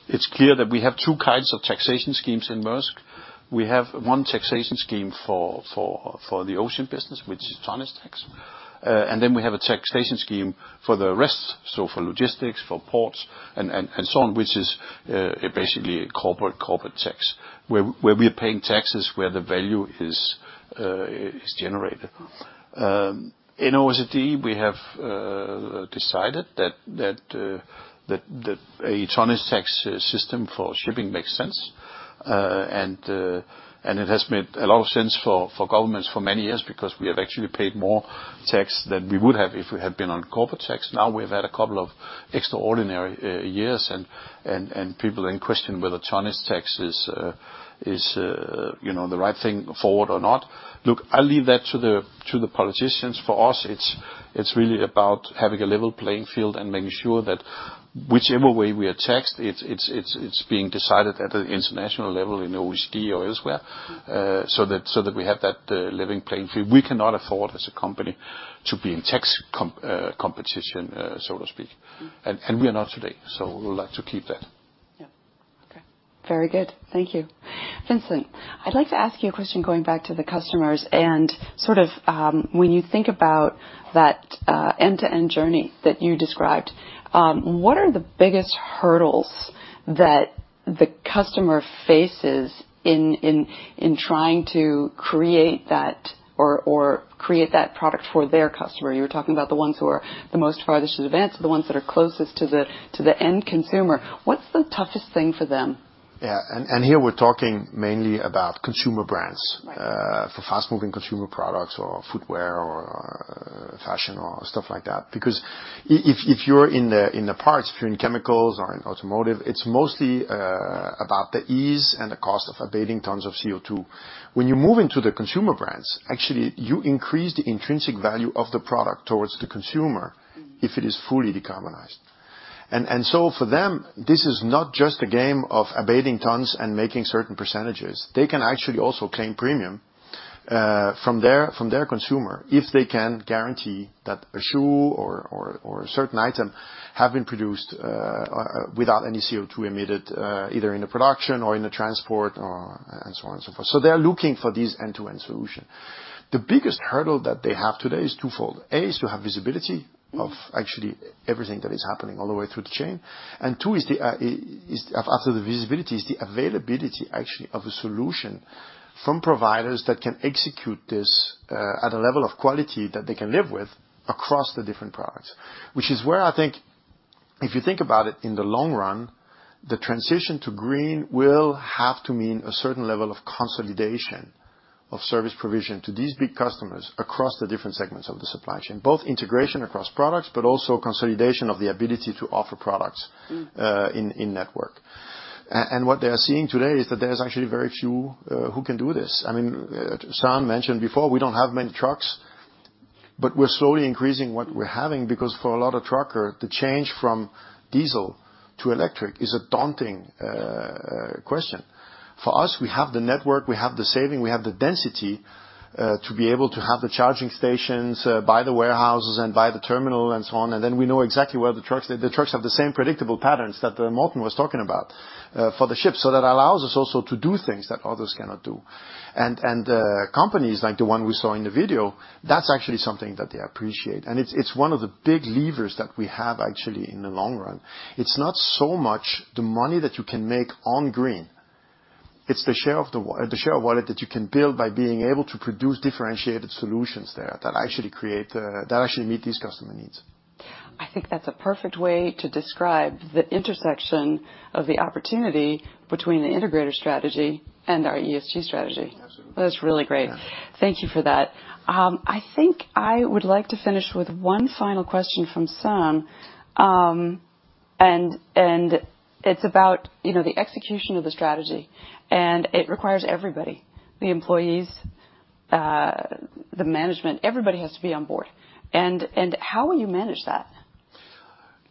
[SPEAKER 3] It's clear that we have two kinds of taxation schemes in Maersk. We have one taxation scheme for the ocean business, which is tonnage tax. We have a taxation scheme for the rest, so for logistics, for ports and so on, which is basically corporate tax, where we are paying taxes where the value is generated. In OECD, we have decided that a tonnage tax system for shipping makes sense. It has made a lot of sense for governments for many years, because we have actually paid more tax than we would have if we had been on corporate tax. We've had a couple of extraordinary years, and people are in question whether tonnage tax is, you know, the right thing forward or not. I'll leave that to the politicians. For us, it's really about having a level playing field and making sure that whichever way we are taxed, it's being decided at an international level in OECD or elsewhere, so that we have that level playing field. We cannot afford as a company to be in tax competition, so to speak.
[SPEAKER 8] We are not today, so we would like to keep that.
[SPEAKER 2] Yeah. Okay. Very good. Thank you. Vincent, I'd like to ask you a question going back to the customers and sort of, when you think about that end-to-end journey that you described, what are the biggest hurdles that the customer faces in trying to create that or create that product for their customer? You were talking about the ones who are the most farthest advanced are the ones that are closest to the end consumer. What's the toughest thing for them?
[SPEAKER 8] Yeah. Here we're talking mainly about consumer brands.
[SPEAKER 2] Right.
[SPEAKER 8] For fast-moving consumer products or footwear or fashion or stuff like that. Because if you're in the, in the parts, if you're in chemicals or in automotive, it's mostly, about the ease and the cost of abating tons of CO2. When you move into the consumer brands, actually, you increase the intrinsic value of the product towards the consumer.
[SPEAKER 2] Mm-hmm.
[SPEAKER 8] if it is fully decarbonized. So for them, this is not just a game of abating tons and making certain percentages. They can actually also claim premium from their consumer if they can guarantee that a shoe or a certain item have been produced without any CO2 emitted either in the production or in the transport or and so on and so forth. They're looking for this end-to-end solution. The biggest hurdle that they have today is twofold. A is to have visibility of actually everything that is happening all the way through the chain. Two is after the visibility, is the availability actually of a solution from providers that can execute this at a level of quality that they can live with across the different products. Which is where I think if you think about it in the long run, the transition to green will have to mean a certain level of consolidation of service provision to these big customers across the different segments of the supply chain, both integration across products, but also consolidation of the ability to offer products.
[SPEAKER 2] Mm.
[SPEAKER 8] in network. What they are seeing today is that there's actually very few who can do this. I mean, Søren mentioned before, we don't have many trucks, but we're slowly increasing what we're having, because for a lot of trucker, the change from diesel to electric is a daunting question. For us, we have the network, we have the saving, we have the density to be able to have the charging stations by the warehouses and by the terminal and so on. We know exactly where the trucks... The trucks have the same predictable patterns that Morten was talking about for the ships. That allows us also to do things that others cannot do. Companies like the one we saw in the video, that's actually something that they appreciate. It's one of the big levers that we have actually in the long run. It's not so much the money that you can make on green. It's the share of wallet that you can build by being able to produce differentiated solutions there that actually create that actually meet these customer needs.
[SPEAKER 2] I think that's a perfect way to describe the intersection of the opportunity between the integrator strategy and our ESG strategy.
[SPEAKER 8] Absolutely.
[SPEAKER 2] That's really great.
[SPEAKER 8] Yeah.
[SPEAKER 2] Thank you for that. I think I would like to finish with one final question from Søren. It's about, you know, the execution of the strategy, and it requires everybody, the employees, the management, everybody has to be on board. How will you manage that?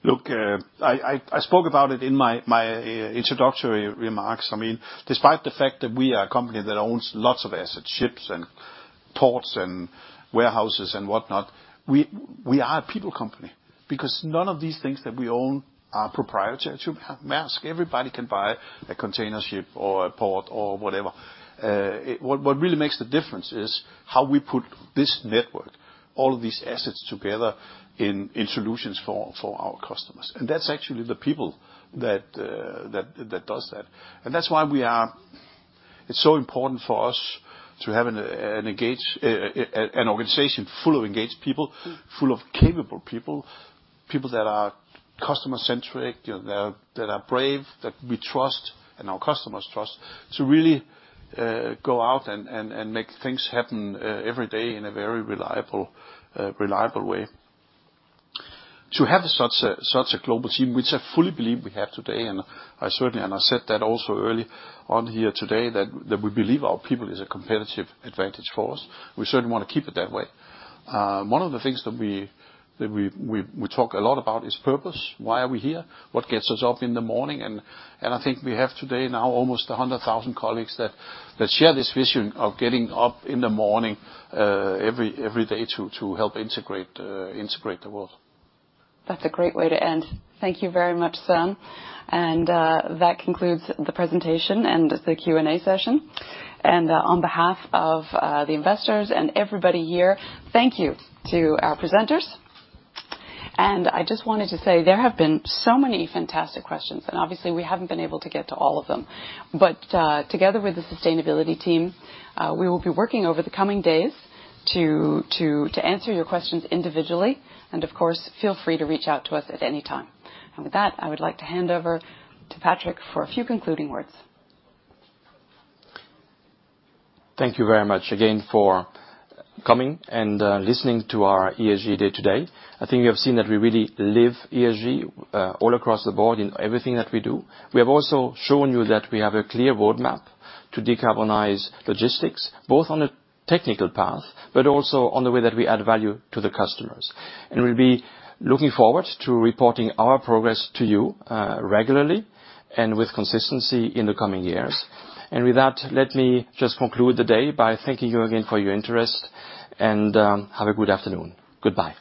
[SPEAKER 3] Look, I spoke about it in my introductory remarks. I mean, despite the fact that we are a company that owns lots of assets, ships and ports and warehouses and whatnot, we are a people company because none of these things that we own are proprietary to Maersk. Everybody can buy a container ship or a port or whatever. What really makes the difference is how we put this network, all of these assets together in solutions for our customers. That's actually the people that does that. That's why we are. It's so important for us to have an engaged, an organization full of engaged people.
[SPEAKER 2] Mm.
[SPEAKER 3] Full of capable people that are customer-centric, you know, that are brave, that we trust and our customers trust, to really go out and make things happen every day in a very reliable way. To have such a global team, which I fully believe we have today, and I certainly, and I said that also early on here today, that we believe our people is a competitive advantage for us. We certainly wanna keep it that way. One of the things that we talk a lot about is purpose. Why are we here? What gets us up in the morning?
[SPEAKER 8] I think we have today now almost 100,000 colleagues that share this vision of getting up in the morning, every day to help integrate the world.
[SPEAKER 2] That's a great way to end. Thank you very much, Søren. That concludes the presentation and the Q&A session. On behalf of the investors and everybody here, thank you to our presenters. I just wanted to say there have been so many fantastic questions, and obviously, we haven't been able to get to all of them. Together with the sustainability team, we will be working over the coming days to answer your questions individually, and of course, feel free to reach out to us at any time. With that, I would like to hand over to Patrick for a few concluding words.
[SPEAKER 1] Thank you very much again for coming and listening to our ESG Day today. I think you have seen that we really live ESG all across the board in everything that we do. We have also shown you that we have a clear roadmap to decarbonize logistics, both on a technical path, but also on the way that we add value to the customers. We'll be looking forward to reporting our progress to you, regularly and with consistency in the coming years. With that, let me just conclude the day by thanking you again for your interest, and have a good afternoon. Goodbye.